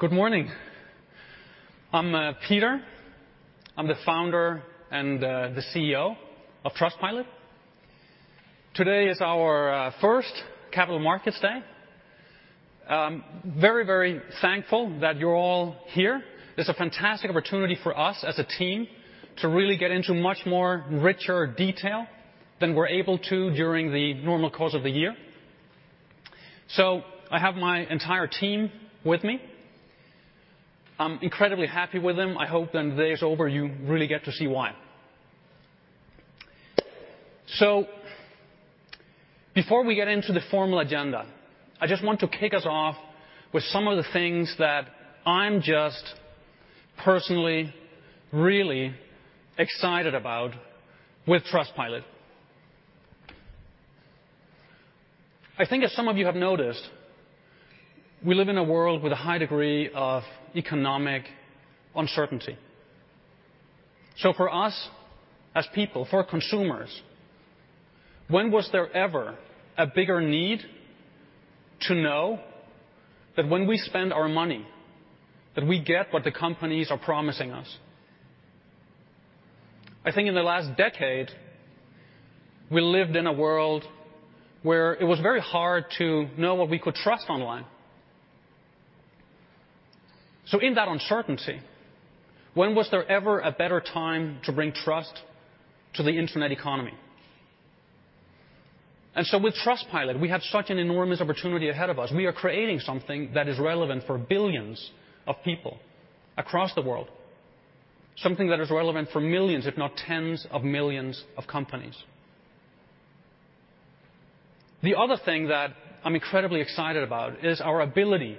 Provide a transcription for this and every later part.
Good morning. I'm Peter. I'm the founder and the CEO of Trustpilot. Today is our first Capital Markets Day. I'm very, very thankful that you're all here. It's a fantastic opportunity for us as a team to really get into much more richer detail than we're able to during the normal course of the year. I have my entire team with me. I'm incredibly happy with them. I hope when the day is over, you really get to see why. Before we get into the formal agenda, I just want to kick us off with some of the things that I'm just personally really excited about with Trustpilot. I think as some of you have noticed, we live in a world with a high degree of economic uncertainty. For us as people, for consumers, when was there ever a bigger need to know that when we spend our money, that we get what the companies are promising us? I think in the last decade, we lived in a world where it was very hard to know what we could trust online. In that uncertainty, when was there ever a better time to bring trust to the internet economy? With Trustpilot, we have such an enormous opportunity ahead of us. We are creating something that is relevant for billions of people across the world. Something that is relevant for millions, if not tens of millions of companies. The other thing that I'm incredibly excited about is our ability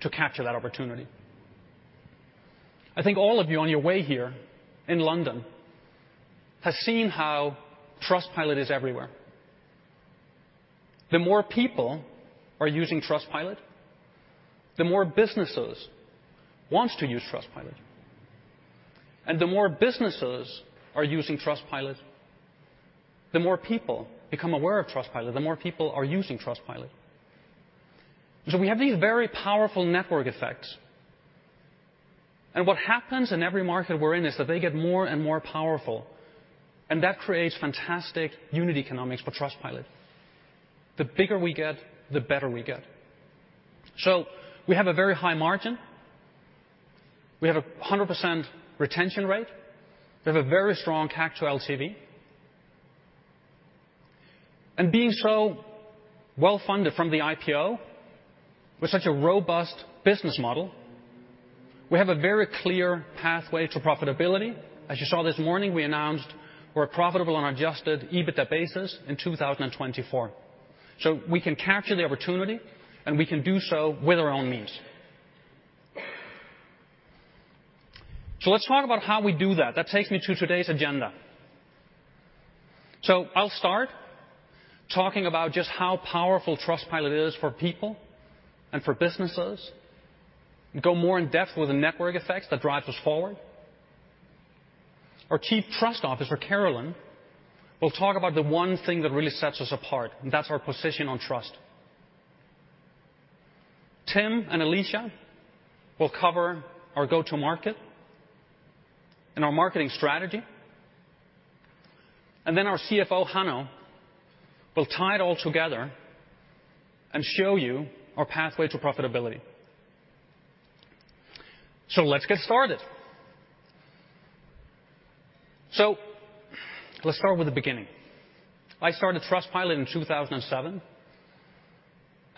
to capture that opportunity. I think all of you on your way here in London has seen how Trustpilot is everywhere. The more people are using Trustpilot, the more businesses want to use Trustpilot. The more businesses are using Trustpilot, the more people become aware of Trustpilot, the more people are using Trustpilot. We have these very powerful network effects. What happens in every market we're in is that they get more and more powerful, and that creates fantastic unit economics for Trustpilot. The bigger we get, the better we get. We have a very high margin. We have a 100% retention rate. We have a very strong CAC to LTV. Being so well-funded from the IPO with such a robust business model, we have a very clear pathway to profitability. As you saw this morning, we announced we're profitable on adjusted EBITDA basis in 2024. We can capture the opportunity, and we can do so with our own means. Let's talk about how we do that. That takes me to today's agenda. I'll start talking about just how powerful Trustpilot is for people and for businesses, and go more in depth with the network effects that drives us forward. Our Chief Trust Officer, Carolyn, will talk about the one thing that really sets us apart, and that's our position on trust. Tim and Alicia will cover our go-to-market and our marketing strategy, and then our CFO, Hanno, will tie it all together and show you our pathway to profitability. Let's get started. Let's start with the beginning. I started Trustpilot in 2007,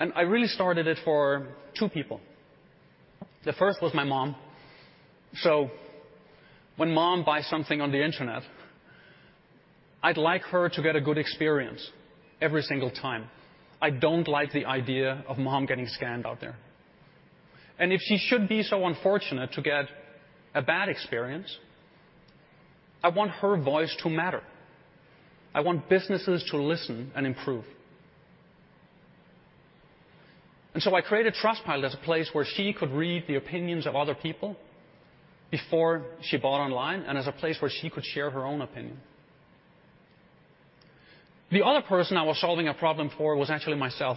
and I really started it for two people. The first was my mom. When mom buys something on the internet, I'd like her to get a good experience every single time. I don't like the idea of mom getting scammed out there. If she should be so unfortunate to get a bad experience, I want her voice to matter. I want businesses to listen and improve. I created Trustpilot as a place where she could read the opinions of other people before she bought online, and as a place where she could share her own opinion. The other person I was solving a problem for was actually myself.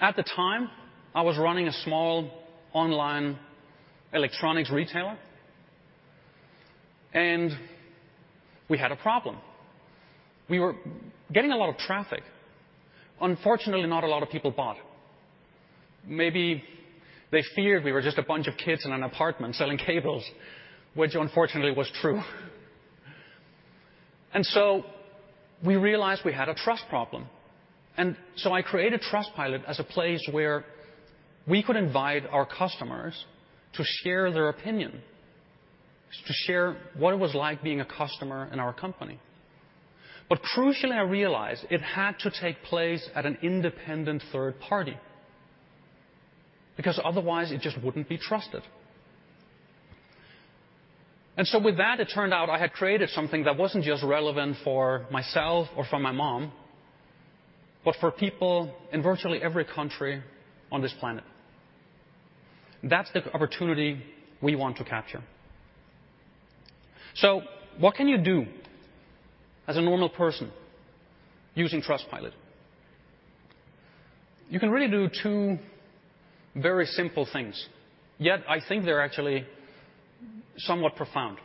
At the time, I was running a small online electronics retailer, and we had a problem. We were getting a lot of traffic. Unfortunately, not a lot of people bought. Maybe they feared we were just a bunch of kids in an apartment selling cables, which unfortunately was true. We realized we had a trust problem. I created Trustpilot as a place where we could invite our customers to share their opinion, to share what it was like being a customer in our company. Crucially, I realized it had to take place at an independent third party, because otherwise it just wouldn't be trusted. With that, it turned out I had created something that wasn't just relevant for myself or for my mom, but for people in virtually every country on this planet. That's the opportunity we want to capture. What can you do as a normal person using Trustpilot? You can really do two very simple things, yet I think they're actually somewhat profound.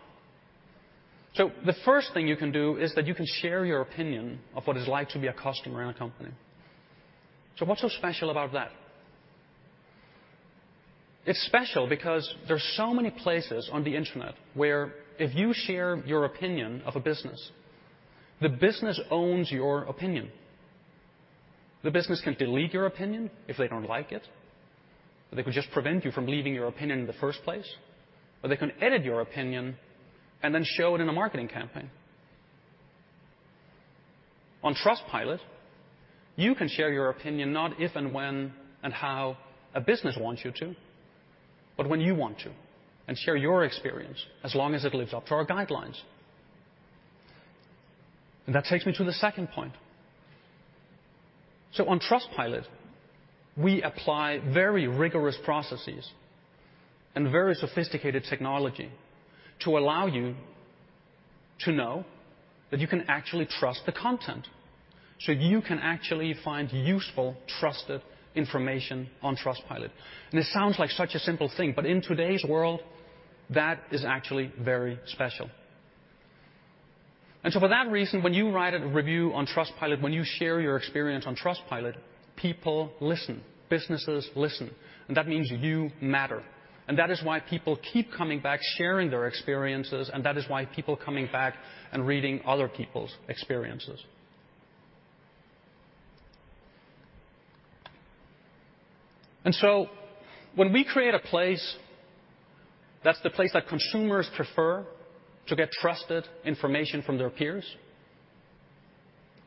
The first thing you can do is that you can share your opinion of what it's like to be a customer in a company. What's so special about that? It's special because there's so many places on the Internet where if you share your opinion of a business, the business owns your opinion. The business can delete your opinion if they don't like it. They could just prevent you from leaving your opinion in the first place, or they can edit your opinion and then show it in a marketing campaign. On Trustpilot, you can share your opinion not if and when and how a business wants you to, but when you want to, and share your experience as long as it lives up to our guidelines. That takes me to the second point. On Trustpilot, we apply very rigorous processes and very sophisticated technology to allow you to know that you can actually trust the content. You can actually find useful, trusted information on Trustpilot. It sounds like such a simple thing, but in today's world that is actually very special. For that reason, when you write a review on Trustpilot, when you share your experience on Trustpilot, people listen, businesses listen. That means you matter. That is why people keep coming back, sharing their experiences, and that is why people are coming back and reading other people's experiences. When we create a place that's the place that consumers prefer to get trusted information from their peers,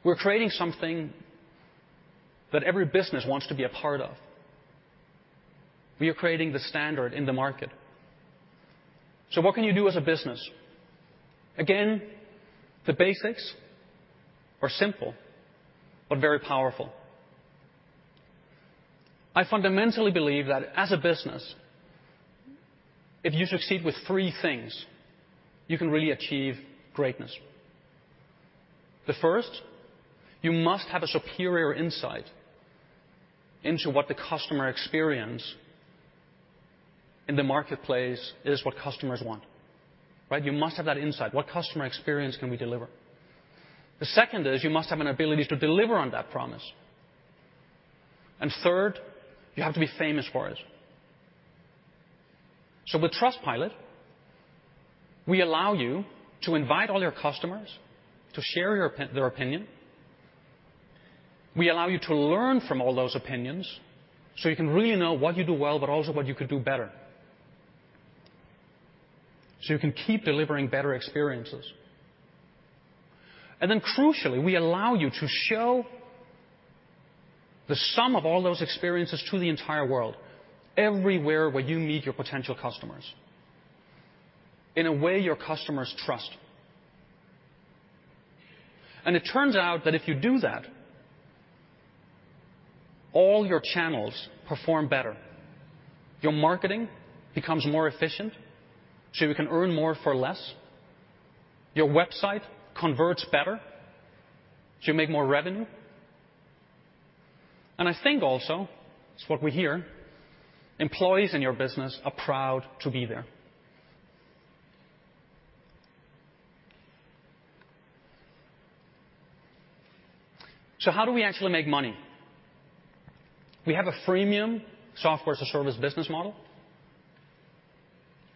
we're creating something that every business wants to be a part of. We are creating the standard in the market. What can you do as a business? Again, the basics are simple, but very powerful. I fundamentally believe that as a business, if you succeed with three things, you can really achieve greatness. The first, you must have a superior insight into what the customer experience in the marketplace is, what customers want. Right? You must have that insight. What customer experience can we deliver? The second is you must have an ability to deliver on that promise. Third, you have to be famous for it. With Trustpilot, we allow you to invite all your customers to share their opinion. We allow you to learn from all those opinions, so you can really know what you do well, but also what you could do better. You can keep delivering better experiences. Crucially, we allow you to show the sum of all those experiences to the entire world, everywhere where you meet your potential customers in a way your customers trust. It turns out that if you do that, all your channels perform better. Your marketing becomes more efficient, so you can earn more for less. Your website converts better, so you make more revenue. I think also, it's what we hear, employees in your business are proud to be there. How do we actually make money? We have a freemium software as a service business model.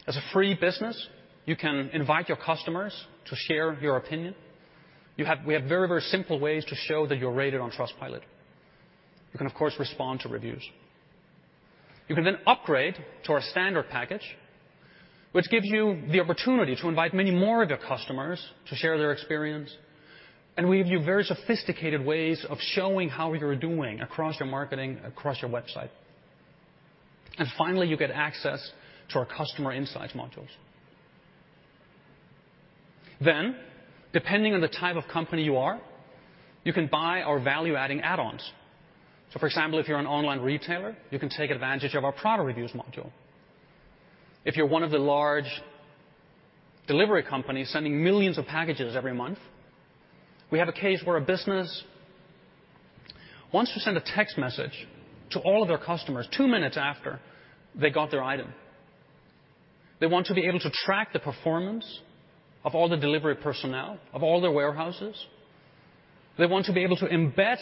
As a free business, you can invite your customers to share your opinion. We have very, very simple ways to show that you're rated on Trustpilot. You can, of course, respond to reviews. You can then upgrade to our standard package, which gives you the opportunity to invite many more of your customers to share their experience. We give you very sophisticated ways of showing how you're doing across your marketing, across your website. Finally, you get access to our customer insights modules. Depending on the type of company you are, you can buy our value-adding add-ons. For example, if you're an online retailer, you can take advantage of our product reviews module. If you're one of the large delivery companies sending millions of packages every month. We have a case where a business wants to send a text message to all of their customers two minutes after they got their item. They want to be able to track the performance of all the delivery personnel, of all their warehouses. They want to be able to embed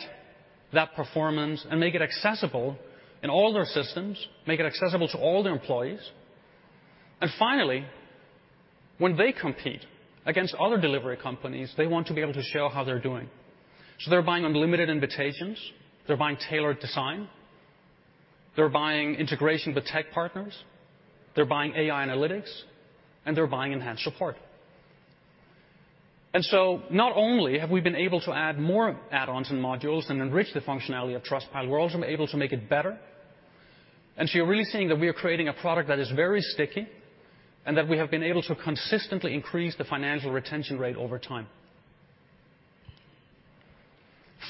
that performance and make it accessible in all their systems, make it accessible to all their employees. Finally, when they compete against other delivery companies, they want to be able to show how they're doing. They're buying unlimited invitations. They're buying tailored design. They're buying integration with tech partners. They're buying AI analytics, and they're buying enhanced support. Not only have we been able to add more add-ons and modules and enrich the functionality of Trustpilot, we're also able to make it better. You're really seeing that we are creating a product that is very sticky and that we have been able to consistently increase the financial retention rate over time.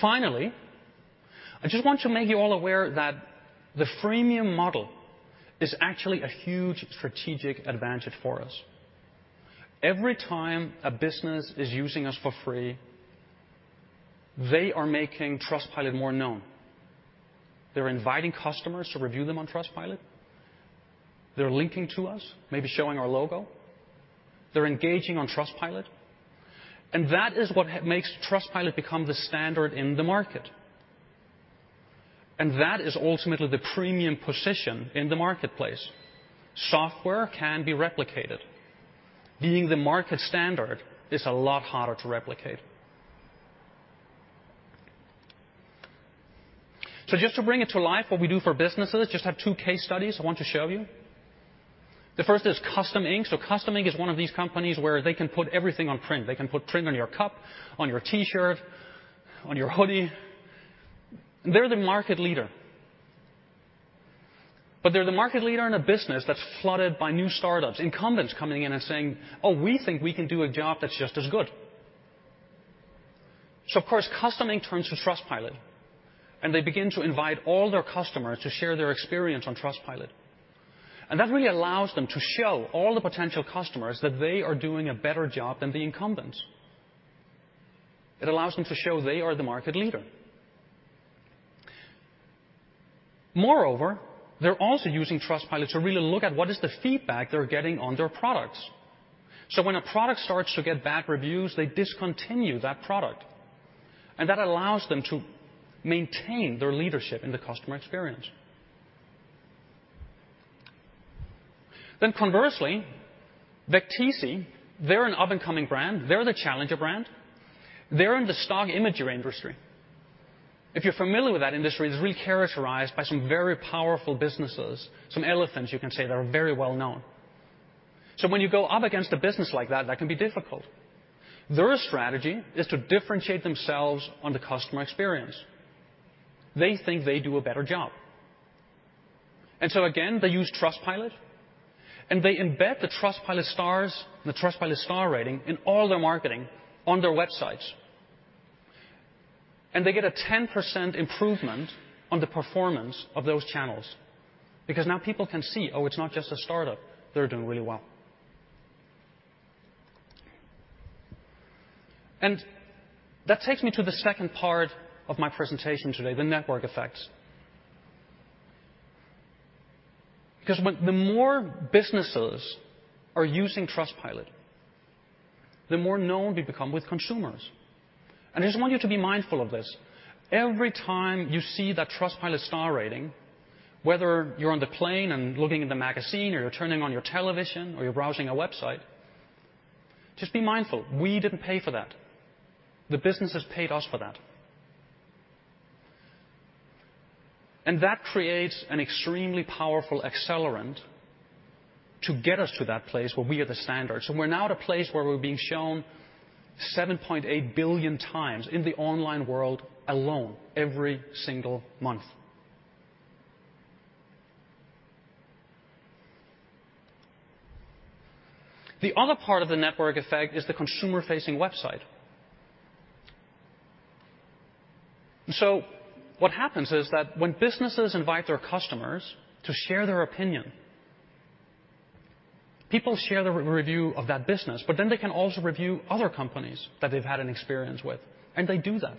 Finally, I just want to make you all aware that the freemium model is actually a huge strategic advantage for us. Every time a business is using us for free, they are making Trustpilot more known. They're inviting customers to review them on Trustpilot. They're linking to us, maybe showing our logo. They're engaging on Trustpilot, and that is what makes Trustpilot become the standard in the market. That is ultimately the premium position in the marketplace. Software can be replicated. Being the market standard is a lot harder to replicate. Just to bring it to life what we do for businesses, just have two case studies I want to show you. The first is Custom Ink. Custom Ink is one of these companies where they can put everything on print. They can put print on your cup, on your T-shirt, on your hoodie. They're the market leader. They're the market leader in a business that's flooded by new startups, incumbents coming in and saying, "Oh, we think we can do a job that's just as good." Of course, Custom Ink turns to Trustpilot, and they begin to invite all their customers to share their experience on Trustpilot. That really allows them to show all the potential customers that they are doing a better job than the incumbents. It allows them to show they are the market leader. Moreover, they're also using Trustpilot to really look at what is the feedback they're getting on their products. When a product starts to get bad reviews, they discontinue that product, and that allows them to maintain their leadership in the customer experience. Conversely, Vecteezy, they're an up-and-coming brand. They're the challenger brand. They're in the stock imagery industry. If you're familiar with that industry, it's really characterized by some very powerful businesses, some elephants, you can say, that are very well known. When you go up against a business like that can be difficult. Their strategy is to differentiate themselves on the customer experience. They think they do a better job. Again, they use Trustpilot, and they embed the Trustpilot stars and the Trustpilot star rating in all their marketing on their websites. They get a 10% improvement on the performance of those channels because now people can see, oh, it's not just a startup. They're doing really well. That takes me to the second part of my presentation today, the network effects. Because the more businesses are using Trustpilot, the more known we become with consumers. I just want you to be mindful of this. Every time you see that Trustpilot star rating, whether you're on the plane and looking in the magazine or you're turning on your television or you're browsing a website, just be mindful. We didn't pay for that. The businesses paid us for that. That creates an extremely powerful accelerant to get us to that place where we are the standard. We're now at a place where we're being shown 7.8 billion times in the online world alone every single month. The other part of the network effect is the consumer-facing website. What happens is that when businesses invite their customers to share their opinion, people share their review of that business, but then they can also review other companies that they've had an experience with, and they do that.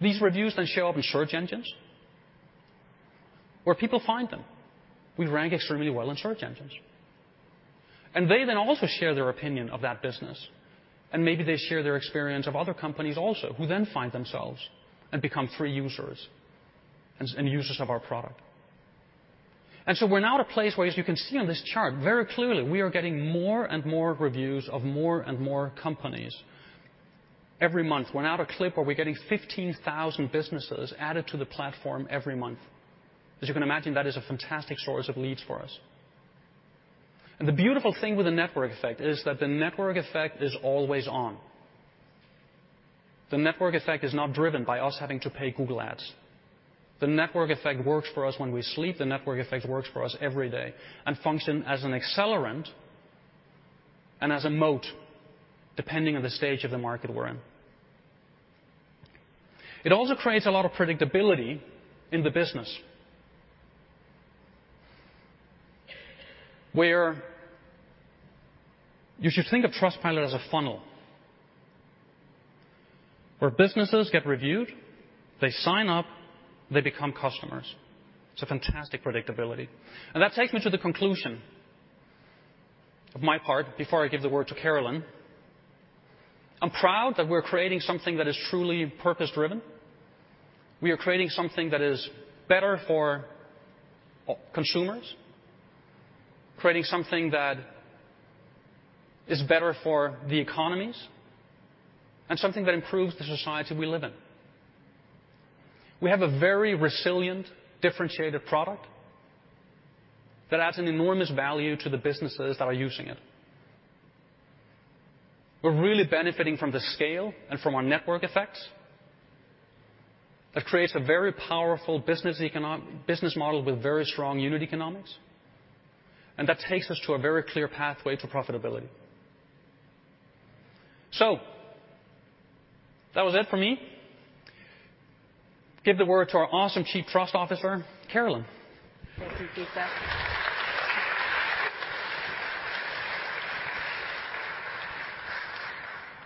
These reviews then show up in search engines, where people find them. We rank extremely well in search engines. They then also share their opinion of that business, and maybe they share their experience of other companies also who then find themselves and become free users and users of our product. We're now at a place where, as you can see on this chart, very clearly, we are getting more and more reviews of more and more companies every month. We're now at a clip where we're getting 15,000 businesses added to the platform every month. As you can imagine, that is a fantastic source of leads for us. The beautiful thing with the network effect is that the network effect is always on. The network effect is not driven by us having to pay Google Ads. The network effect works for us when we sleep. The network effect works for us every day and function as an accelerant and as a moat, depending on the stage of the market we're in. It also creates a lot of predictability in the business. Where you should think of Trustpilot as a funnel, where businesses get reviewed, they sign up, they become customers. It's a fantastic predictability. That takes me to the conclusion of my part before I give the word to Carolyn. I'm proud that we're creating something that is truly purpose-driven. We are creating something that is better for all consumers. Creating something that is better for the economies and something that improves the society we live in. We have a very resilient, differentiated product that adds an enormous value to the businesses that are using it. We're really benefiting from the scale and from our network effects. That creates a very powerful business model with very strong unit economics, and that takes us to a very clear pathway to profitability. That was it for me. Give the word to our awesome Chief Trust Officer, Carolyn. Thank you, Peter.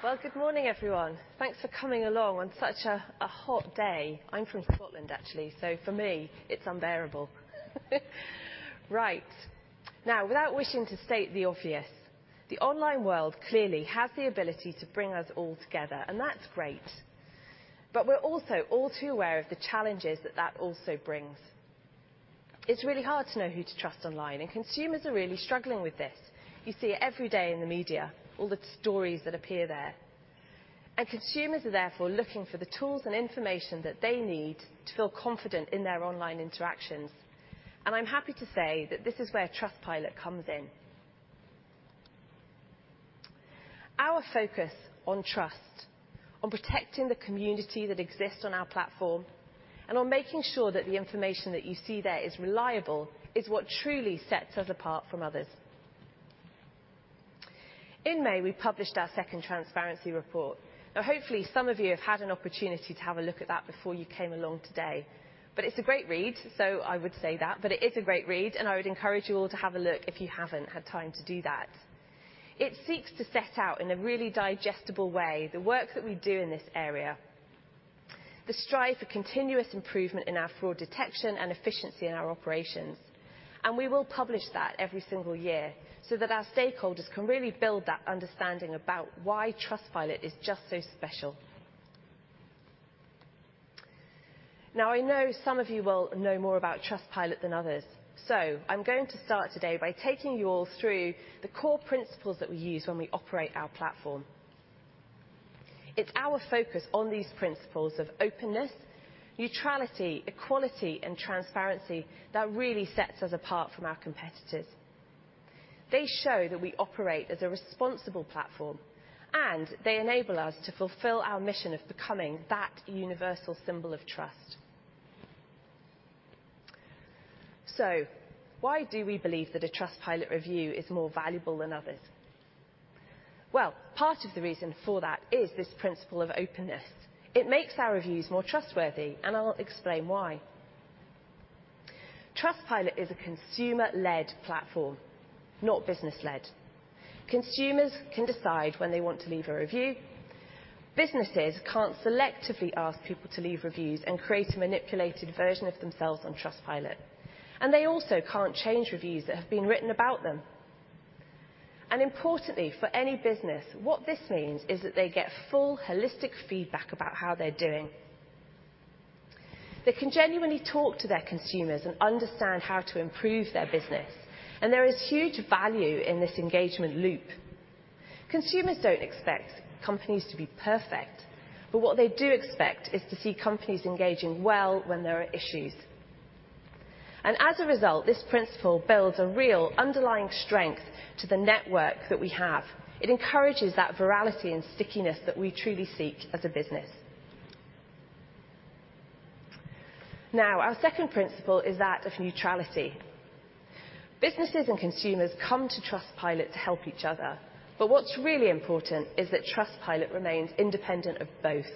Well, good morning, everyone. Thanks for coming along on such a hot day. I'm from Scotland, actually, so for me, it's unbearable. Right. Now, without wishing to state the obvious, the online world clearly has the ability to bring us all together, and that's great. But we're also all too aware of the challenges that that also brings. It's really hard to know who to trust online, and consumers are really struggling with this. You see it every day in the media, all the stories that appear there. Consumers are therefore looking for the tools and information that they need to feel confident in their online interactions, and I'm happy to say that this is where Trustpilot comes in. Our focus on trust, on protecting the community that exists on our platform, and on making sure that the information that you see there is reliable, is what truly sets us apart from others. In May, we published our second Transparency Report. Now, hopefully, some of you have had an opportunity to have a look at that before you came along today. It's a great read, so I would say that, and I would encourage you all to have a look if you haven't had time to do that. It seeks to set out in a really digestible way the work that we do in this area, the strive for continuous improvement in our fraud detection and efficiency in our operations. We will publish that every single year so that our stakeholders can really build that understanding about why Trustpilot is just so special. Now, I know some of you will know more about Trustpilot than others, so I'm going to start today by taking you all through the core principles that we use when we operate our platform. It's our focus on these principles of openness, neutrality, equality, and transparency that really sets us apart from our competitors. They show that we operate as a responsible platform, and they enable us to fulfill our mission of becoming that universal symbol of trust. So why do we believe that a Trustpilot review is more valuable than others? Well, part of the reason for that is this principle of openness. It makes our reviews more trustworthy, and I'll explain why. Trustpilot is a consumer-led platform, not business-led. Consumers can decide when they want to leave a review. Businesses can't selectively ask people to leave reviews and create a manipulated version of themselves on Trustpilot, and they also can't change reviews that have been written about them. Importantly for any business, what this means is that they get full holistic feedback about how they're doing. They can genuinely talk to their consumers and understand how to improve their business, and there is huge value in this engagement loop. Consumers don't expect companies to be perfect, but what they do expect is to see companies engaging well when there are issues. As a result, this principle builds a real underlying strength to the network that we have. It encourages that virality and stickiness that we truly seek as a business. Now, our second principle is that of neutrality. Businesses and consumers come to Trustpilot to help each other, but what's really important is that Trustpilot remains independent of both.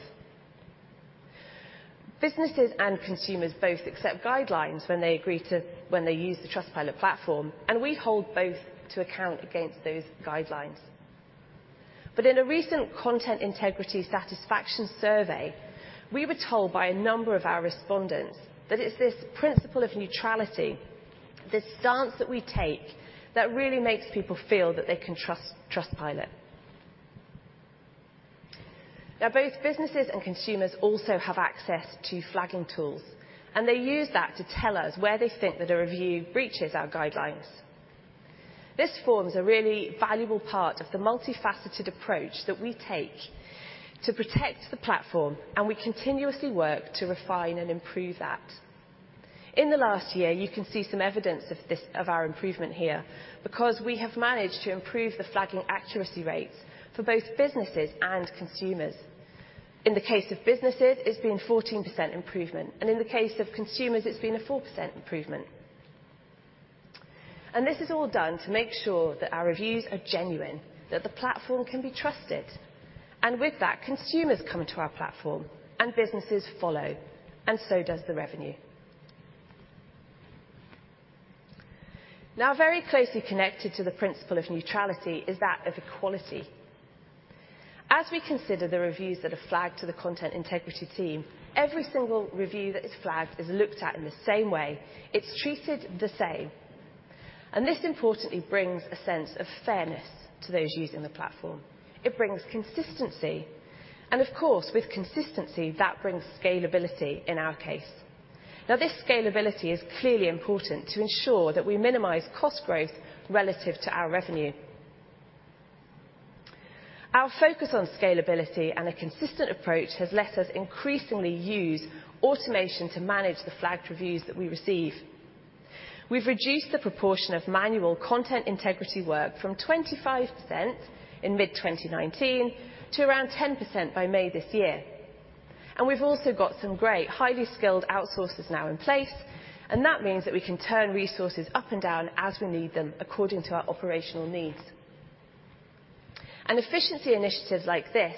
Businesses and consumers both accept guidelines when they use the Trustpilot platform, and we hold both to account against those guidelines. In a recent content integrity satisfaction survey, we were told by a number of our respondents that it's this principle of neutrality, this stance that we take, that really makes people feel that they can trust Trustpilot. Now, both businesses and consumers also have access to flagging tools, and they use that to tell us where they think that a review breaches our guidelines. This forms a really valuable part of the multifaceted approach that we take to protect the platform, and we continuously work to refine and improve that. In the last year, you can see some evidence of this of our improvement here because we have managed to improve the flagging accuracy rates for both businesses and consumers. In the case of businesses, it's been 14% improvement, and in the case of consumers, it's been a 4% improvement. This is all done to make sure that our reviews are genuine, that the platform can be trusted. With that, consumers come to our platform and businesses follow, and so does the revenue. Now, very closely connected to the principle of neutrality is that of equality. As we consider the reviews that are flagged to the content integrity team, every single review that is flagged is looked at in the same way. It's treated the same. This importantly brings a sense of fairness to those using the platform. It brings consistency. Of course, with consistency, that brings scalability in our case. Now, this scalability is clearly important to ensure that we minimize cost growth relative to our revenue. Our focus on scalability and a consistent approach has let us increasingly use automation to manage the flagged reviews that we receive. We've reduced the proportion of manual content integrity work from 25% in mid-2019 to around 10% by May this year. We've also got some great highly skilled outsourcers now in place, and that means that we can turn resources up and down as we need them according to our operational needs. Efficiency initiatives like this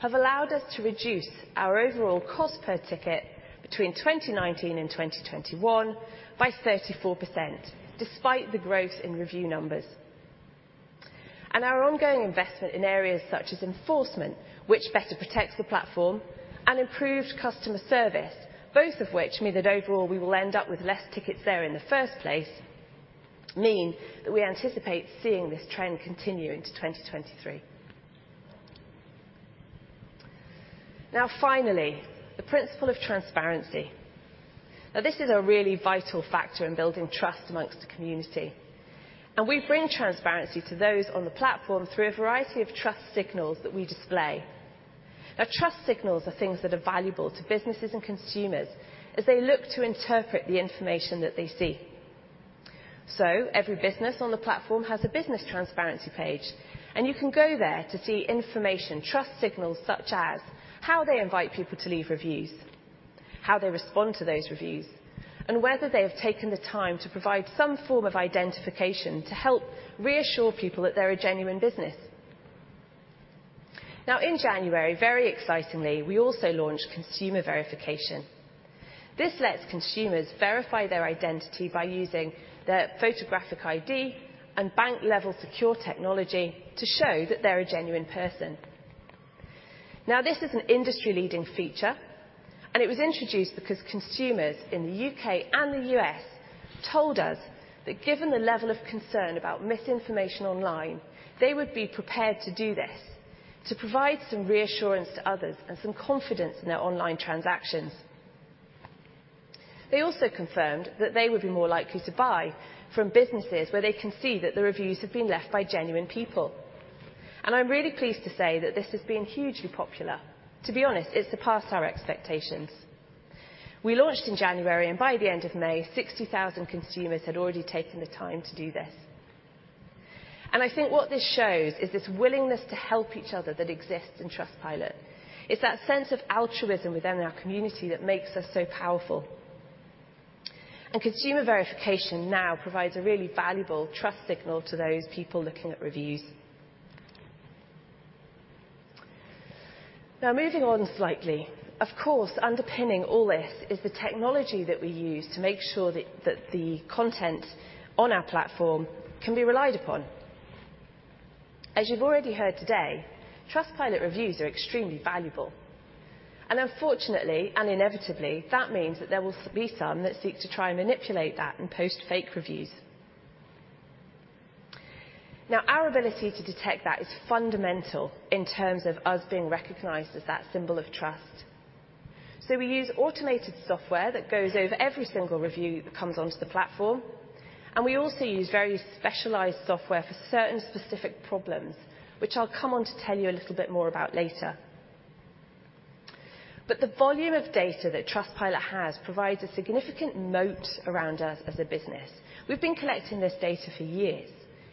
have allowed us to reduce our overall cost per ticket between 2019 and 2021 by 34% despite the growth in review numbers. Our ongoing investment in areas such as enforcement, which better protects the platform and improved customer service, both of which mean that overall we will end up with less tickets there in the first place, mean that we anticipate seeing this trend continue into 2023. Now finally, the principle of transparency. Now, this is a really vital factor in building trust among the community, and we bring transparency to those on the platform through a variety of trust signals that we display. Now, trust signals are things that are valuable to businesses and consumers as they look to interpret the information that they see. Every business on the platform has a Business Transparency Page, and you can go there to see information, trust signals such as how they invite people to leave reviews, how they respond to those reviews, and whether they have taken the time to provide some form of identification to help reassure people that they're a genuine business. Now, in January, very excitingly, we also launched Consumer Verification. This lets consumers verify their identity by using their photographic ID and bank-level secure technology to show that they're a genuine person. Now, this is an industry-leading feature, and it was introduced because consumers in the U.K. and the U.S. told us that given the level of concern about misinformation online, they would be prepared to do this to provide some reassurance to others and some confidence in their online transactions. They also confirmed that they would be more likely to buy from businesses where they can see that the reviews have been left by genuine people. I'm really pleased to say that this has been hugely popular. To be honest, it surpassed our expectations. We launched in January, and by the end of May, 60,000 consumers had already taken the time to do this. I think what this shows is this willingness to help each other that exists in Trustpilot. It's that sense of altruism within our community that makes us so powerful. Consumer Verification now provides a really valuable trust signal to those people looking at reviews. Now, moving on slightly, of course, underpinning all this is the technology that we use to make sure that the content on our platform can be relied upon. As you've already heard today, Trustpilot reviews are extremely valuable, and unfortunately, and inevitably, that means that there will be some that seek to try and manipulate that and post fake reviews. Now, our ability to detect that is fundamental in terms of us being recognized as that symbol of trust. We use automated software that goes over every single review that comes onto the platform, and we also use very specialized software for certain specific problems, which I'll come on to tell you a little bit more about later. The volume of data that Trustpilot has provides a significant moat around us as a business. We've been collecting this data for years.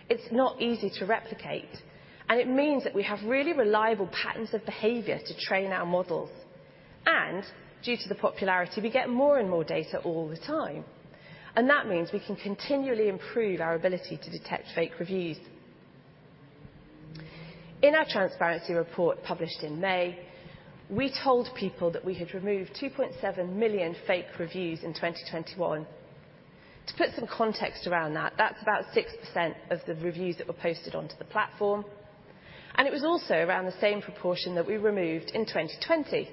It's not easy to replicate, and it means that we have really reliable patterns of behavior to train our models. Due to the popularity, we get more and more data all the time, and that means we can continually improve our ability to detect fake reviews. In our Transparency Report published in May, we told people that we had removed 2.7 million fake reviews in 2021. To put some context around that's about 6% of the reviews that were posted onto the platform, and it was also around the same proportion that we removed in 2020,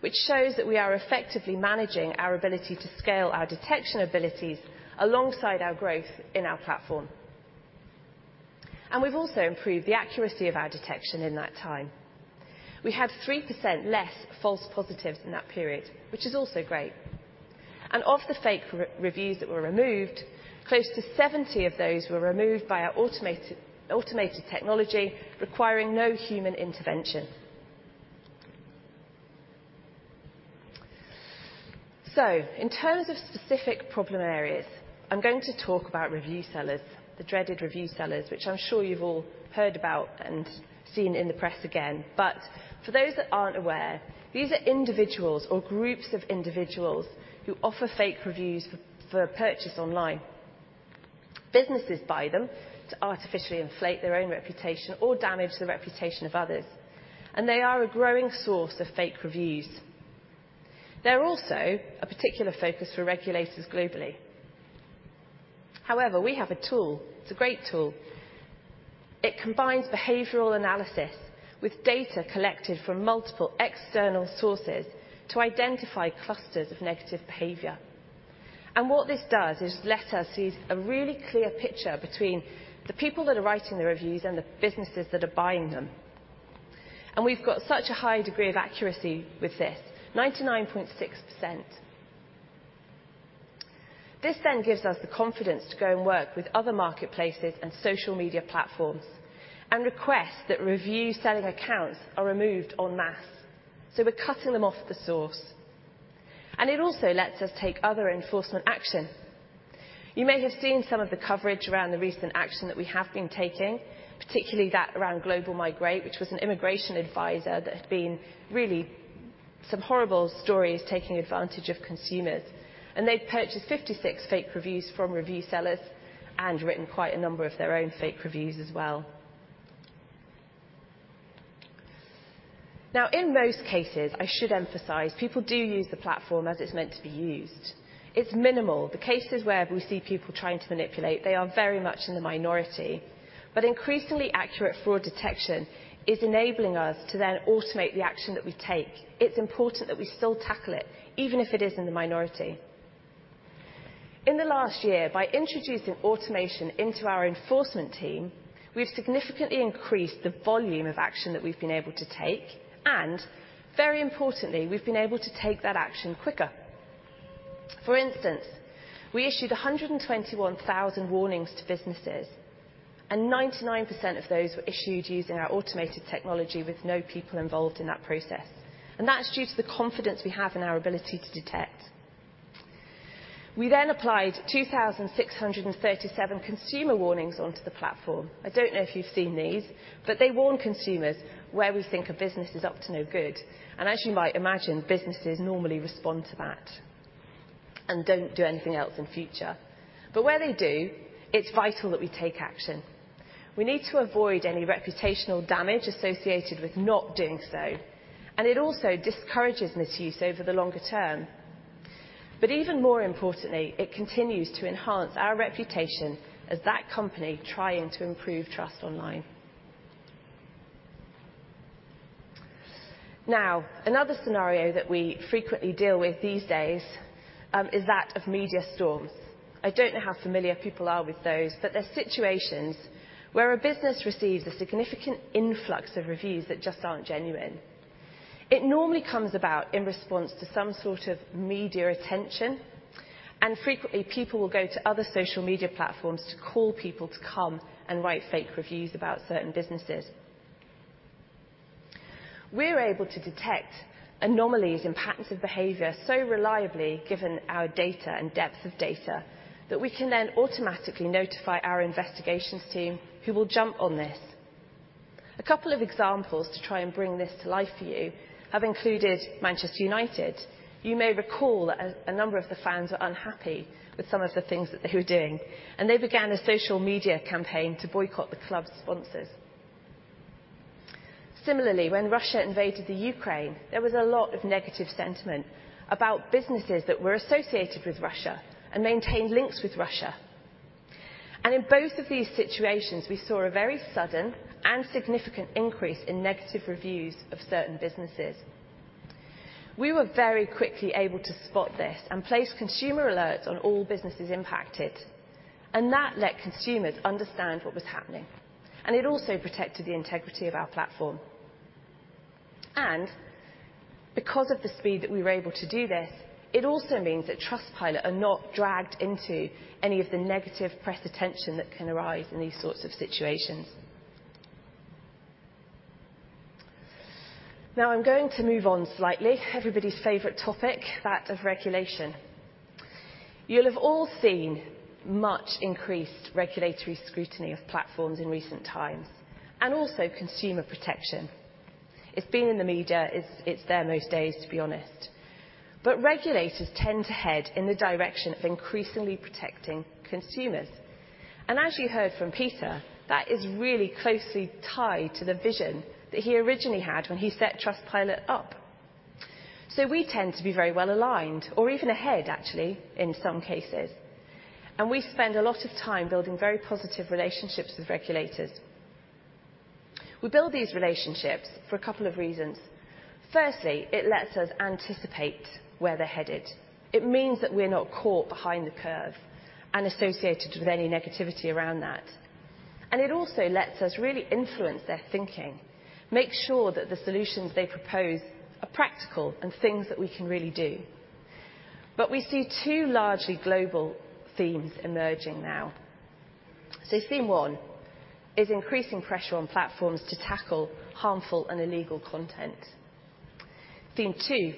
which shows that we are effectively managing our ability to scale our detection abilities alongside our growth in our platform. We've also improved the accuracy of our detection in that time. We had 3% less false positives in that period, which is also great. Of the fake reviews that were removed, close to 70 of those were removed by our automated technology requiring no human intervention. In terms of specific problem areas, I'm going to talk about review sellers, the dreaded review sellers, which I'm sure you've all heard about and seen in the press again. For those that aren't aware, these are individuals or groups of individuals who offer fake reviews for purchase online. Businesses buy them to artificially inflate their own reputation or damage the reputation of others, and they are a growing source of fake reviews. They're also a particular focus for regulators globally. However, we have a tool. It's a great tool. It combines behavioral analysis with data collected from multiple external sources to identify clusters of negative behavior. What this does is let us see a really clear picture between the people that are writing the reviews and the businesses that are buying them. We've got such a high degree of accuracy with this, 99.6%. This then gives us the confidence to go and work with other marketplaces and social media platforms and request that review selling accounts are removed en masse. We're cutting them off the source, and it also lets us take other enforcement action. You may have seen some of the coverage around the recent action that we have been taking, particularly that around Global Migrate, which was an immigration advisor that had been really some horrible stories, taking advantage of consumers, and they'd purchased 56 fake reviews from review sellers and written quite a number of their own fake reviews as well. Now, in most cases, I should emphasize, people do use the platform as it's meant to be used. It's minimal. The cases where we see people trying to manipulate, they are very much in the minority. Increasingly accurate fraud detection is enabling us to then automate the action that we take. It's important that we still tackle it, even if it is in the minority. In the last year, by introducing automation into our enforcement team, we've significantly increased the volume of action that we've been able to take, and very importantly, we've been able to take that action quicker. For instance, we issued 121,000 warnings to businesses, and 99% of those were issued using our automated technology with no people involved in that process. That's due to the confidence we have in our ability to detect. We then applied 2,637 consumer warnings onto the platform. I don't know if you've seen these, but they warn consumers where we think a business is up to no good. As you might imagine, businesses normally respond to that and don't do anything else in future. Where they do, it's vital that we take action. We need to avoid any reputational damage associated with not doing so, and it also discourages misuse over the longer term. Even more importantly, it continues to enhance our reputation as that company trying to improve trust online. Now, another scenario that we frequently deal with these days is that of media storms. I don't know how familiar people are with those, but they're situations where a business receives a significant influx of reviews that just aren't genuine. It normally comes about in response to some sort of media attention, and frequently people will go to other social media platforms to call people to come and write fake reviews about certain businesses. We're able to detect anomalies and patterns of behavior so reliably given our data and depth of data that we can then automatically notify our investigations team who will jump on this. A couple of examples to try and bring this to life for you have included Manchester United. You may recall that a number of the fans were unhappy with some of the things that they were doing, and they began a social media campaign to boycott the club's sponsors. Similarly, when Russia invaded the Ukraine, there was a lot of negative sentiment about businesses that were associated with Russia and maintained links with Russia. In both of these situations, we saw a very sudden and significant increase in negative reviews of certain businesses. We were very quickly able to spot this and place consumer alerts on all businesses impacted, and that let consumers understand what was happening, and it also protected the integrity of our platform. Because of the speed that we were able to do this, it also means that Trustpilot are not dragged into any of the negative press attention that can arise in these sorts of situations. Now I'm going to move on slightly. Everybody's favorite topic, that of regulation. You'll have all seen much increased regulatory scrutiny of platforms in recent times and also consumer protection. It's been in the media. It's there most days, to be honest. Regulators tend to head in the direction of increasingly protecting consumers. As you heard from Peter, that is really closely tied to the vision that he originally had when he set Trustpilot up. We tend to be very well aligned or even ahead actually, in some cases. We spend a lot of time building very positive relationships with regulators. We build these relationships for a couple of reasons. Firstly, it lets us anticipate where they're headed. It means that we're not caught behind the curve and associated with any negativity around that. It also lets us really influence their thinking, make sure that the solutions they propose are practical and things that we can really do. We see two largely global themes emerging now. Theme one is increasing pressure on platforms to tackle harmful and illegal content. Theme two,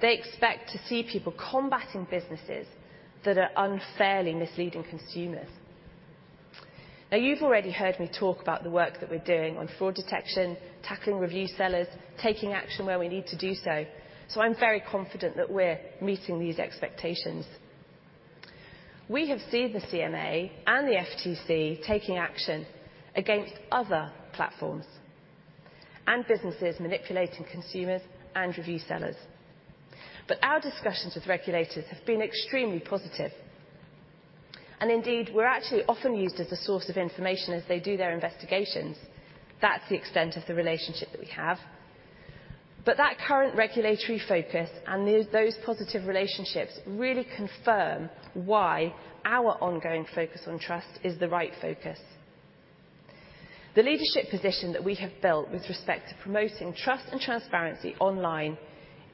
they expect to see people combating businesses that are unfairly misleading consumers. Now, you've already heard me talk about the work that we're doing on fraud detection, tackling review sellers, taking action where we need to do so. I'm very confident that we're meeting these expectations. We have seen the CMA and the FTC taking action against other platforms and businesses manipulating consumers and review sellers. Our discussions with regulators have been extremely positive, and indeed, we're actually often used as a source of information as they do their investigations. That's the extent of the relationship that we have. That current regulatory focus and those positive relationships really confirm why our ongoing focus on trust is the right focus. The leadership position that we have built with respect to promoting trust and transparency online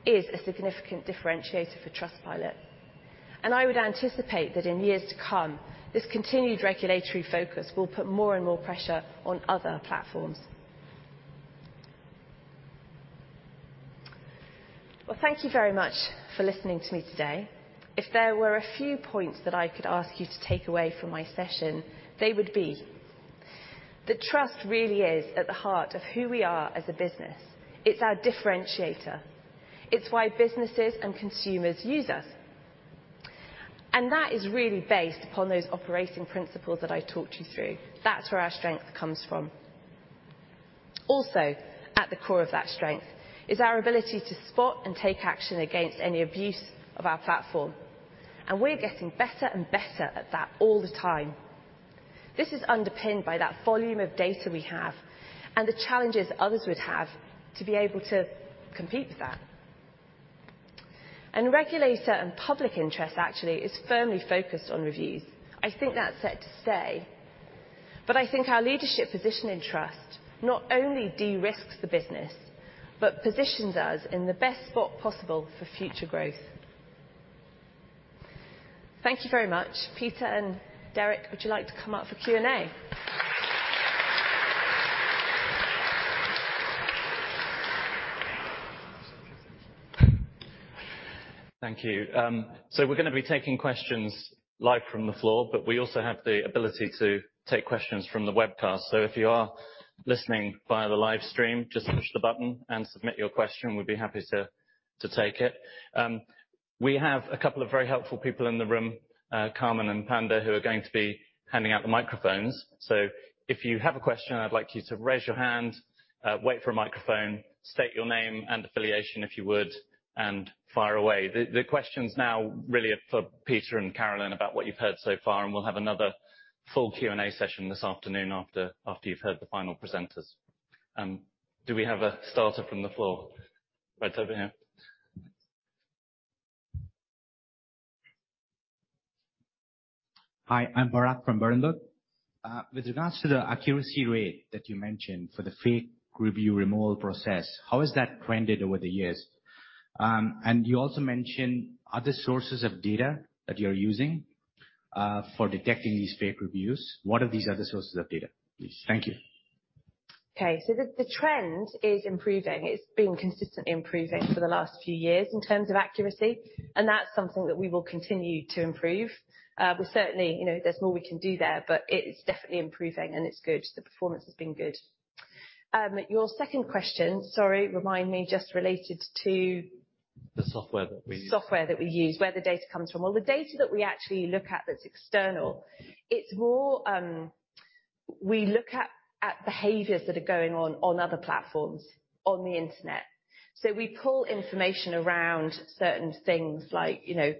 is a significant differentiator for Trustpilot. I would anticipate that in years to come, this continued regulatory focus will put more and more pressure on other platforms. Well, thank you very much for listening to me today. If there were a few points that I could ask you to take away from my session, they would be that trust really is at the heart of who we are as a business. It's our differentiator. It's why businesses and consumers use us. That is really based upon those operating principles that I talked you through. That's where our strength comes from. Also, at the core of that strength is our ability to spot and take action against any abuse of our platform. We're getting better and better at that all the time. This is underpinned by that volume of data we have and the challenges others would have to be able to compete with that. Regulatory and public interest actually is firmly focused on reviews. I think that's set to stay. I think our leadership position in trust not only de-risks the business, but positions us in the best spot possible for future growth. Thank you very much. Peter and Derek, would you like to come up for Q&A? Thank you. We're gonna be taking questions live from the floor, but we also have the ability to take questions from the webcast. If you are listening via the live stream, just push the button and submit your question. We'd be happy to take it. We have a couple of very helpful people in the room, Carmen and Panda, who are going to be handing out the microphones. If you have a question, I'd like you to raise your hand, wait for a microphone, state your name and affiliation, if you would, and fire away. The questions now really are for Peter and Carolyn about what you've heard so far, and we'll have another full Q&A session this afternoon after you've heard the final presenters. Do we have a starter from the floor? Right over here. Hi, I'm Barak from Berenberg. With regards to the accuracy rate that you mentioned for the fake review removal process, how has that trended over the years? You also mentioned other sources of data that you're using for detecting these fake reviews. What are these other sources of data, please? Thank you. The trend is improving. It's been consistently improving for the last few years in terms of accuracy, and that's something that we will continue to improve. We certainly, you know, there's more we can do there, but it's definitely improving and it's good. The performance has been good. Your second question, sorry, remind me, just related to. The software that we use. software that we use, where the data comes from. Well, the data that we actually look at that's external, it's more, we look at behaviors that are going on on other platforms on the Internet. We pull information around certain things like, you know,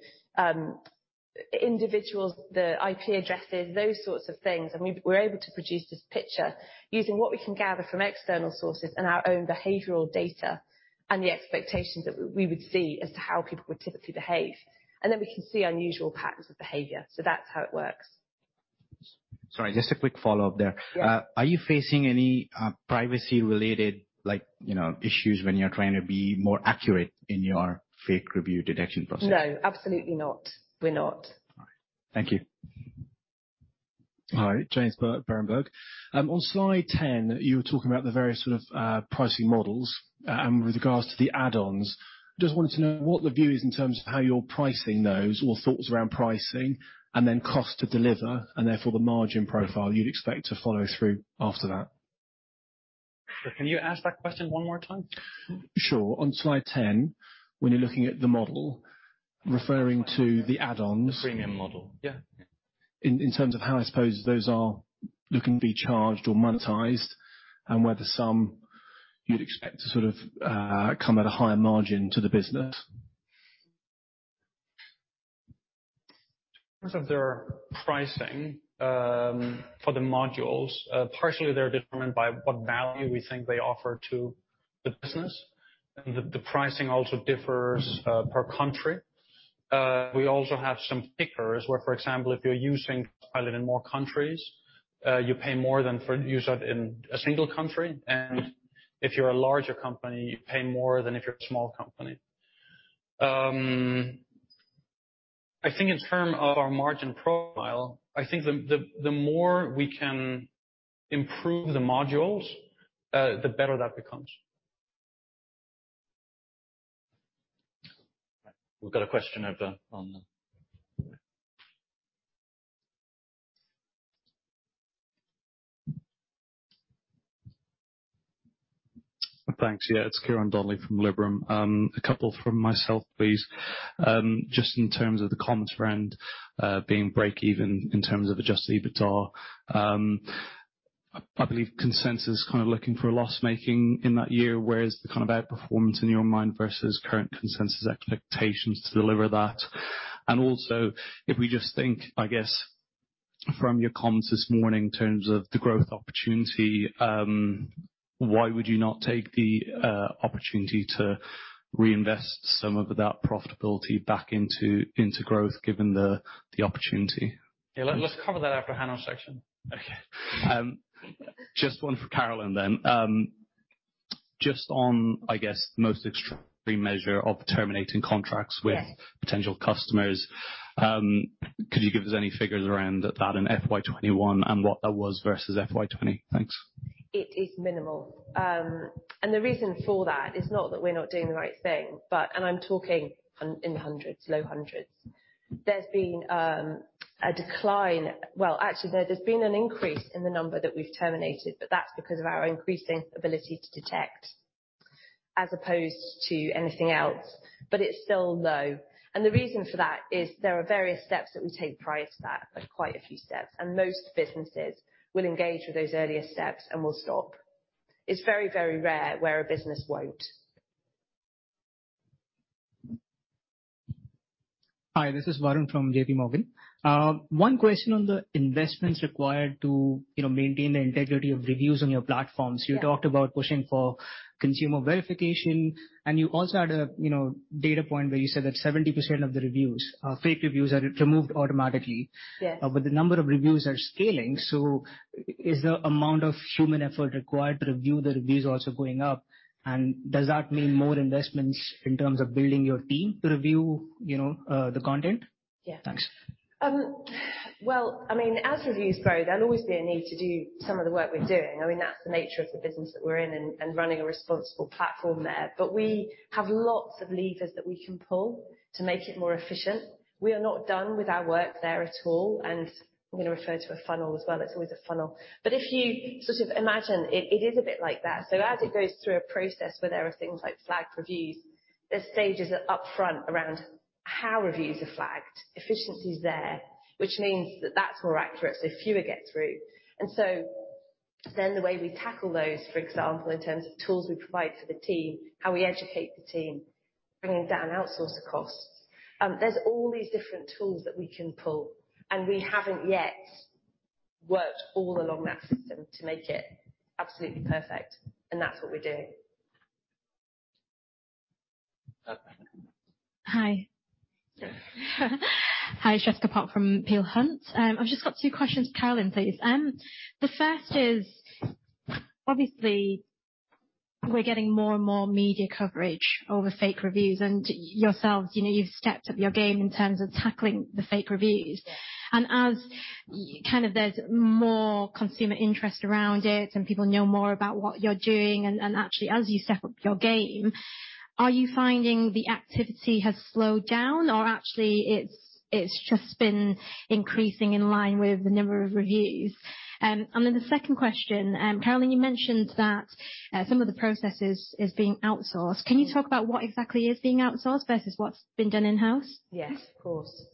individuals, the IP addresses, those sorts of things, and we're able to produce this picture using what we can gather from external sources and our own behavioral data and the expectations that we would see as to how people would typically behave. Then we can see unusual patterns of behavior. That's how it works. Sorry, just a quick follow-up there. Yeah. Are you facing any, privacy-related, like, you know, issues when you're trying to be more accurate in your fake review detection process? No, absolutely not. We're not. All right. Thank you. Hi. James, Berenberg. On slide 10, you were talking about the various sort of pricing models with regards to the add-ons. Just wanted to know what the view is in terms of how you're pricing those or thoughts around pricing, and then cost to deliver, and therefore the margin profile you'd expect to follow through after that. Can you ask that question one more time? Sure. On slide 10, when you're looking at the model, referring to the add-ons. The premium model. Yeah. In terms of how I suppose those are looking to be charged or monetized, and whether some you'd expect to sort of come at a higher margin to the business. In terms of their pricing for the modules, partially they're determined by what value we think they offer to the business. The pricing also differs per country. We also have some factors where, for example, if you're using Trustpilot in more countries, you pay more than for use in a single country. If you're a larger company, you pay more than if you're a small company. I think in terms of our margin profile, I think the more we can improve the modules, the better that becomes. We've got a question on the. Thanks. Yeah. It's Ciaran Donnelly from Liberum. A couple from myself, please. Just in terms of the comments around being break even in terms of adjusted EBITDA, I believe consensus kind of looking for a loss making in that year, whereas the kind of outperformance in your mind versus current consensus expectations to deliver that. Also, if we just think, I guess from your comments this morning in terms of the growth opportunity, why would you not take the opportunity to reinvest some of that profitability back into growth given the opportunity? Yeah. Let's cover that after Hanno's section. Okay. Just one for Carolyn then. Just on, I guess, most extreme measure of terminating contracts. Yes. With potential customers, could you give us any figures around that in FY 2021 and what that was versus FY 2020? Thanks. It is minimal. The reason for that is not that we're not doing the right thing, but I'm talking in hundreds, low hundreds. There's been a decline. Well, actually, no, there's been an increase in the number that we've terminated, but that's because of our increasing ability to detect as opposed to anything else. It's still low. The reason for that is there are various steps that we take prior to that, like quite a few steps, and most businesses will engage with those earlier steps and will stop. It's very, very rare where a business won't. Hi, this is Varun from JPMorgan. One question on the investments required to, you know, maintain the integrity of reviews on your platforms. Yeah. You talked about pushing for Consumer Verification, and you also had a, you know, data point where you said that 70% of the reviews, fake reviews are removed automatically. Yes. The number of reviews are scaling. Is the amount of human effort required to review the reviews also going up? Does that mean more investments in terms of building your team to review, you know, the content? Yeah. Thanks. Well, I mean, as reviews grow, there'll always be a need to do some of the work we're doing. I mean, that's the nature of the business that we're in and running a responsible platform there. We have lots of levers that we can pull to make it more efficient. We are not done with our work there at all, and I'm gonna refer to a funnel as well. It's always a funnel. If you sort of imagine, it is a bit like that. As it goes through a process where there are things like flagged reviews, there's stages up front around how reviews are flagged. Efficiency is there, which means that that's more accurate, so fewer get through. The way we tackle those, for example, in terms of tools we provide for the team, how we educate the team, bringing down outsourcer costs, there's all these different tools that we can pull, and we haven't yet worked all along that system to make it absolutely perfect, and that's what we're doing. Hi. Hi, Jessica Pok from Peel Hunt. I've just got two questions for Carolyn, please. The first is, obviously, we're getting more and more media coverage over fake reviews and yourselves, you know, you've stepped up your game in terms of tackling the fake reviews. As you know, kind of there's more consumer interest around it and people know more about what you're doing and actually as you step up your game, are you finding the activity has slowed down or actually it's just been increasing in line with the number of reviews? The second question, Carolyn, you mentioned that some of the processes is being outsourced. Can you talk about what exactly is being outsourced versus what's been done in-house? Yes, of course.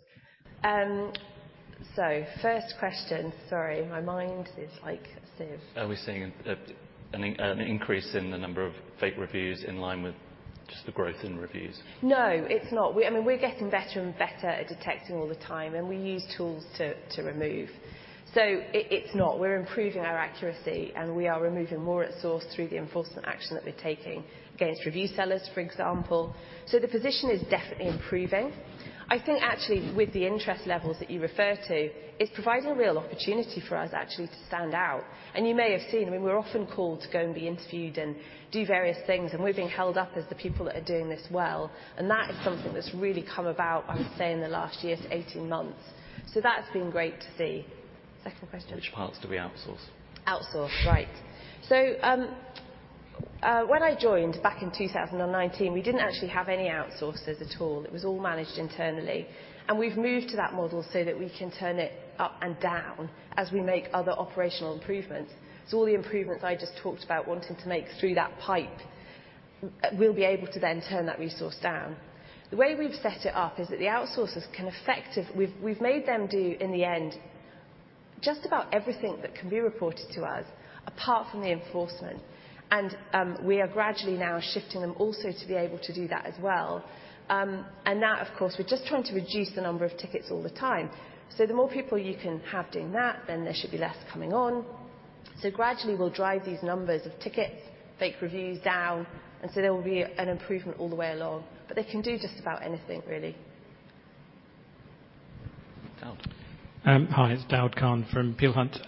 First question. Sorry, my mind is like a sieve. Are we seeing an increase in the number of fake reviews in line with just the growth in reviews? No, it's not. I mean, we're getting better and better at detecting all the time, and we use tools to remove. It's not. We're improving our accuracy, and we are removing more at source through the enforcement action that we're taking against review sellers, for example. The position is definitely improving. I think actually with the interest levels that you refer to, it's providing a real opportunity for us actually to stand out. You may have seen, I mean, we're often called to go and be interviewed and do various things, and we're being held up as the people that are doing this well. That is something that's really come about, I would say, in the last year to 18 months. That's been great to see. Second question? Which parts do we outsource? Outsource. Right. When I joined back in 2019, we didn't actually have any outsourcers at all. It was all managed internally. We've moved to that model so that we can turn it up and down as we make other operational improvements. All the improvements I just talked about wanting to make through that pipe, we'll be able to then turn that resource down. The way we've set it up is that the outsourcers can... We've made them do, in the end, just about everything that can be reported to us, apart from the enforcement. We are gradually now shifting them also to be able to do that as well. That of course we're just trying to reduce the number of tickets all the time. The more people you can have doing that, then there should be less coming on. Gradually we'll drive these numbers of tickets, fake reviews down, and so there will be an improvement all the way along. They can do just about anything, really. Daud. Hi, it's Daud Khan from Peel Hunt.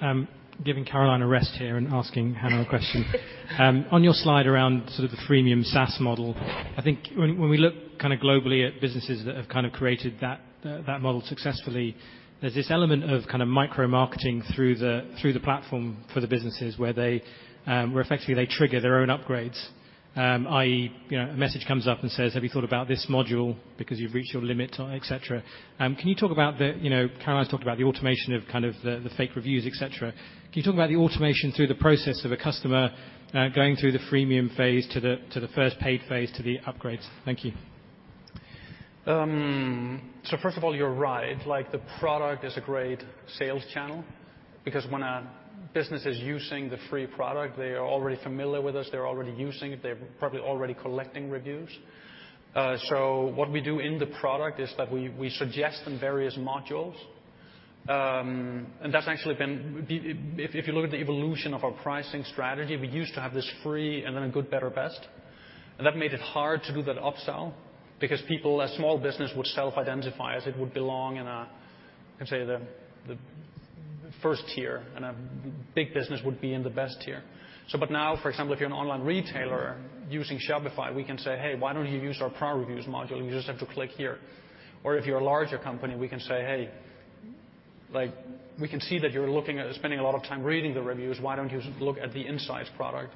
Giving Carolyn a rest here and asking Hanno a question. On your slide around sort of the freemium SaaS model, I think when we look kinda globally at businesses that have kind of created that model successfully, there's this element of kind of micro-marketing through the platform for the businesses where they effectively trigger their own upgrades, i.e., you know, a message comes up and says, "Have you thought about this module because you've reached your limit?" or et cetera. Can you talk about the, you know, Carolyn's talked about the automation of kind of the fake reviews, et cetera. Can you talk about the automation through the process of a customer going through the freemium phase to the first paid phase to the upgrades? Thank you. First of all, you're right. Like the product is a great sales channel because when a business is using the free product, they are already familiar with us, they're already using it, they're probably already collecting reviews. What we do in the product is that we suggest them various modules. That's actually been. If you look at the evolution of our pricing strategy, we used to have this free and then a good, better, best. And that made it hard to do that upsell because people. A small business would self-identify as it would belong in, let's say, the first tier, and a big business would be in the best tier. Now, for example, if you're an online retailer using Shopify, we can say, "Hey, why don't you use our product reviews module? You just have to click here." Or if you're a larger company, we can say, "Hey, like, we can see that you're looking at spending a lot of time reading the reviews. Why don't you look at the insights product?"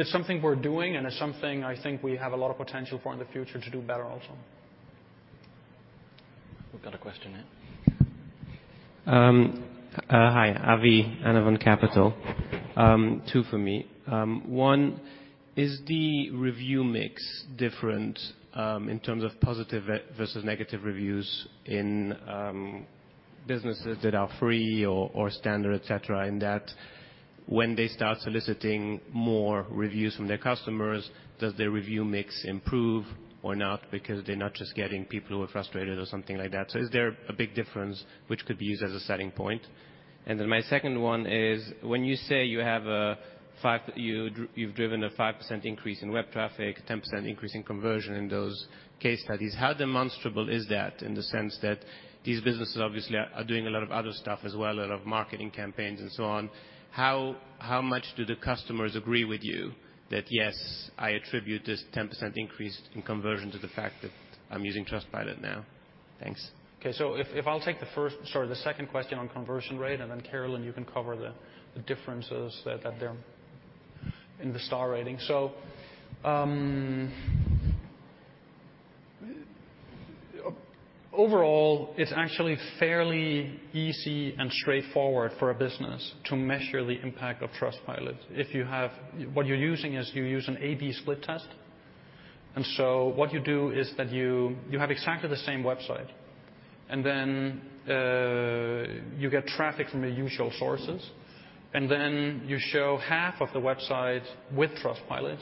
It's something we're doing, and it's something I think we have a lot of potential for in the future to do better also. We've got a question here. Hi. Avi, Anavon Capital. Two for me. One, is the review mix different in terms of positive versus negative reviews in businesses that are free or standard, et cetera, in that when they start soliciting more reviews from their customers, does their review mix improve or not? Because they're not just getting people who are frustrated or something like that. Is there a big difference which could be used as a selling point? Then my second one is, when you say you've driven a 5% increase in web traffic, 10% increase in conversion in those case studies, how demonstrable is that in the sense that these businesses obviously are doing a lot of other stuff as well, a lot of marketing campaigns and so on? How much do the customers agree with you that, "Yes, I attribute this 10% increase in conversion to the fact that I'm using Trustpilot now"? Thanks. Okay. I'll take the second question on conversion rate, and then, Carolyn, you can cover the differences that they're in the star rating. Overall, it's actually fairly easy and straightforward for a business to measure the impact of Trustpilot if you have what you're using is you use an A/B split test, and what you do is that you have exactly the same website, and then you get traffic from your usual sources, and then you show half of the website with Trustpilot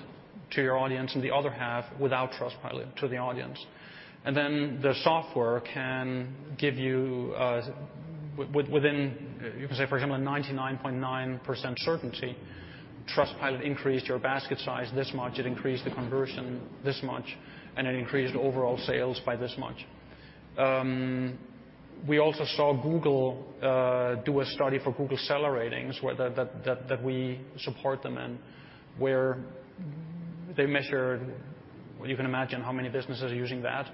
to your audience and the other half without Trustpilot to the audience. Then the software can give you within you can say, for example, a 99.9% certainty, Trustpilot increased your basket size this much, it increased the conversion this much, and it increased overall sales by this much. We also saw Google do a study for Google Seller Ratings where that we support them in, where they measured. Well, you can imagine how many businesses are using that,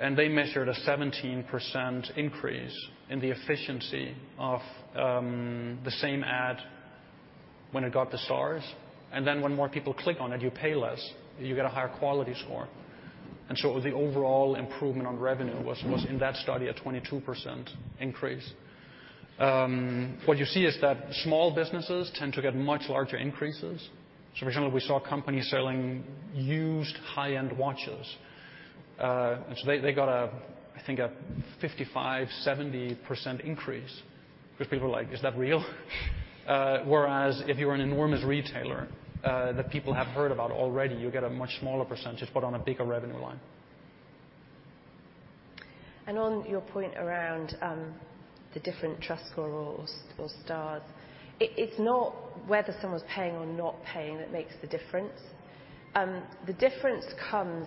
and they measured a 17% increase in the efficiency of the same ad when it got the stars. Then when more people click on it, you pay less, you get a higher quality score. So the overall improvement on revenue was in that study a 22% increase. What you see is that small businesses tend to get much larger increases. For example, we saw a company selling used high-end watches. They got a 55%-70% increase, which people were like, "Is that real?" Whereas if you're an enormous retailer that people have heard about already, you'll get a much smaller percentage, but on a bigger revenue line. On your point around the different TrustScore or stars, it's not whether someone's paying or not paying that makes the difference. The difference comes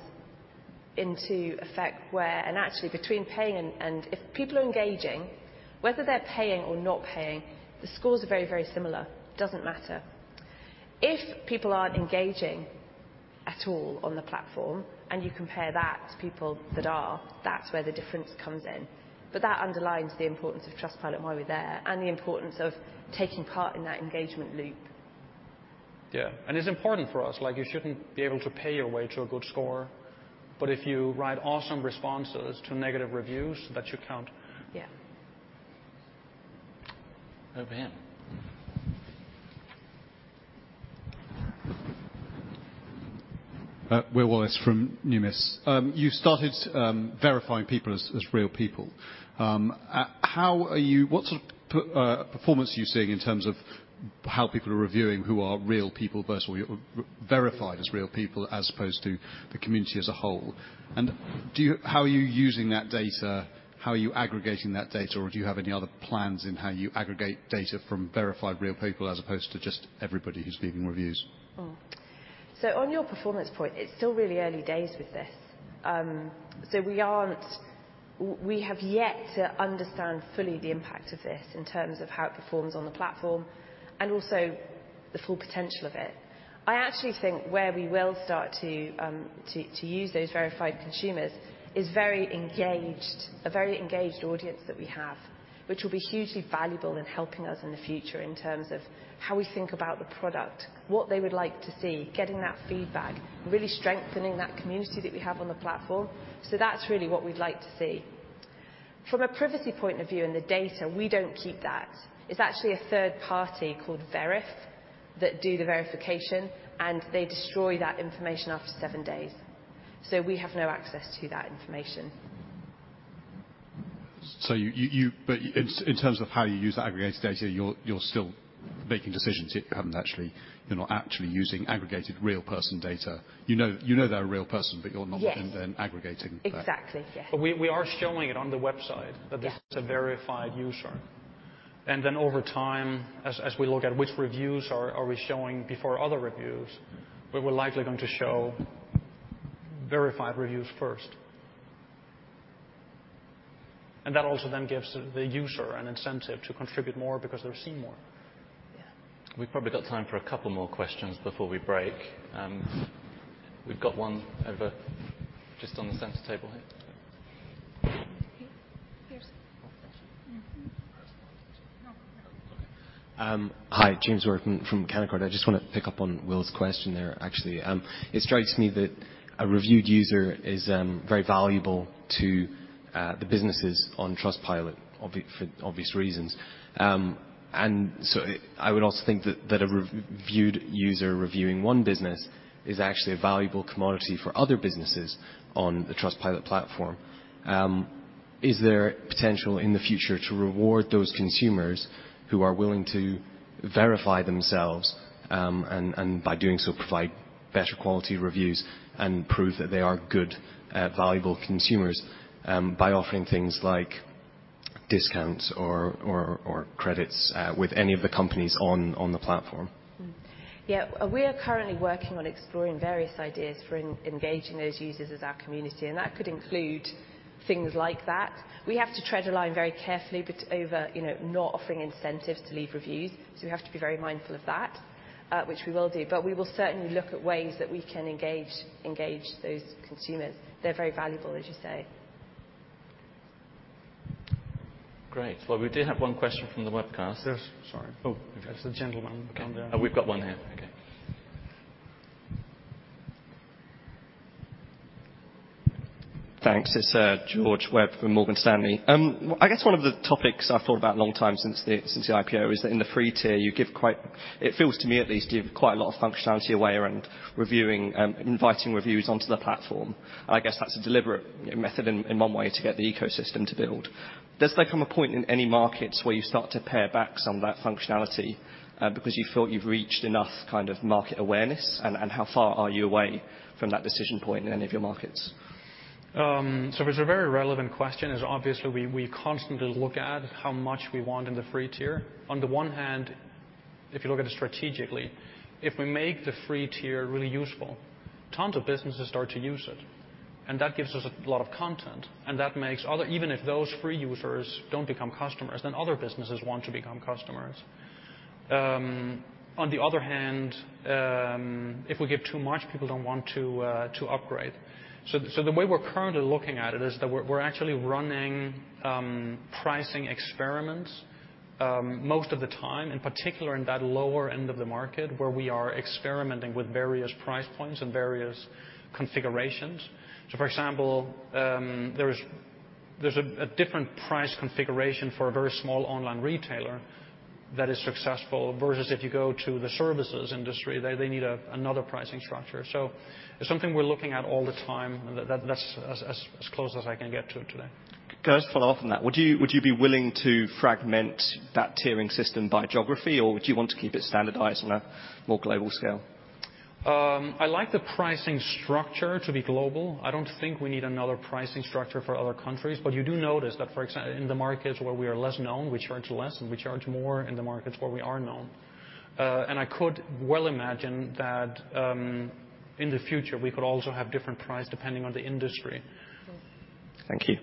into effect where, and actually, between paying and if people are engaging, whether they're paying or not paying, the scores are very similar. Doesn't matter. If people aren't engaging at all on the platform and you compare that to people that are, that's where the difference comes in. That underlines the importance of Trustpilot and why we're there and the importance of taking part in that engagement loop. Yeah. It's important for us, like you shouldn't be able to pay your way to a good score. If you write awesome responses to negative reviews, that should count. Yeah. Over here. Will Wallis from Numis, you started verifying people as real people. What sort of performance are you seeing in terms of how people are reviewing who are real people versus or verified as real people as opposed to the community as a whole? How are you using that data? How are you aggregating that data, or do you have any other plans in how you aggregate data from verified real people as opposed to just everybody who's leaving reviews? On your performance point, it's still really early days with this. We have yet to understand fully the impact of this in terms of how it performs on the platform and also the full potential of it. I actually think where we will start to use those verified consumers is a very engaged audience that we have, which will be hugely valuable in helping us in the future in terms of how we think about the product, what they would like to see, getting that feedback, really strengthening that community that we have on the platform. That's really what we'd like to see. From a privacy point of view and the data, we don't keep that. It's actually a third party called Veriff that do the verification, and they destroy that information after seven days. We have no access to that information. In terms of how you use that aggregated data, you're still making decisions. You haven't actually. You're not actually using aggregated real person data. You know they're a real person, but you're not. Yes. Aggregating that. Exactly, yes. We are showing it on the website. Yeah. that this is a verified user. Then over time, as we look at which reviews are we showing before other reviews, we're likely going to show verified reviews first. That also then gives the user an incentive to contribute more because they're seeing more. Yeah. We've probably got time for a couple more questions before we break. We've got one over just on the center table here. Okay. Here's. Oh, thank you. Mm-hmm. Okay. Hi. James Sheridan from Canaccord. I just wanna pick up on Will's question there, actually. It strikes me that a reviewed user is very valuable to the businesses on Trustpilot for obvious reasons. I would also think that a reviewed user reviewing one business is actually a valuable commodity for other businesses on the Trustpilot platform. Is there potential in the future to reward those consumers who are willing to verify themselves, and by doing so provide better quality reviews and prove that they are good valuable consumers, by offering things like discounts or credits with any of the companies on the platform? We are currently working on exploring various ideas for engaging those users as our community, and that could include things like that. We have to tread a line very carefully, but over, you know, not offering incentives to leave reviews, so we have to be very mindful of that, which we will do. We will certainly look at ways that we can engage those consumers. They're very valuable, as you say. Great. Well, we do have one question from the webcast. Sorry. Oh, okay. It's the gentleman down there. Oh, we've got one here. Okay. Thanks. It's George Webb from Morgan Stanley. I guess one of the topics I've thought about a long time since the IPO is that in the free tier, you give quite a lot of functionality away around reviewing, inviting reviewers onto the platform. I guess that's a deliberate method in one way to get the ecosystem to build. Does there come a point in any markets where you start to pare back some of that functionality, because you feel you've reached enough kind of market awareness? How far are you away from that decision point in any of your markets? It's a very relevant question, as obviously we constantly look at how much we want in the free tier. On the one hand, if you look at it strategically, if we make the free tier really useful, tons of businesses start to use it, and that gives us a lot of content. Even if those free users don't become customers, then other businesses want to become customers. On the other hand, if we give too much, people don't want to upgrade. The way we're currently looking at it is that we're actually running pricing experiments most of the time, in particular in that lower end of the market where we are experimenting with various price points and various configurations. For example, there's a different price configuration for a very small online retailer that is successful versus if you go to the services industry. They need another pricing structure. It's something we're looking at all the time. That's as close as I can get to it today. Can I just follow up on that? Would you be willing to fragment that tiering system by geography or would you want to keep it standardized on a more global scale? I like the pricing structure to be global. I don't think we need another pricing structure for other countries. You do notice that in the markets where we are less known, we charge less, and we charge more in the markets where we are known. I could well imagine that, in the future we could also have different price depending on the industry. Thank you.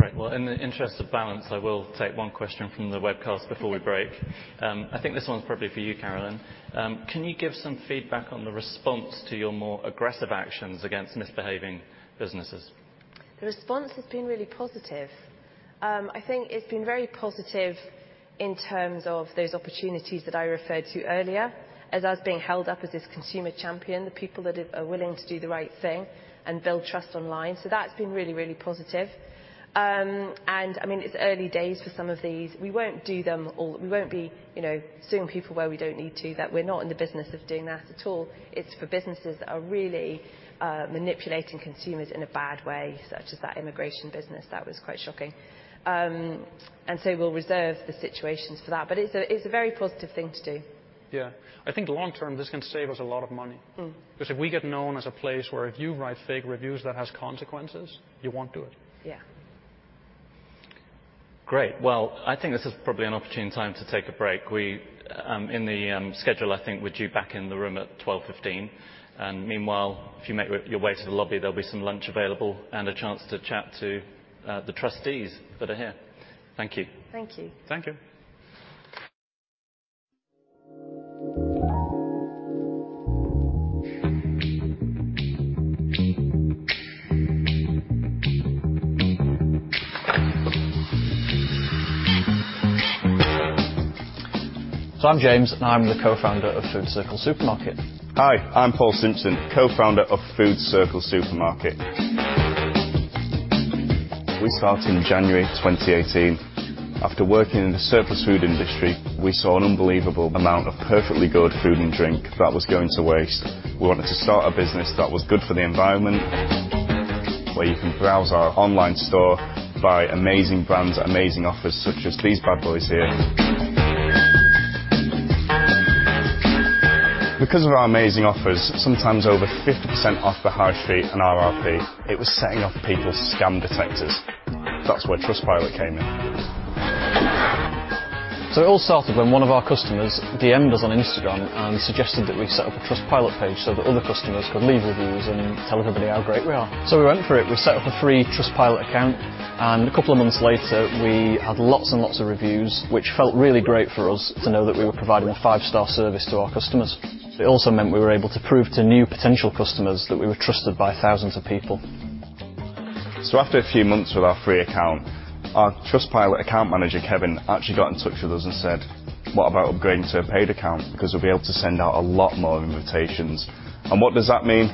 Great. Well, in the interest of balance, I will take one question from the webcast before we break. I think this one's probably for you, Carolyn. Can you give some feedback on the response to your more aggressive actions against misbehaving businesses? The response has been really positive. I think it's been very positive in terms of those opportunities that I referred to earlier as us being held up as this consumer champion, the people that are willing to do the right thing and build trust online. That's been really, really positive. I mean, it's early days for some of these. We won't do them all. We won't be, you know, suing people where we don't need to. That. We're not in the business of doing that at all. It's for businesses that are really, manipulating consumers in a bad way, such as that immigration business. That was quite shocking. We'll reserve the situations for that. It's a very positive thing to do. Yeah. I think long term, this can save us a lot of money. Mm. 'Cause if we get known as a place where if you write fake reviews, that has consequences, you won't do it. Yeah. Great. Well, I think this is probably an opportune time to take a break. In the schedule, I think we're due back in the room at 12:15 P.M. Meanwhile, if you make your way to the lobby, there'll be some lunch available and a chance to chat to the trustees that are here. Thank you. Thank you. Thank you. I'm James, and I'm the co-founder of Food Circle Supermarket. Hi. I'm Paul Simpson, co-founder of Food Circle Supermarket. We started in January 2018. After working in the surplus food industry, we saw an unbelievable amount of perfectly good food and drink that was going to waste. We wanted to start a business that was good for the environment, where you can browse our online store, buy amazing brands, amazing offers such as these bad boys here. Because of our amazing offers, sometimes over 50% off the high street and RRP, it was setting off people's scam detectors. That's where Trustpilot came in. It all started when one of our customers DM'd us on Instagram and suggested that we set up a Trustpilot page so that other customers could leave reviews and tell everybody how great we are. We went for it. We set up a free Trustpilot account, and a couple of months later, we had lots and lots of reviews, which felt really great for us to know that we were providing a five-star service to our customers. It also meant we were able to prove to new potential customers that we were trusted by thousands of people. After a few months with our free account, our Trustpilot account manager, Kevin, actually got in touch with us and said, "What about upgrading to a paid account? Because we'll be able to send out a lot more invitations." What does that mean?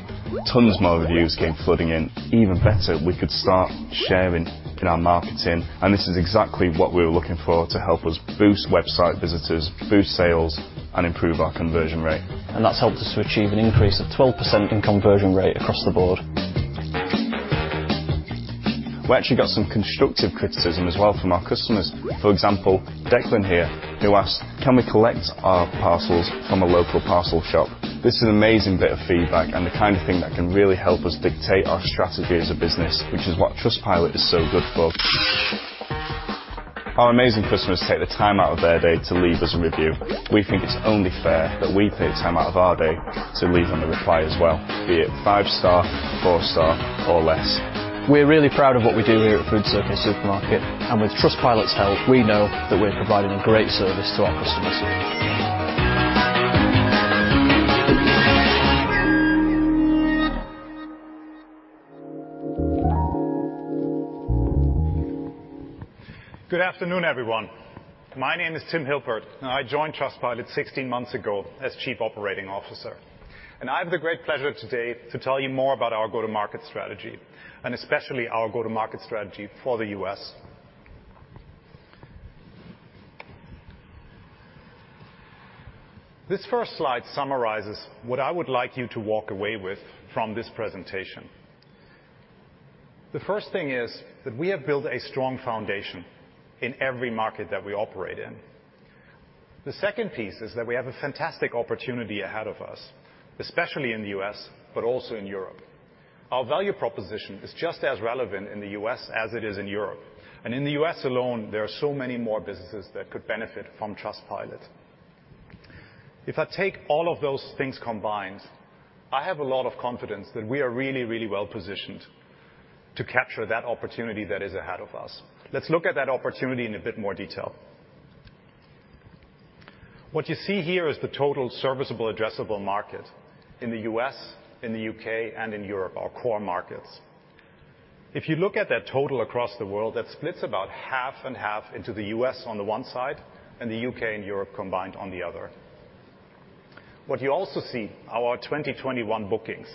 Tons more reviews came flooding in. Even better, we could start sharing in our marketing. This is exactly what we were looking for to help us boost website visitors, boost sales, and improve our conversion rate. That's helped us to achieve an increase of 12% in conversion rate across the board. We actually got some constructive criticism as well from our customers. For example, Declan here, who asked, "Can we collect our parcels from a local parcel shop?" This is an amazing bit of feedback and the kind of thing that can really help us dictate our strategy as a business, which is what Trustpilot is so good for. Our amazing customers take the time out of their day to leave us a review. We think it's only fair that we take time out of our day to leave them a reply as well, be it five-star, four-star, or less. We're really proud of what we do here at Food Circle Supermarket, and with Trustpilot's help, we know that we're providing a great service to our customers. Good afternoon, everyone. My name is Tim Hilpert, and I joined Trustpilot 16 months ago as Chief Operating Officer. I have the great pleasure today to tell you more about our go-to-market strategy, and especially our go-to-market strategy for the U.S. This first slide summarizes what I would like you to walk away with from this presentation. The first thing is that we have built a strong foundation in every market that we operate in. The second piece is that we have a fantastic opportunity ahead of us, especially in the U.S., but also in Europe. Our value proposition is just as relevant in the U.S. as it is in Europe. In the U.S. alone, there are so many more businesses that could benefit from Trustpilot. If I take all of those things combined, I have a lot of confidence that we are really, really well positioned to capture that opportunity that is ahead of us. Let's look at that opportunity in a bit more detail. What you see here is the total serviceable addressable market in the U.S., in the U.K., and in Europe, our core markets. If you look at that total across the world, that splits about half and half into the U.S. on the one side and the U.K. and Europe combined on the other. What you also see, our 2021 bookings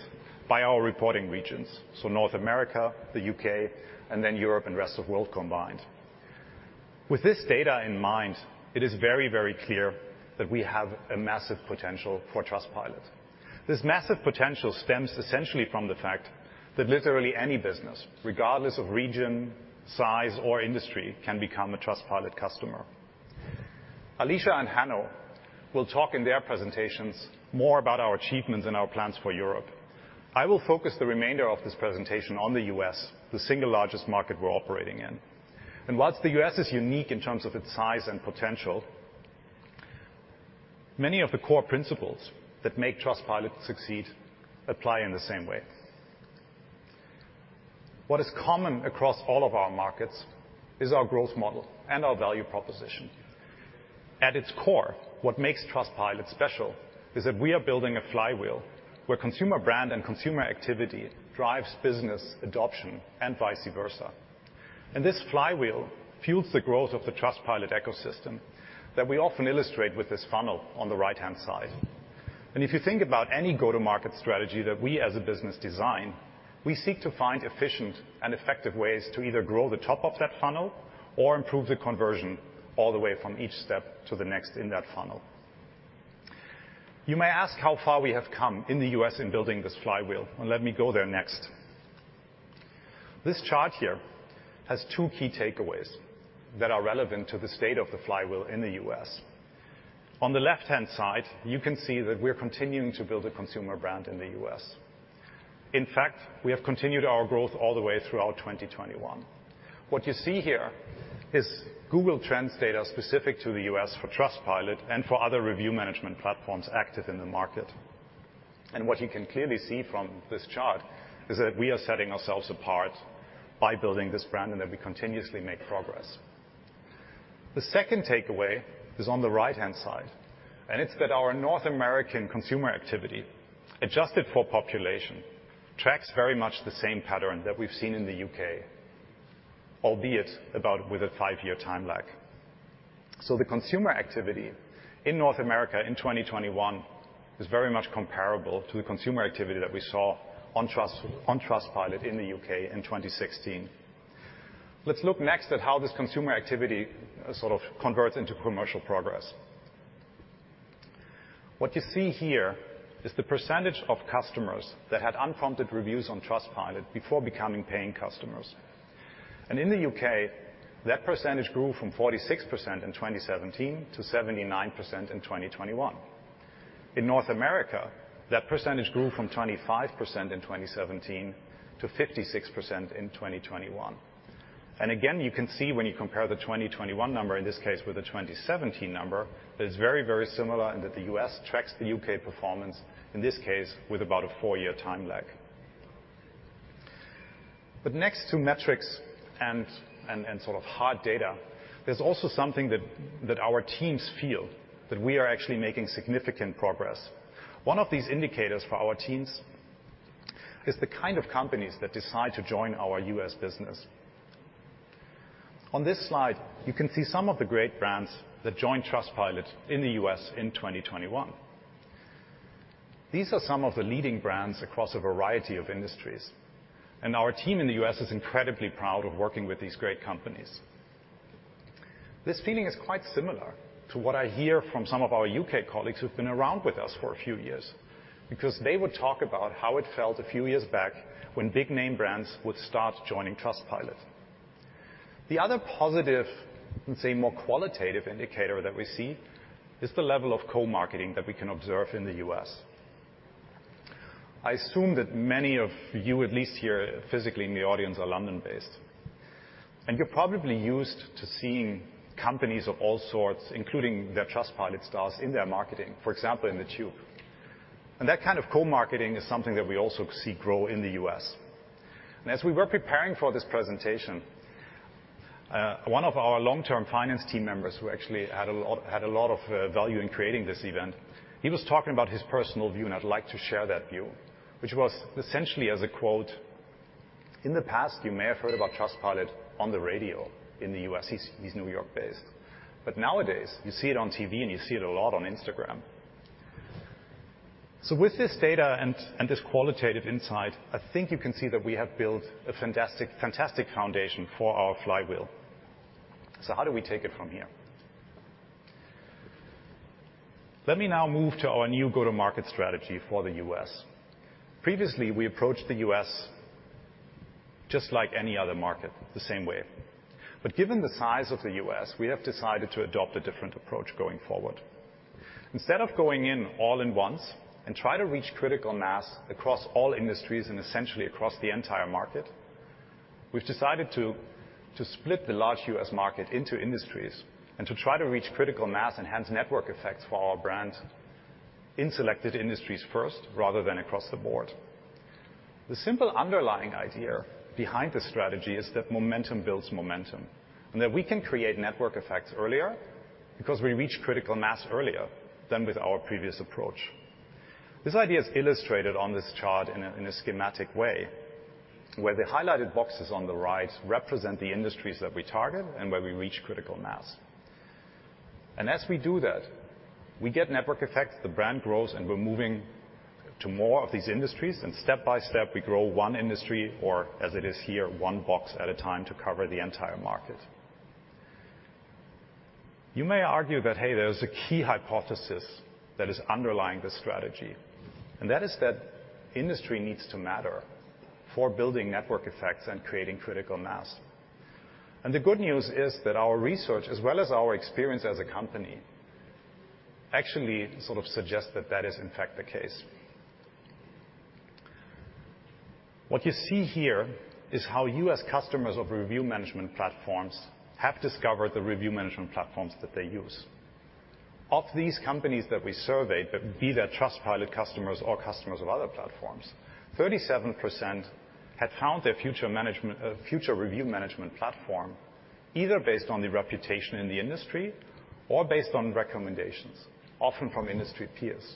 by our reporting regions. North America, the U.K., and then Europe and rest of world combined. With this data in mind, it is very, very clear that we have a massive potential for Trustpilot. This massive potential stems essentially from the fact that literally any business, regardless of region, size, or industry, can become a Trustpilot customer. Alicia and Hanno will talk in their presentations more about our achievements and our plans for Europe. I will focus the remainder of this presentation on the U.S., the single largest market we're operating in. While the U.S. is unique in terms of its size and potential, many of the core principles that make Trustpilot succeed apply in the same way. What is common across all of our markets is our growth model and our value proposition. At its core, what makes Trustpilot special is that we are building a flywheel where consumer brand and consumer activity drives business adoption and vice versa. This flywheel fuels the growth of the Trustpilot ecosystem that we often illustrate with this funnel on the right-hand side. If you think about any go-to-market strategy that we as a business design, we seek to find efficient and effective ways to either grow the top of that funnel or improve the conversion all the way from each step to the next in that funnel. You may ask how far we have come in the U.S. in building this flywheel, and let me go there next. This chart here has two key takeaways that are relevant to the state of the flywheel in the U.S. On the left-hand side, you can see that we're continuing to build a consumer brand in the U.S. In fact, we have continued our growth all the way throughout 2021. What you see here is Google Trends data specific to the U.S. for Trustpilot and for other review management platforms active in the market. What you can clearly see from this chart is that we are setting ourselves apart by building this brand and that we continuously make progress. The second takeaway is on the right-hand side, and it's that our North American consumer activity, adjusted for population, tracks very much the same pattern that we've seen in the U.K., albeit about with a five-year time lag. The consumer activity in North America in 2021 is very much comparable to the consumer activity that we saw on Trustpilot in the U.K. in 2016. Let's look next at how this consumer activity sort of converts into commercial progress. What you see here is the percentage of customers that had unprompted reviews on Trustpilot before becoming paying customers. In the U.K., that percentage grew from 46% in 2017 to 79% in 2021. In North America, that percentage grew from 25% in 2017 to 56% in 2021. Again, you can see when you compare the 2021 number, in this case with the 2017 number, that it's very, very similar and that the U.S. tracks the U.K. performance, in this case, with about a four-year time lag. Next to metrics and sort of hard data, there's also something that our teams feel that we are actually making significant progress. One of these indicators for our teams is the kind of companies that decide to join our U.S. Business. On this slide, you can see some of the great brands that joined Trustpilot in the U.S. in 2021. These are some of the leading brands across a variety of industries, and our team in the U.S. is incredibly proud of working with these great companies. This feeling is quite similar to what I hear from some of our U.K. colleagues who've been around with us for a few years, because they would talk about how it felt a few years back when big name brands would start joining Trustpilot. The other positive, let's say more qualitative indicator that we see is the level of co-marketing that we can observe in the U.S. I assume that many of you, at least here physically in the audience, are London-based. You're probably used to seeing companies of all sorts, including their Trustpilot stars in their marketing, for example, in the tube. That kind of co-marketing is something that we also see grow in the U.S. As we were preparing for this presentation, one of our long-term finance team members who actually had a lot of value in creating this event, he was talking about his personal view, and I'd like to share that view, which was essentially as a quote, "In the past, you may have heard about Trustpilot on the radio in the U.S." He's New York-based. "But nowadays you see it on TV and you see it a lot on Instagram." With this data and this qualitative insight, I think you can see that we have built a fantastic foundation for our flywheel. How do we take it from here? Let me now move to our new go-to-market strategy for the U.S. Previously, we approached the U.S. just like any other market, the same way. Given the size of the U.S., we have decided to adopt a different approach going forward. Instead of going in all in once and try to reach critical mass across all industries and essentially across the entire market, we've decided to split the large U.S. market into industries and to try to reach critical mass, enhance network effects for our brands in selected industries first, rather than across the board. The simple underlying idea behind this strategy is that momentum builds momentum, and that we can create network effects earlier because we reach critical mass earlier than with our previous approach. This idea is illustrated on this chart in a schematic way, where the highlighted boxes on the right represent the industries that we target and where we reach critical mass. As we do that, we get network effects, the brand grows, and we're moving to more of these industries. Step by step, we grow one industry or, as it is here, one box at a time to cover the entire market. You may argue that, "Hey, there's a key hypothesis that is underlying this strategy." That is that industry needs to matter for building network effects and creating critical mass. The good news is that our research, as well as our experience as a company, actually sort of suggests that that is in fact the case. What you see here is how U.S. customers of review management platforms have discovered the review management platforms that they use. Of these companies that we surveyed, be they Trustpilot customers or customers of other platforms, 37% had found their review management... Future review management platform either based on the reputation in the industry or based on recommendations, often from industry peers.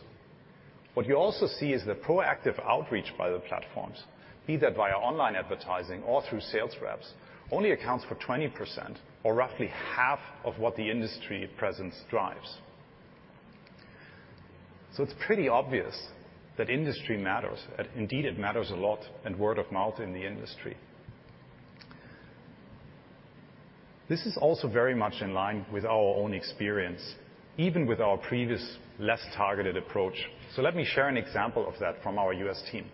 What you also see is the proactive outreach by the platforms, either via online advertising or through sales reps, only accounts for 20% or roughly half of what the industry presence drives. It's pretty obvious that industry matters, and indeed it matters a lot in word of mouth in the industry. This is also very much in line with our own experience, even with our previous less targeted approach. Let me share an example of that from our U.S. team.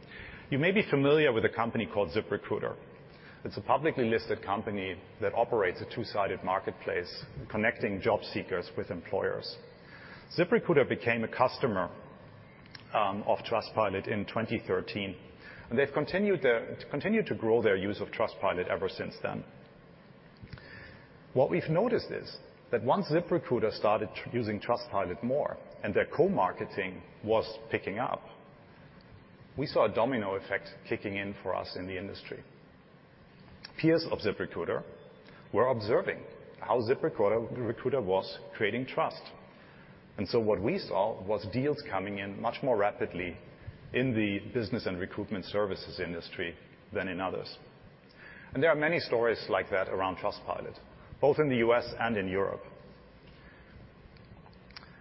You may be familiar with a company called ZipRecruiter. It's a publicly listed company that operates a two-sided marketplace connecting job seekers with employers. ZipRecruiter became a customer of Trustpilot in 2013, and they've continued to grow their use of Trustpilot ever since then. What we've noticed is that once ZipRecruiter started using Trustpilot more and their co-marketing was picking up, we saw a domino effect kicking in for us in the industry. Peers of ZipRecruiter were observing how ZipRecruiter was creating trust. What we saw was deals coming in much more rapidly in the business and recruitment services industry than in others. There are many stories like that around Trustpilot, both in the U.S. and in Europe.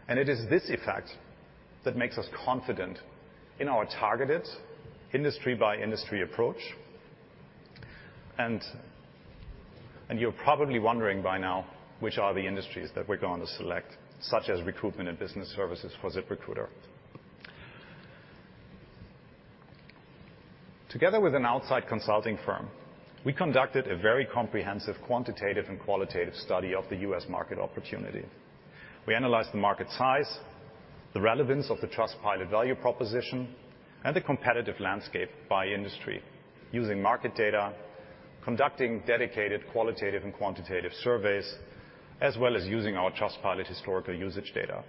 It is this effect that makes us confident in our targeted industry-by-industry approach. You're probably wondering by now which are the industries that we're going to select, such as recruitment and business services for ZipRecruiter. Together with an outside consulting firm, we conducted a very comprehensive quantitative and qualitative study of the U.S. market opportunity. We analyzed the market size, the relevance of the Trustpilot value proposition, and the competitive landscape by industry using market data, conducting dedicated qualitative and quantitative surveys, as well as using our Trustpilot historical usage data.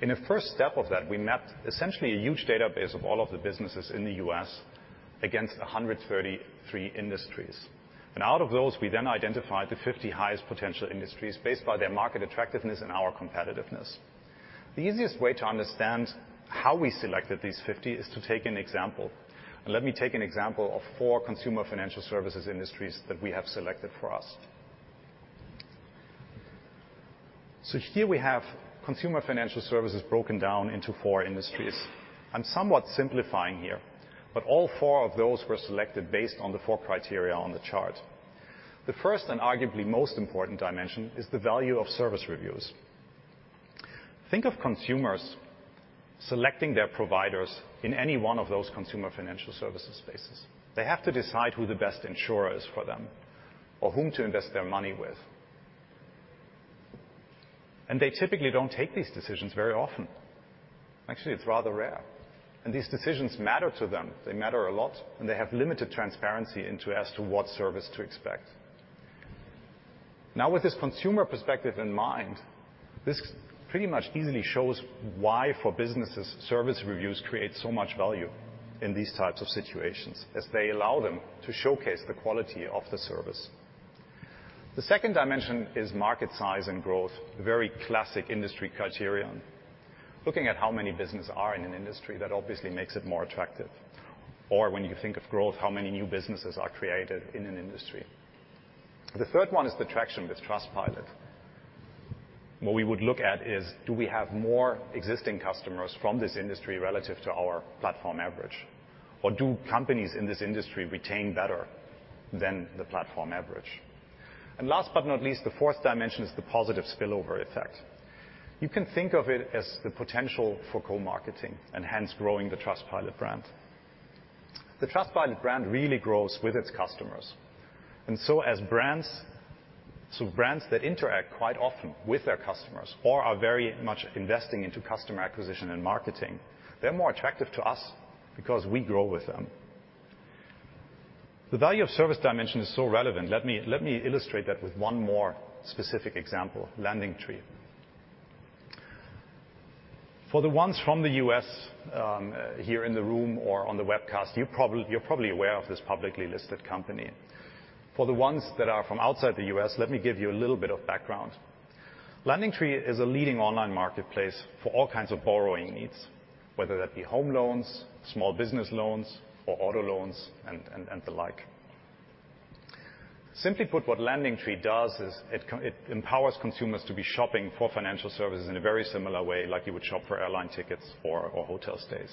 In the first step of that, we mapped essentially a huge database of all of the businesses in the U.S. against 133 industries. Out of those, we then identified the 50 highest potential industries based by their market attractiveness and our competitiveness. The easiest way to understand how we selected these 50 is to take an example. Let me take an example of four consumer financial services industries that we have selected for us. Here we have consumer financial services broken down into four industries. I'm somewhat simplifying here, but all four of those were selected based on the four criteria on the chart. The first, and arguably most important dimension is the value of service reviews. Think of consumers selecting their providers in any one of those consumer financial services spaces. They have to decide who the best insurer is for them or whom to invest their money with. They typically don't take these decisions very often. Actually, it's rather rare. These decisions matter to them. They matter a lot, and they have limited transparency into as to what service to expect. Now, with this consumer perspective in mind, this pretty much easily shows why for businesses, service reviews create so much value in these types of situations as they allow them to showcase the quality of the service. The second dimension is market size and growth. Very classic industry criterion. Looking at how many businesses are in an industry, that obviously makes it more attractive. Or when you think of growth, how many new businesses are created in an industry. The third one is the traction with Trustpilot. What we would look at is, do we have more existing customers from this industry relative to our platform average? Or do companies in this industry retain better than the platform average? Last but not least, the fourth dimension is the positive spillover effect. You can think of it as the potential for co-marketing and hence growing the Trustpilot brand. The Trustpilot brand really grows with its customers. Brands that interact quite often with their customers or are very much investing into customer acquisition and marketing, they're more attractive to us because we grow with them. The value of service dimension is so relevant. Let me illustrate that with one more specific example. LendingTree. For the ones from the U.S., here in the room or on the webcast, you're probably aware of this publicly listed company. For the ones that are from outside the U.S., let me give you a little bit of background. LendingTree is a leading online marketplace for all kinds of borrowing needs, whether that be home loans, small business loans or auto loans, and the like. Simply put, what LendingTree does is it empowers consumers to be shopping for financial services in a very similar way like you would shop for airline tickets or hotel stays.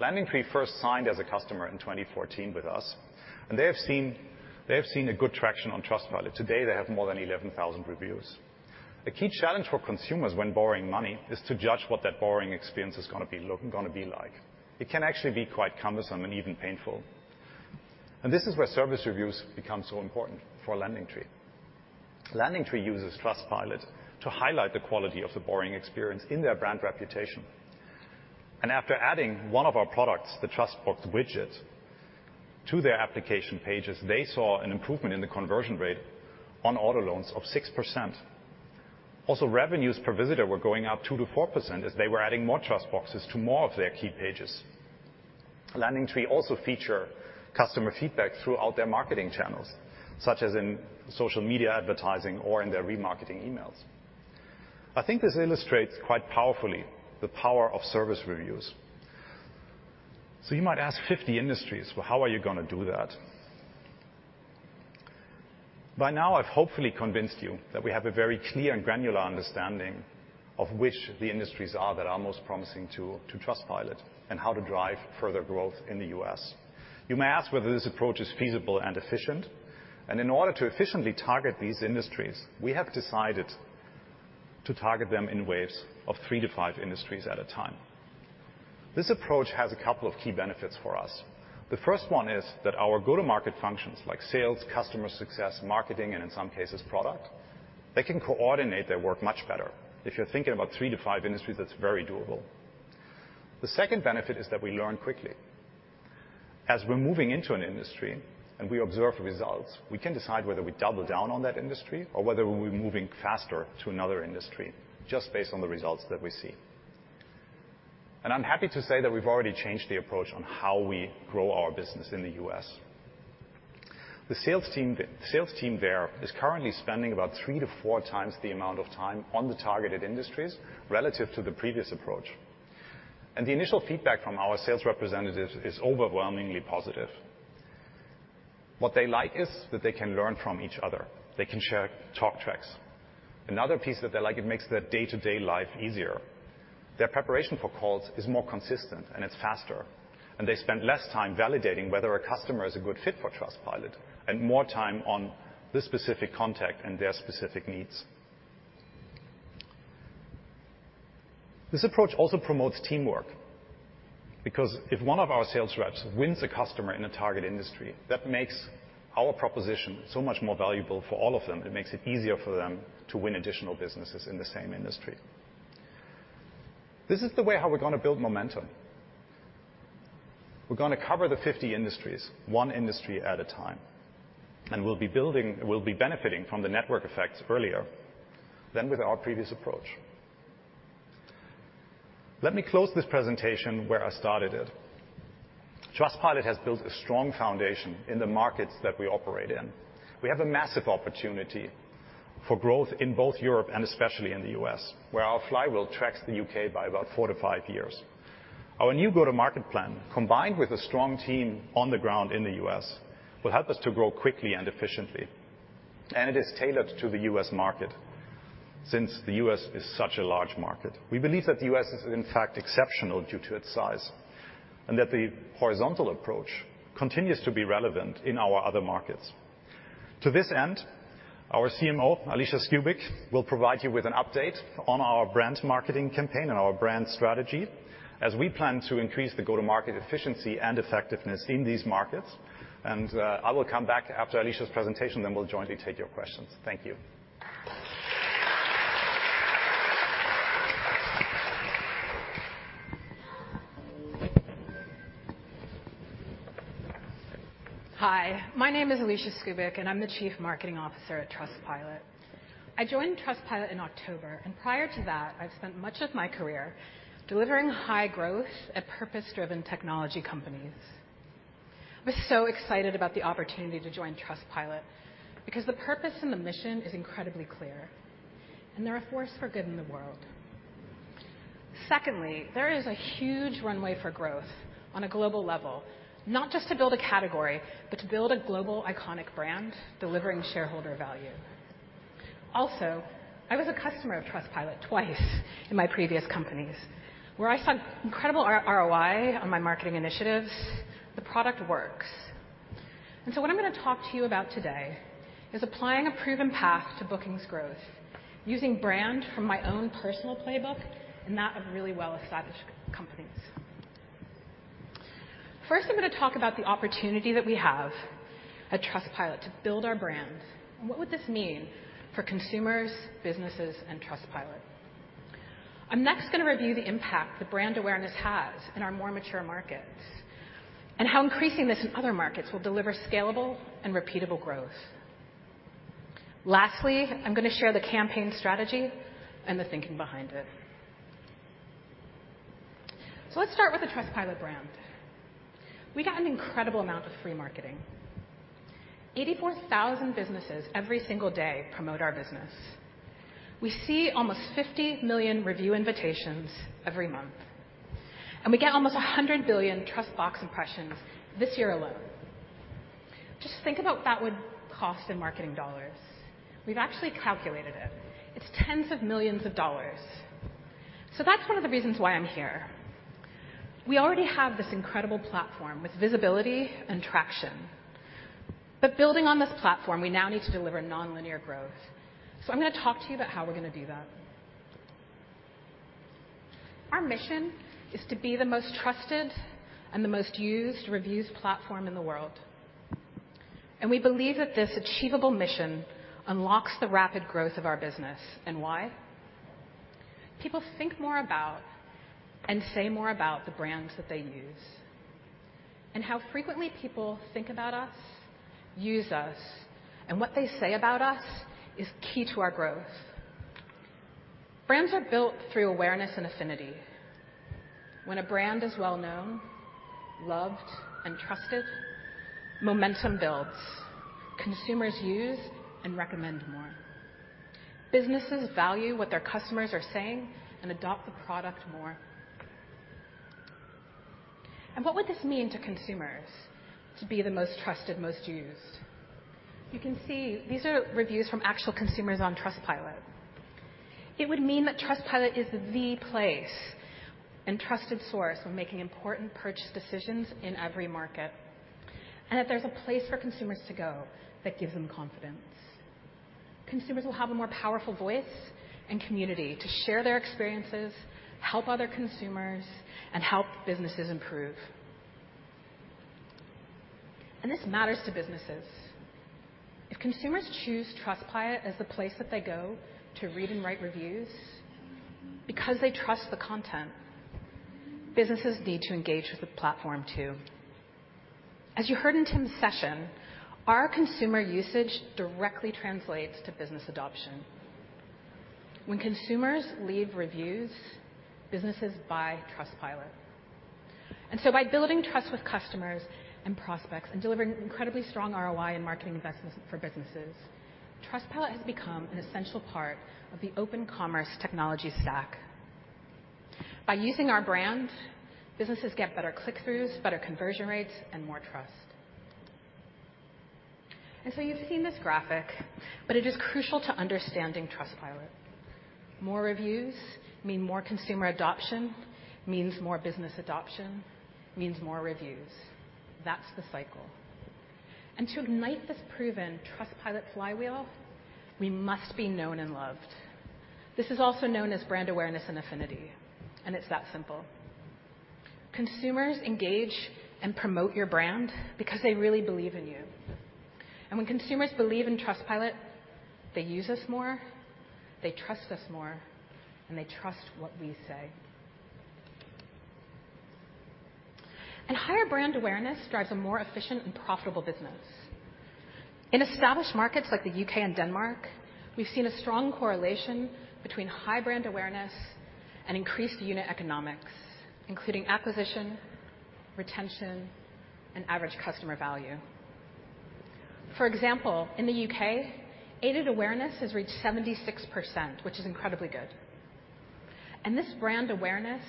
LendingTree first signed as a customer in 2014 with us, and they have seen a good traction on Trustpilot. Today they have more than 11,000 reviews. A key challenge for consumers when borrowing money is to judge what that borrowing experience is gonna be like. It can actually be quite cumbersome and even painful. This is where service reviews become so important for LendingTree. LendingTree uses Trustpilot to highlight the quality of the borrowing experience in their brand reputation. After adding one of our products, the TrustBox widget, to their application pages, they saw an improvement in the conversion rate on auto loans of 6%. Also, revenues per visitor were going up 2%-4% as they were adding more TrustBoxes to more of their key pages. LendingTree also feature customer feedback throughout their marketing channels, such as in social media advertising or in their remarketing emails. I think this illustrates quite powerfully the power of service reviews. You might ask 50 industries, "Well, how are you gonna do that?" By now, I've hopefully convinced you that we have a very clear and granular understanding of which the industries are that are most promising to Trustpilot and how to drive further growth in the U.S. You may ask whether this approach is feasible and efficient. In order to efficiently target these industries, we have decided to target them in waves of three to five industries at a time. This approach has a couple of key benefits for us. The first one is that our go-to-market functions like sales, customer success, marketing, and in some cases product, they can coordinate their work much better. If you're thinking about three to five industries, that's very doable. The second benefit is that we learn quickly. As we're moving into an industry and we observe results, we can decide whether we double down on that industry or whether we'll be moving faster to another industry just based on the results that we see. I'm happy to say that we've already changed the approach on how we grow our business in the U.S. The sales team there is currently spending about three to four times the amount of time on the targeted industries relative to the previous approach. The initial feedback from our sales representatives is overwhelmingly positive. What they like is that they can learn from each other. They can share talk tracks. Another piece that they like, it makes their day-to-day life easier. Their preparation for calls is more consistent, and it's faster. They spend less time validating whether a customer is a good fit for Trustpilot and more time on the specific contact and their specific needs. This approach also promotes teamwork, because if one of our sales reps wins a customer in a target industry, that makes our proposition so much more valuable for all of them. It makes it easier for them to win additional businesses in the same industry. This is the way how we're gonna build momentum. We're gonna cover the 50 industries, one industry at a time, and we'll be benefiting from the network effects earlier than with our previous approach. Let me close this presentation where I started it. Trustpilot has built a strong foundation in the markets that we operate in. We have a massive opportunity for growth in both Europe and especially in the U.S., where our flywheel tracks the U.K. by about four to five years. Our new go-to-market plan, combined with a strong team on the ground in the U.S., will help us to grow quickly and efficiently, and it is tailored to the U.S. market since the U.S. is such a large market. We believe that the U.S. is, in fact, exceptional due to its size and that the horizontal approach continues to be relevant in our other markets. To this end, our CMO, Alicia Skubick, will provide you with an update on our brand marketing campaign and our brand strategy as we plan to increase the go-to-market efficiency and effectiveness in these markets. I will come back after Alicia's presentation, then we'll jointly take your questions. Thank you. Hi, my name is Alicia Skubick, and I'm the Chief Marketing Officer at Trustpilot. I joined Trustpilot in October, and prior to that, I've spent much of my career delivering high growth at purpose-driven technology companies. I was so excited about the opportunity to join Trustpilot because the purpose and the mission is incredibly clear, and they're a force for good in the world. Secondly, there is a huge runway for growth on a global level, not just to build a category, but to build a global iconic brand delivering shareholder value. Also, I was a customer of Trustpilot twice in my previous companies, where I saw incredible ROI on my marketing initiatives. The product works. What I'm gonna talk to you about today is applying a proven path to bookings growth using brand from my own personal playbook and that of really well-established companies. First, I'm gonna talk about the opportunity that we have at Trustpilot to build our brand, and what would this mean for consumers, businesses, and Trustpilot. I'm next gonna review the impact the brand awareness has in our more mature markets and how increasing this in other markets will deliver scalable and repeatable growth. Lastly, I'm gonna share the campaign strategy and the thinking behind it. Let's start with the Trustpilot brand. We get an incredible amount of free marketing. 84,000 businesses every single day promote our business. We see almost 50 million review invitations every month, and we get almost 100 billion TrustBox impressions this year alone. Just think about what that would cost in marketing dollars. We've actually calculated it. It's $tens of millions. That's one of the reasons why I'm here. We already have this incredible platform with visibility and traction. Building on this platform, we now need to deliver nonlinear growth. I'm gonna talk to you about how we're gonna do that. Our mission is to be the most trusted and the most used reviews platform in the world. We believe that this achievable mission unlocks the rapid growth of our business. Why? People think more about and say more about the brands that they use. How frequently people think about us, use us, and what they say about us is key to our growth. Brands are built through awareness and affinity. When a brand is well-known, loved, and trusted, momentum builds. Consumers use and recommend more. Businesses value what their customers are saying and adopt the product more. What would this mean to consumers to be the most trusted, most used? You can see these are reviews from actual consumers on Trustpilot. It would mean that Trustpilot is the place and trusted source when making important purchase decisions in every market, and that there's a place for consumers to go that gives them confidence. Consumers will have a more powerful voice and community to share their experiences, help other consumers, and help businesses improve. This matters to businesses. If consumers choose Trustpilot as the place that they go to read and write reviews because they trust the content, businesses need to engage with the platform too. As you heard in Tim's session, our consumer usage directly translates to business adoption. When consumers leave reviews, businesses buy Trustpilot. By building trust with customers and prospects and delivering incredibly strong ROI in marketing investments for businesses, Trustpilot has become an essential part of the open commerce technology stack. By using our brand, businesses get better click-throughs, better conversion rates, and more trust. You've seen this graphic, but it is crucial to understanding Trustpilot. More reviews mean more consumer adoption, means more business adoption, means more reviews. That's the cycle. To ignite this proven Trustpilot flywheel, we must be known and loved. This is also known as brand awareness and affinity, and it's that simple. Consumers engage and promote your brand because they really believe in you. When consumers believe in Trustpilot, they use us more, they trust us more, and they trust what we say. Higher brand awareness drives a more efficient and profitable business. In established markets like the U.K. and Denmark, we've seen a strong correlation between high brand awareness and increased unit economics, including acquisition, retention, and average customer value. For example, in the U.K., aided awareness has reached 76%, which is incredibly good. This brand awareness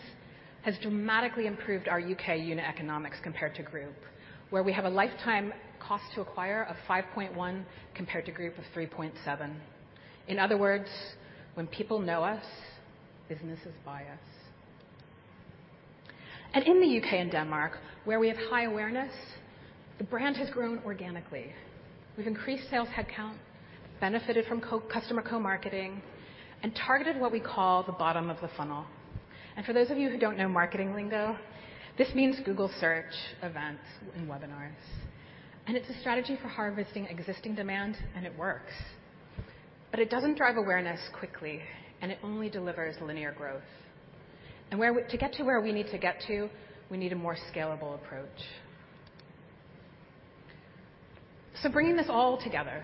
has dramatically improved our U.K. unit economics compared to group, where we have a lifetime cost to acquire of 5.1 compared to group of 3.7. In other words, when people know us, businesses buy us. In the U.K. and Denmark, where we have high awareness, the brand has grown organically. We've increased sales headcount, benefited from customer co-marketing, and targeted what we call the bottom of the funnel. For those of you who don't know marketing lingo, this means Google search, events, and webinars. It's a strategy for harvesting existing demand, and it works. It doesn't drive awareness quickly, and it only delivers linear growth. To get to where we need to get to, we need a more scalable approach. Bringing this all together,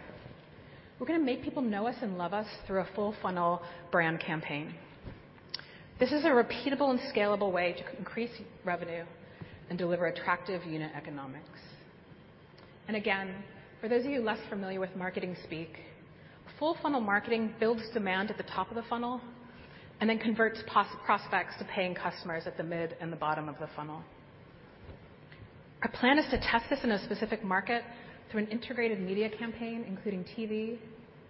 we're gonna make people know us and love us through a full-funnel brand campaign. This is a repeatable and scalable way to increase revenue and deliver attractive unit economics. Again, for those of you less familiar with marketing speak, full-funnel marketing builds demand at the top of the funnel and then converts prospects to paying customers at the mid and the bottom of the funnel. Our plan is to test this in a specific market through an integrated media campaign, including TV,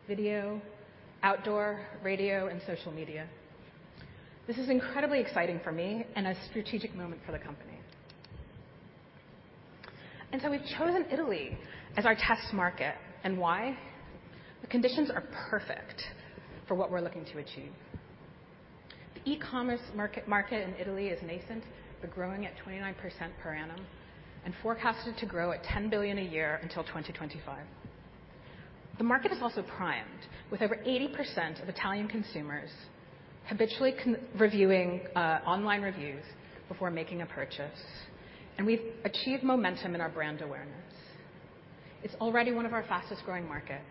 video, outdoor, radio, and social media. This is incredibly exciting for me and a strategic moment for the company. We've chosen Italy as our test market. Why? The conditions are perfect for what we're looking to achieve. The e-commerce market in Italy is nascent, but growing at 29% per annum and forecasted to grow at 10 billion a year until 2025. The market is also primed, with over 80% of Italian consumers habitually reviewing online reviews before making a purchase. We've achieved momentum in our brand awareness. It's already one of our fastest-growing markets,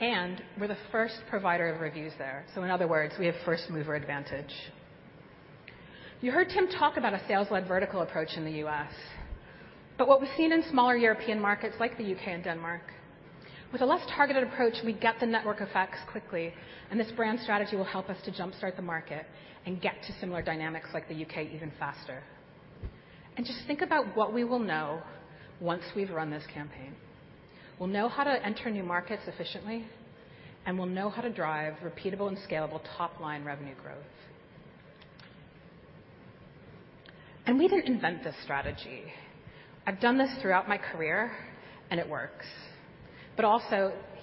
and we're the first provider of reviews there. In other words, we have first-mover advantage. You heard Tim talk about a sales-led vertical approach in the U.S., but what we've seen in smaller European markets, like the U.K. and Denmark, with a less targeted approach, we get the network effects quickly, and this brand strategy will help us to jumpstart the market and get to similar dynamics like the U.K. even faster. Just think about what we will know once we've run this campaign. We'll know how to enter new markets efficiently, and we'll know how to drive repeatable and scalable top-line revenue growth. We didn't invent this strategy. I've done this throughout my career, and it works.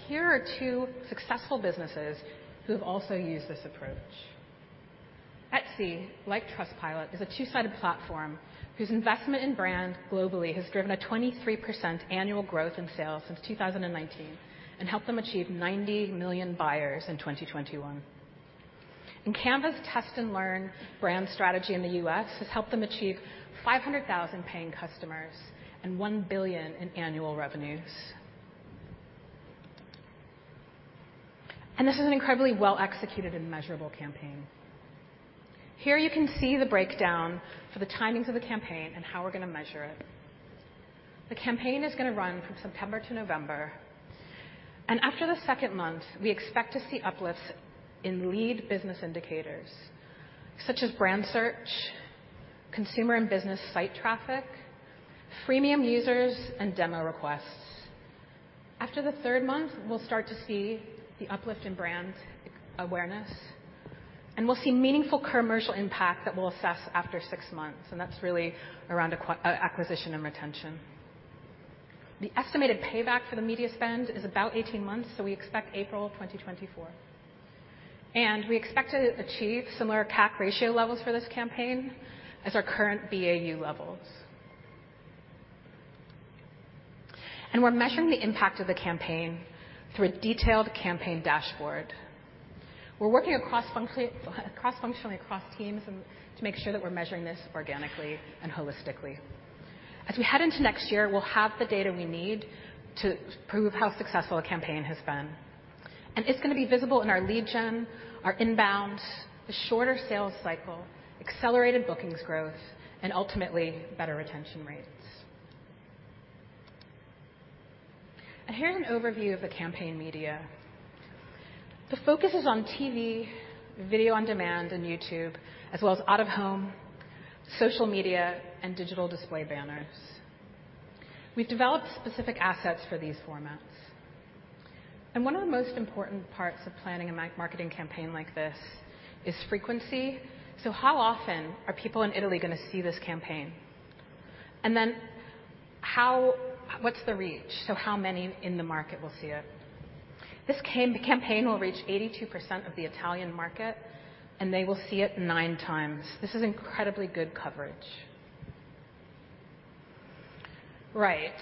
Here are two successful businesses who have also used this approach. Etsy, like Trustpilot, is a two-sided platform whose investment in brand globally has driven a 23% annual growth in sales since 2019 and helped them achieve 90 million buyers in 2021. Canva's test-and-learn brand strategy in the US has helped them achieve 500,000 paying customers and $1 billion in annual revenues. This is an incredibly well-executed and measurable campaign. Here you can see the breakdown for the timings of the campaign and how we're gonna measure it. The campaign is gonna run from September to November, and after the second month, we expect to see uplifts in lead business indicators such as brand search, consumer and business site traffic, freemium users, and demo requests. After the third month, we'll start to see the uplift in brand awareness, and we'll see meaningful commercial impact that we'll assess after six months, and that's really around acquisition and retention. The estimated payback for the media spend is about 18 months, so we expect April 2024. We expect to achieve similar CAC ratio levels for this campaign as our current BAU levels. We're measuring the impact of the campaign through a detailed campaign dashboard. We're working cross-functionally across teams to make sure that we're measuring this organically and holistically. As we head into next year, we'll have the data we need to prove how successful a campaign has been. It's gonna be visible in our lead gen, our inbound, the shorter sales cycle, accelerated bookings growth, and ultimately, better retention rates. Here, an overview of the campaign media. The focus is on TV, video on demand, and YouTube, as well as out-of-home, social media, and digital display banners. We've developed specific assets for these formats. One of the most important parts of planning a marketing campaign like this is frequency. So how often are people in Italy gonna see this campaign? And then what's the reach? So how many in the market will see it? This campaign will reach 82% of the Italian market, and they will see it nine times. This is incredibly good coverage. Right.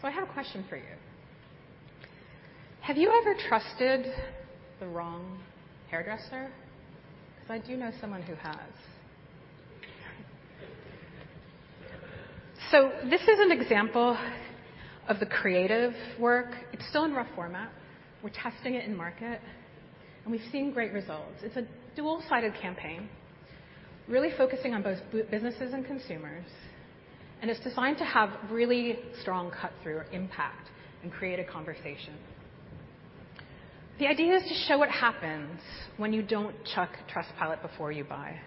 So I have a question for you. Have you ever trusted the wrong hairdresser? Because I do know someone who has. This is an example of the creative work. It's still in rough format. We're testing it in market, and we've seen great results. It's a dual-sided campaign really focusing on both businesses and consumers, and it's designed to have really strong cut-through impact and create a conversation. The idea is to show what happens when you don't check Trustpilot before you buy.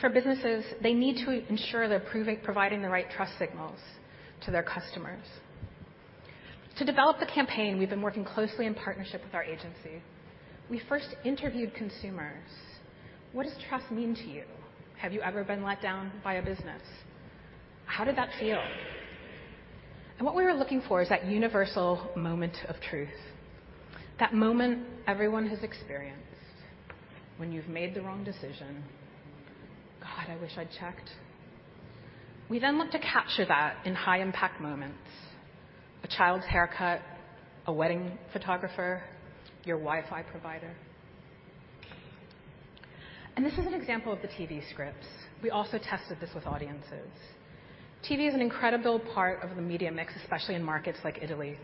For businesses, they need to ensure they're providing the right trust signals to their customers. To develop the campaign, we've been working closely in partnership with our agency. We first interviewed consumers. What does trust mean to you? Have you ever been let down by a business? How did that feel? What we were looking for is that universal moment of truth, that moment everyone has experienced when you've made the wrong decision. "God, I wish I'd checked." We then look to capture that in high impact moments. A child's haircut, a wedding photographer, your Wi-Fi provider. This is an example of the TV scripts. We also tested this with audiences. TV is an incredible part of the media mix, especially in markets like Italy.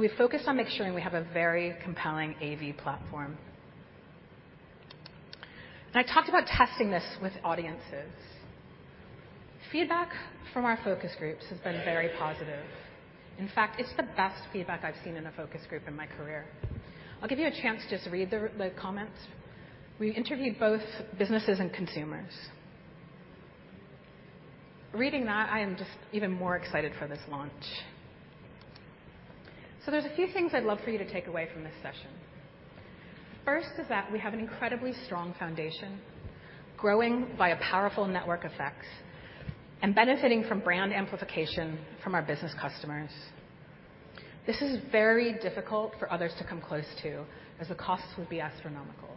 We focused on making sure we have a very compelling AV platform. I talked about testing this with audiences. Feedback from our focus groups has been very positive. In fact, it's the best feedback I've seen in a focus group in my career. I'll give you a chance to just read the comments. We interviewed both businesses and consumers. Reading that, I am just even more excited for this launch. There's a few things I'd love for you to take away from this session. First is that we have an incredibly strong foundation, growing by a powerful network effects and benefiting from brand amplification from our business customers. This is very difficult for others to come close to as the costs would be astronomical.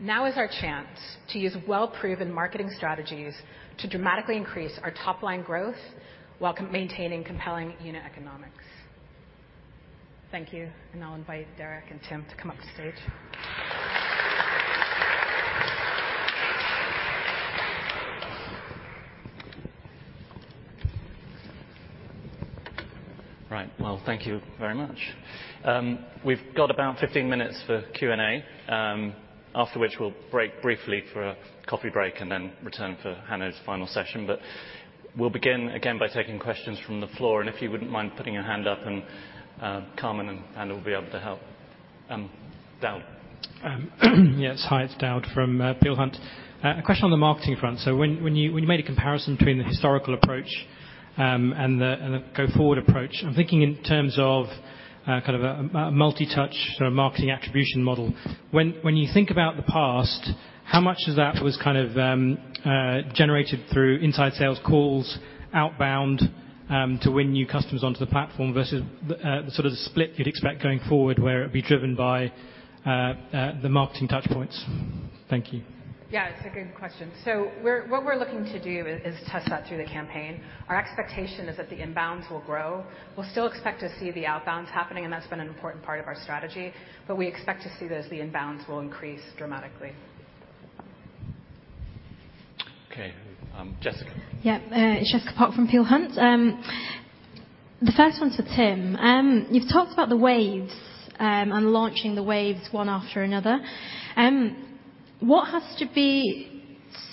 Now is our chance to use well-proven marketing strategies to dramatically increase our top-line growth while maintaining compelling unit economics. Thank you. I'll invite Derek and Tim to come up to stage. Right. Well, thank you very much. We've got about 15 minutes for Q&A, after which we'll break briefly for a coffee break and then return for Hanno's final session. We'll begin again by taking questions from the floor, and if you wouldn't mind putting your hand up and, Carmen and Hanno will be able to help. Daud. Yes. Hi, it's Daud from Peel Hunt. A question on the marketing front. When you made a comparison between the historical approach and the go-forward approach, I'm thinking in terms of a multi-touch sort of marketing attribution model. When you think about the past, how much of that was generated through inside sales calls, outbound, to win new customers onto the platform versus the sort of split you'd expect going forward, where it'd be driven by the marketing touch points? Thank you. Yeah, it's a good question. What we're looking to do is test that through the campaign. Our expectation is that the inbounds will grow. We'll still expect to see the outbounds happening, and that's been an important part of our strategy. We expect to see those, the inbounds will increase dramatically. Okay. Jessica. Jessica Pok from Peel Hunt. The first one's for Tim. You've talked about the waves and launching the waves one after another. What has to be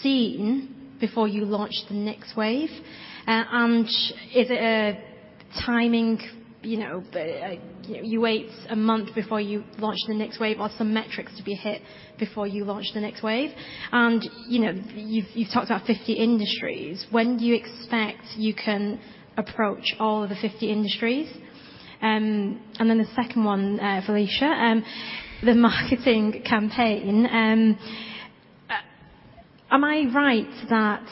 seen before you launch the next wave? Is it a timing, you know, you wait a month before you launch the next wave, or some metrics to be hit before you launch the next wave? You know, you've talked about 50 industries. When do you expect you can approach all of the 50 industries? Then the second one, Alicia, the marketing campaign, am I right that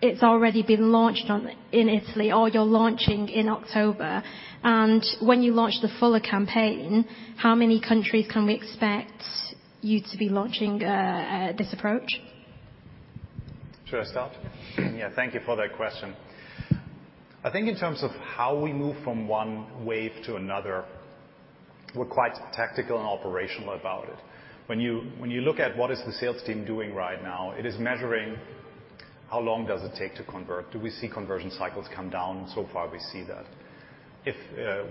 it's already been launched in Italy, or you're launching in October? When you launch the fuller campaign, how many countries can we expect you to be launching this approach? Should I start? Yeah. Thank you for that question. I think in terms of how we move from one wave to another, we're quite tactical and operational about it. When you look at what the sales team is doing right now, it is measuring how long does it take to convert. Do we see conversion cycles come down? So far, we see that. If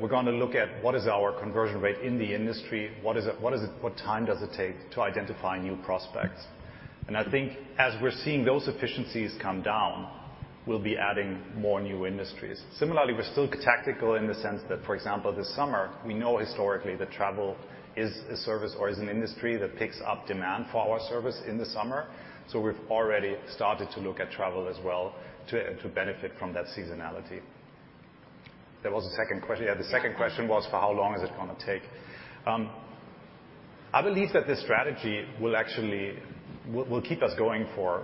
we're gonna look at what is our conversion rate in the industry, what is it – what time does it take to identify new prospects? I think as we're seeing those efficiencies come down, we'll be adding more new industries. Similarly, we're still tactical in the sense that, for example, this summer, we know historically that travel is a service or is an industry that picks up demand for our service in the summer. We've already started to look at travel as well to benefit from that seasonality. There was a second question. Yeah, the second question was, for how long is it gonna take? I believe that this strategy will actually keep us going for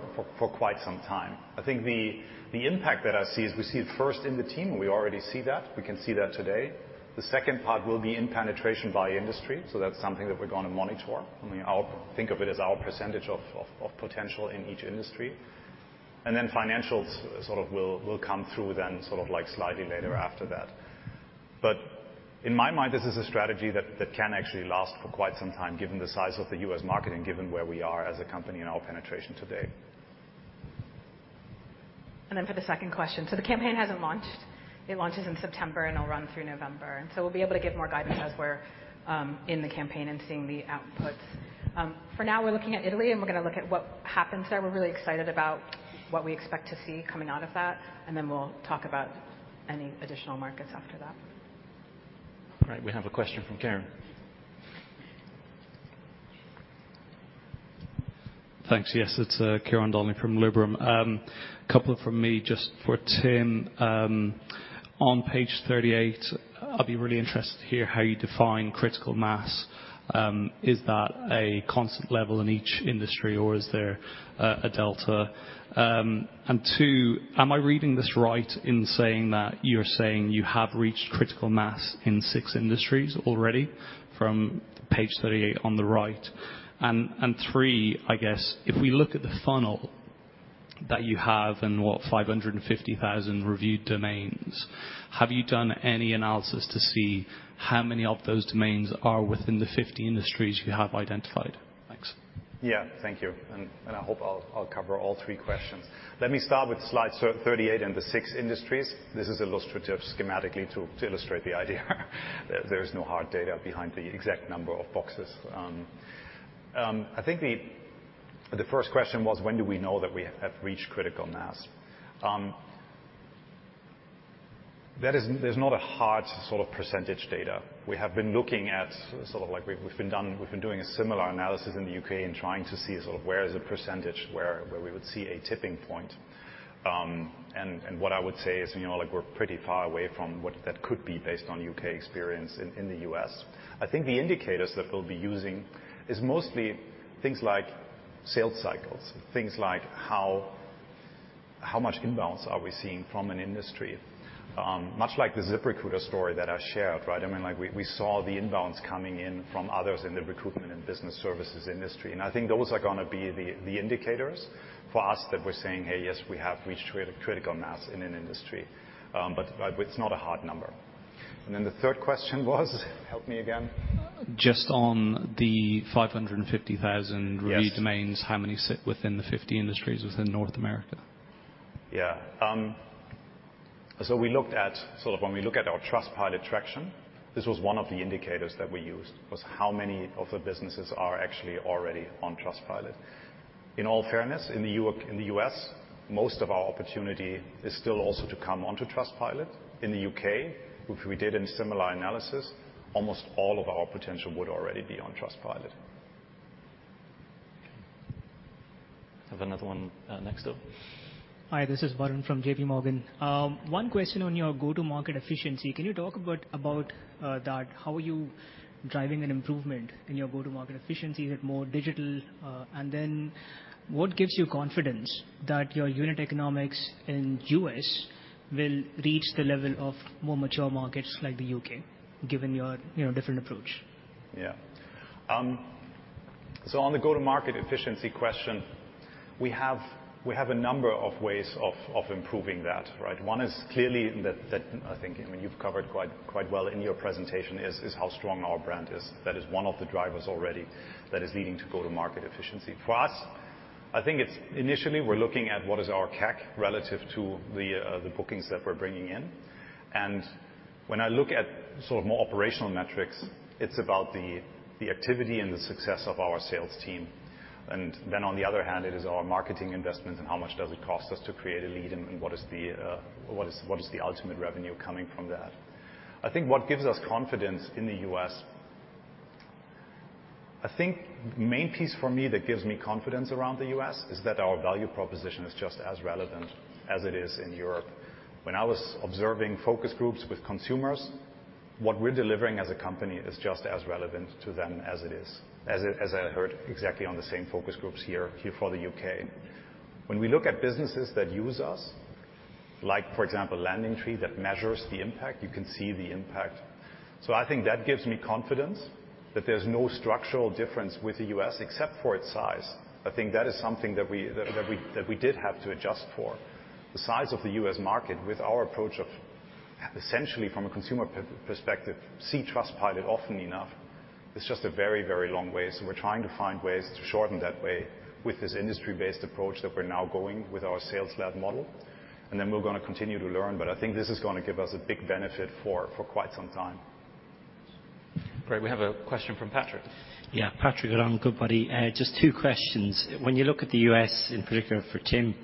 quite some time. I think the impact that I see is we see it first in the team. We already see that. We can see that today. The second part will be in penetration by industry, so that's something that we're gonna monitor, and we think of it as our percentage of potential in each industry. Then financials sort of will come through then sort of like slightly later after that. In my mind, this is a strategy that can actually last for quite some time, given the size of the U.S. market and given where we are as a company and our penetration today. For the second question. The campaign hasn't launched. It launches in September and it'll run through November. We'll be able to give more guidance as we're in the campaign and seeing the outputs. For now, we're looking at Italy, and we're gonna look at what happens there. We're really excited about what we expect to see coming out of that, and then we'll talk about any additional markets after that. All right. We have a question from Ciaran. Thanks. Yes, it's Ciaran Donnelly from Liberum. Couple from me, just for Tim. On page 38, I'll be really interested to hear how you define critical mass. Is that a constant level in each industry, or is there a delta? And two, am I reading this right in saying that you're saying you have reached critical mass in six industries already from page 38 on the right? And three, I guess if we look at the funnel that you have and, what, 550,000 reviewed domains, have you done any analysis to see how many of those domains are within the 50 industries you have identified? Thanks. Yeah. Thank you. I hope I'll cover all three questions. Let me start with slide 38 and the six industries. This is illustrative schematically to illustrate the idea. There is no hard data behind the exact number of boxes. I think the first question was, when do we know that we have reached critical mass? That is, there's not a hard sort of percentage data. We have been looking at sort of like we've been doing a similar analysis in the U.K. and trying to see sort of where is the percentage where we would see a tipping point. What I would say is, you know, like, we're pretty far away from what that could be based on U.K. experience in the U.S. I think the indicators that we'll be using is mostly things like sales cycles, things like how much imbalance are we seeing from an industry. Much like the ZipRecruiter story that I shared, right? I mean, like, we saw the imbalance coming in from others in the recruitment and business services industry, and I think those are gonna be the indicators for us that we're saying, "Hey, yes, we have reached critical mass in an industry." But it's not a hard number. Then the third question was? Help me again. Just on the $550,000- Yes. reviewed domains. How many sit within the 50 industries within North America? Yeah. We looked at, sort of when we look at our Trustpilot traction, this was one of the indicators that we used, was how many of the businesses are actually already on Trustpilot. In all fairness, in the U.S., most of our opportunity is still also to come onto Trustpilot. In the U.K., which we did in similar analysis, almost all of our potential would already be on Trustpilot. Have another one, next up. Hi, this is Varun from JP Morgan. One question on your go-to-market efficiency. Can you talk about that? How are you driving an improvement in your go-to-market efficiency with more digital? And then what gives you confidence that your unit economics in U.S. will reach the level of more mature markets like the U.K., given your, you know, different approach? Yeah. So on the go-to-market efficiency question, we have a number of ways of improving that, right? One is clearly that I think, I mean, you've covered quite well in your presentation is how strong our brand is. That is one of the drivers already that is leading to go-to-market efficiency. For us, I think it's initially we're looking at what is our CAC relative to the bookings that we're bringing in. When I look at sort of more operational metrics, it's about the activity and the success of our sales team. Then on the other hand, it is our marketing investment and how much does it cost us to create a lead and what is the ultimate revenue coming from that. I think what gives us confidence in the U.S.. I think main piece for me that gives me confidence around the U.S. is that our value proposition is just as relevant as it is in Europe. When I was observing focus groups with consumers, what we're delivering as a company is just as relevant to them as it is. As I heard exactly on the same focus groups here for the U.K.. When we look at businesses that use us, like for example, LendingTree, that measures the impact, you can see the impact. I think that gives me confidence that there's no structural difference with the U.S. except for its size. I think that is something that we did have to adjust for. The size of the U.S. market with our approach of essentially, from a consumer perspective, see Trustpilot often enough, is just a very, very long way. We're trying to find ways to shorten that way with this industry-based approach that we're now going with our sales-led model, and then we're gonna continue to learn. I think this is gonna give us a big benefit for quite some time. Great. We have a question from Patrick. Yeah. Patrick from Goodbody. Just two questions. When you look at the U.S. in particular for Tim,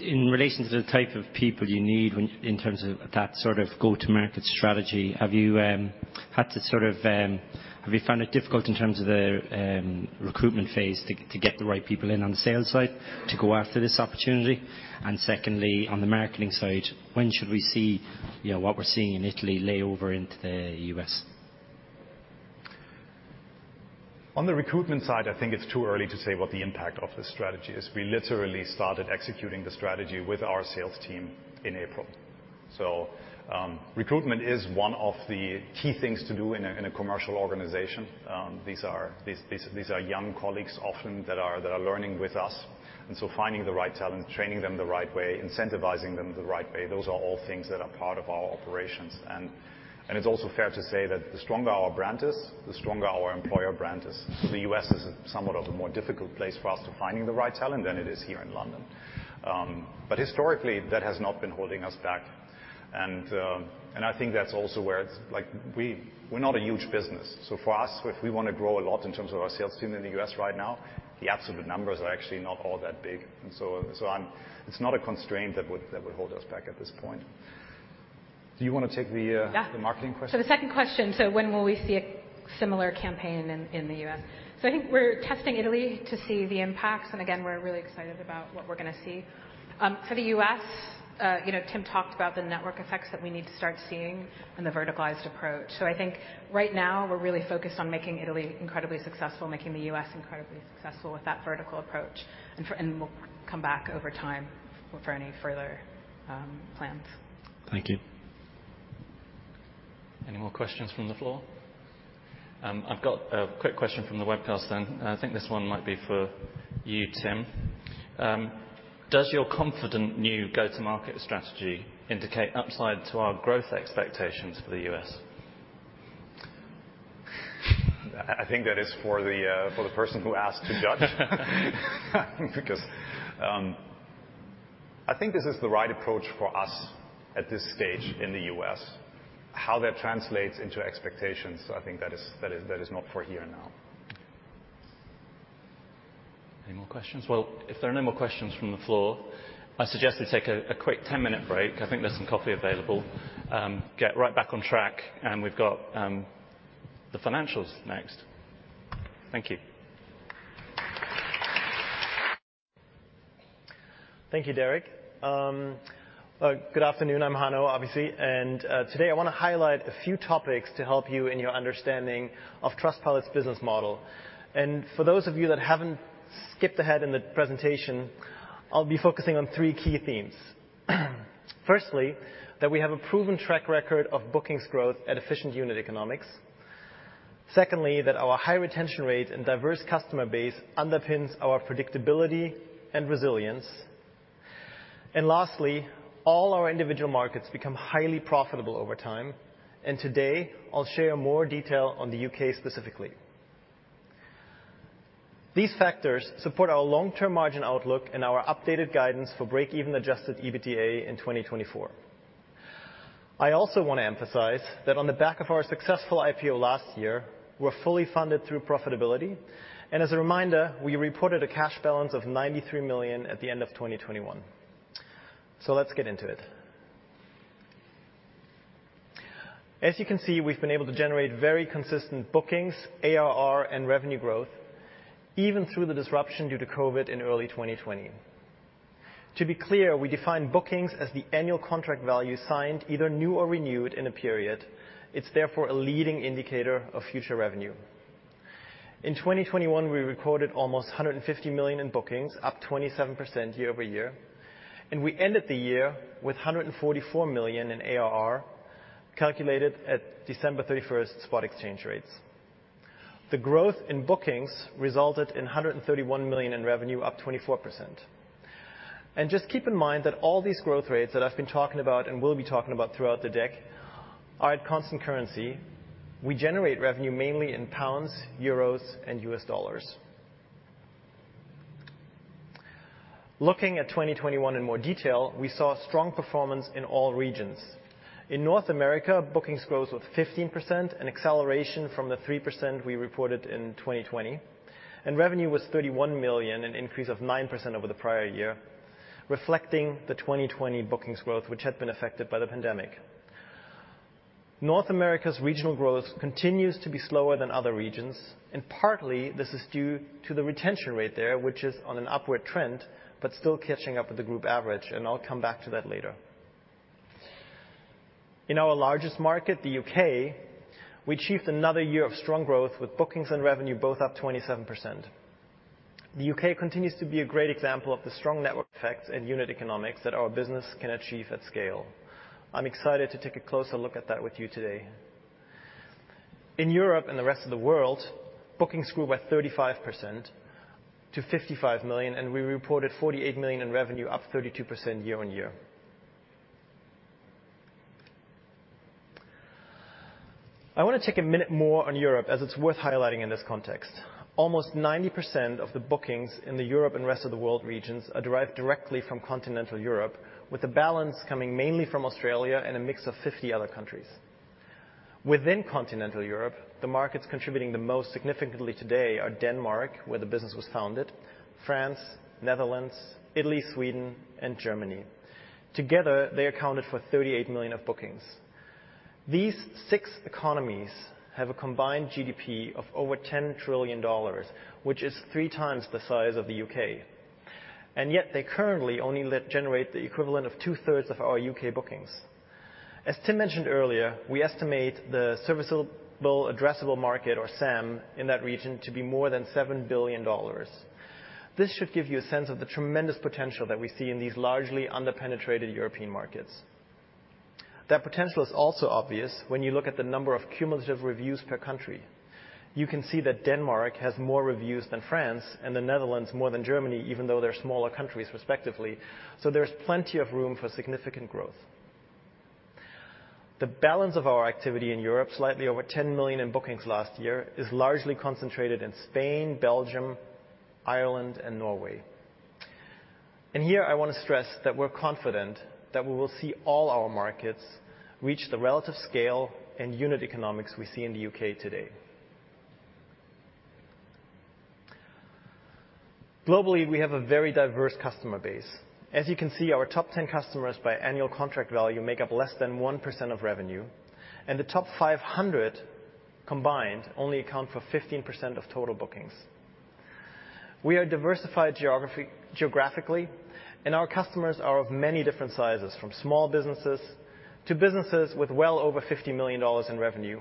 in relation to the type of people you need in terms of that sort of go-to-market strategy, have you found it difficult in terms of the recruitment phase to get the right people in on the sales side to go after this opportunity? Secondly, on the marketing side, when should we see, you know, what we're seeing in Italy lay over into the U.S.? On the recruitment side, I think it's too early to say what the impact of this strategy is. We literally started executing the strategy with our sales team in April. Recruitment is one of the key things to do in a commercial organization. These are young colleagues often that are learning with us. Finding the right talent, training them the right way, incentivizing them the right way, those are all things that are part of our operations. It's also fair to say that the stronger our brand is, the stronger our employer brand is. The U.S. is somewhat of a more difficult place for us to finding the right talent than it is here in London. Historically, that has not been holding us back. I think that's also where it's. Like, we're not a huge business. For us, if we wanna grow a lot in terms of our sales team in the US right now, the absolute numbers are actually not all that big. It's not a constraint that would hold us back at this point. Do you wanna take the, Yeah. The marketing question? The second question, when will we see a similar campaign in the U.S.? I think we're testing Italy to see the impacts. We're really excited about what we're gonna see. For the U.S., you know, Tim talked about the network effects that we need to start seeing and the verticalized approach. I think right now we're really focused on making Italy incredibly successful, making the U.S. incredibly successful with that vertical approach. We'll come back over time for any further plans. Thank you. Any more questions from the floor? I've got a quick question from the webcast then. I think this one might be for you, Tim. Does your confident new go-to-market strategy indicate upside to our growth expectations for the US? I think that is for the person who asked to judge. Because I think this is the right approach for us at this stage in the U.S.. How that translates into expectations, I think that is not for here and now. Any more questions? Well, if there are no more questions from the floor, I suggest we take a quick 10-minute break. I think there's some coffee available. Get right back on track, and we've got the financials next. Thank you. Thank you, Derek. Good afternoon. I'm Hanno, obviously. Today I wanna highlight a few topics to help you in your understanding of Trustpilot's business model. For those of you that haven't skipped ahead in the presentation, I'll be focusing on three key themes. Firstly, that we have a proven track record of bookings growth at efficient unit economics. Secondly, that our high retention rate and diverse customer base underpins our predictability and resilience. Lastly, all our individual markets become highly profitable over time. Today, I'll share more detail on the U.K. specifically. These factors support our long-term margin outlook and our updated guidance for break-even adjusted EBITDA in 2024. I also wanna emphasize that on the back of our successful IPO last year, we're fully funded through profitability. As a reminder, we reported a cash balance of $93 million at the end of 2021. Let's get into it. As you can see, we've been able to generate very consistent bookings, ARR and revenue growth, even through the disruption due to COVID in early 2020. To be clear, we define bookings as the annual contract value signed either new or renewed in a period. It's therefore a leading indicator of future revenue. In 2021, we recorded almost 150 million in bookings, up 27% year-over-year. We ended the year with 144 million in ARR, calculated at December 31 spot exchange rates. The growth in bookings resulted in 131 million in revenue, up 24%. Just keep in mind that all these growth rates that I've been talking about and will be talking about throughout the deck are at constant currency. We generate revenue mainly in pounds, euros, and US dollars. Looking at 2021 in more detail, we saw strong performance in all regions. In North America, bookings growth was 15%, an acceleration from the 3% we reported in 2020. Revenue was $31 million, an increase of 9% over the prior year, reflecting the 2020 bookings growth, which had been affected by the pandemic. North America's regional growth continues to be slower than other regions, and partly this is due to the retention rate there, which is on an upward trend, but still catching up with the group average, and I'll come back to that later. In our largest market, the U.K., we achieved another year of strong growth with bookings and revenue both up 27%. The U.K. continues to be a great example of the strong network effects and unit economics that our business can achieve at scale. I'm excited to take a closer look at that with you today. In Europe and the rest of the world, bookings grew by 35% to 55 million, and we reported 48 million in revenue, up 32% year-on-year. I wanna take a minute more on Europe, as it's worth highlighting in this context. Almost 90% of the bookings in the Europe and rest of the world regions are derived directly from continental Europe, with the balance coming mainly from Australia and a mix of 50 other countries. Within continental Europe, the markets contributing the most significantly today are Denmark, where the business was founded, France, Netherlands, Italy, Sweden, and Germany. Together, they accounted for $38 million of bookings. These six economies have a combined GDP of over $10 trillion, which is three times the size of the U.K. Yet they currently only generate the equivalent of two-thirds of our U.K. bookings. As Tim mentioned earlier, we estimate the serviceable addressable market, or SAM, in that region to be more than $7 billion. This should give you a sense of the tremendous potential that we see in these largely under-penetrated European markets. That potential is also obvious when you look at the number of cumulative reviews per country. You can see that Denmark has more reviews than France, and the Netherlands more than Germany, even though they're smaller countries respectively. There's plenty of room for significant growth. The balance of our activity in Europe, slightly over $10 million in bookings last year, is largely concentrated in Spain, Belgium, Ireland, and Norway. Here I want to stress that we're confident that we will see all our markets reach the relative scale and unit economics we see in the U.K. today. Globally, we have a very diverse customer base. As you can see, our top 10 customers by annual contract value make up less than 1% of revenue, and the top 500 combined only account for 15% of total bookings. We are diversified geographically, and our customers are of many different sizes, from small businesses to businesses with well over $50 million in revenue,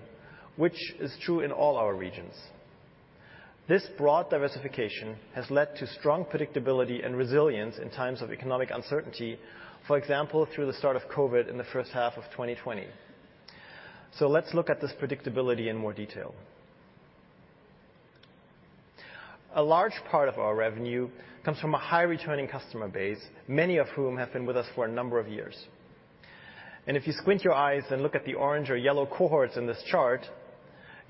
which is true in all our regions. This broad diversification has led to strong predictability and resilience in times of economic uncertainty, for example, through the start of COVID in the first half of 2020. Let's look at this predictability in more detail. A large part of our revenue comes from a high returning customer base, many of whom have been with us for a number of years. If you squint your eyes and look at the orange or yellow cohorts in this chart,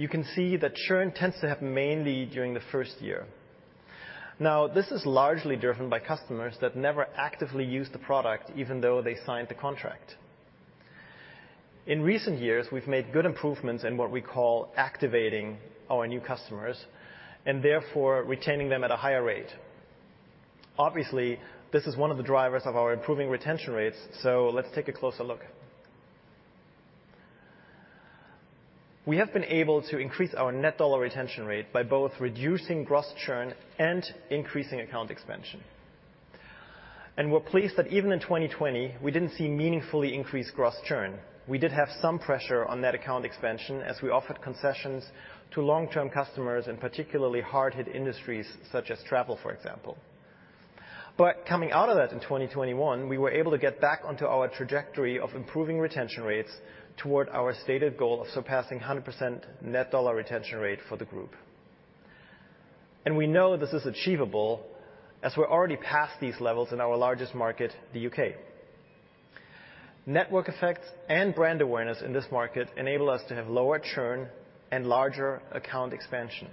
you can see that churn tends to happen mainly during the first year. Now, this is largely driven by customers that never actively use the product even though they signed the contract. In recent years, we've made good improvements in what we call activating our new customers and therefore retaining them at a higher rate. Obviously, this is one of the drivers of our improving retention rates, so let's take a closer look. We have been able to increase our net dollar retention rate by both reducing gross churn and increasing account expansion. We're pleased that even in 2020, we didn't see meaningfully increased gross churn. We did have some pressure on net account expansion as we offered concessions to long-term customers in particularly hard-hit industries such as travel, for example. Coming out of that in 2021, we were able to get back onto our trajectory of improving retention rates toward our stated goal of surpassing 100% net dollar retention rate for the group. We know this is achievable as we're already past these levels in our largest market, the U.K. Network effects and brand awareness in this market enable us to have lower churn and larger account expansion.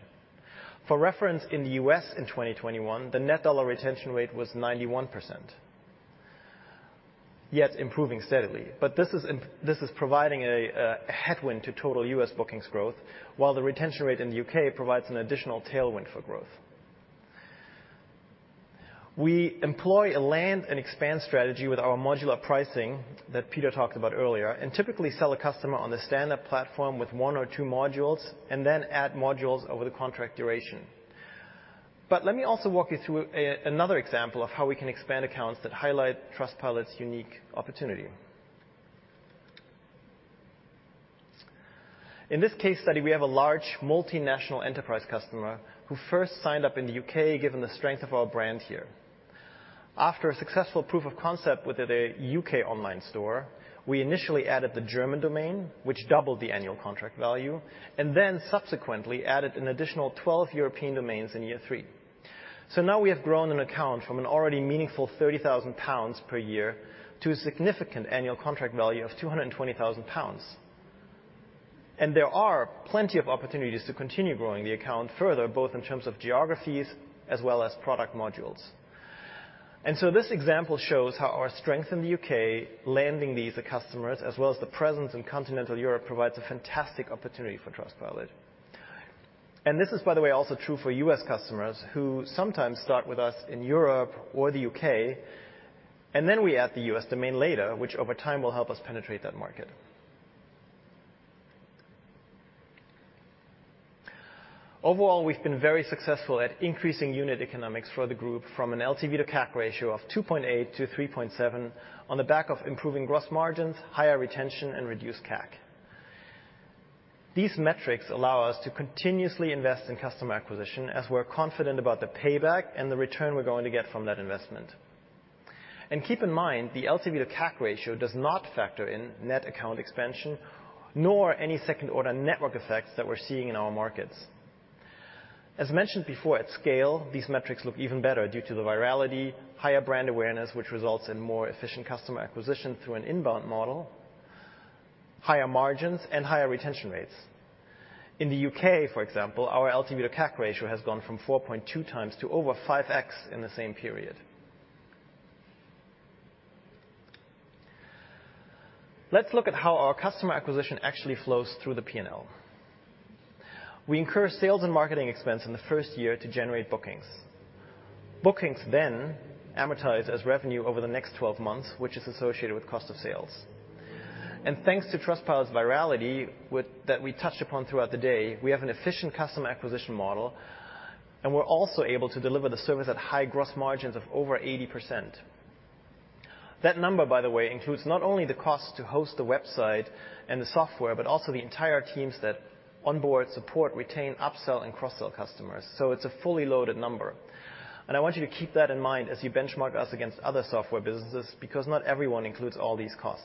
For reference, in the U.S. in 2021, the net dollar retention rate was 91%, yet improving steadily. This is providing a headwind to total U.S. bookings growth, while the retention rate in the U.K. provides an additional tailwind for growth. We employ a land and expand strategy with our modular pricing that Peter talked about earlier, and typically sell a customer on the standard platform with one or two modules, and then add modules over the contract duration. Let me also walk you through another example of how we can expand accounts that highlight Trustpilot's unique opportunity. In this case study, we have a large multinational enterprise customer who first signed up in the U.K. given the strength of our brand here. After a successful proof of concept with their U.K. online store, we initially added the German domain, which doubled the annual contract value, and then subsequently added an additional 12 European domains in year three. Now we have grown an account from an already meaningful 30,000 pounds per year to a significant annual contract value of 220,000 pounds. There are plenty of opportunities to continue growing the account further, both in terms of geographies as well as product modules. This example shows how our strength in the U.K., landing these customers, as well as the presence in continental Europe, provides a fantastic opportunity for Trustpilot. This is, by the way, also true for U.S. customers who sometimes start with us in Europe or the U.K., and then we add the U.S. domain later, which over time will help us penetrate that market. Overall, we've been very successful at increasing unit economics for the group from an LTV to CAC ratio of 2.8-3.7 on the back of improving gross margins, higher retention, and reduced CAC. These metrics allow us to continuously invest in customer acquisition as we're confident about the payback and the return we're going to get from that investment. Keep in mind, the LTV to CAC ratio does not factor in net account expansion nor any second-order network effects that we're seeing in our markets. As mentioned before, at scale, these metrics look even better due to the virality, higher brand awareness, which results in more efficient customer acquisition through an inbound model, higher margins, and higher retention rates. In the U.K., for example, our LTV to CAC ratio has gone from 4.2x to over 5x in the same period. Let's look at how our customer acquisition actually flows through the P&L. We incur sales and marketing expense in the first year to generate bookings. Bookings then amortize as revenue over the next 12 months, which is associated with cost of sales. Thanks to Trustpilot's virality that we touched upon throughout the day, we have an efficient customer acquisition model, and we're also able to deliver the service at high gross margins of over 80%. That number, by the way, includes not only the cost to host the website and the software, but also the entire teams that onboard support, retain, upsell, and cross-sell customers. It's a fully loaded number. I want you to keep that in mind as you benchmark us against other software businesses because not everyone includes all these costs.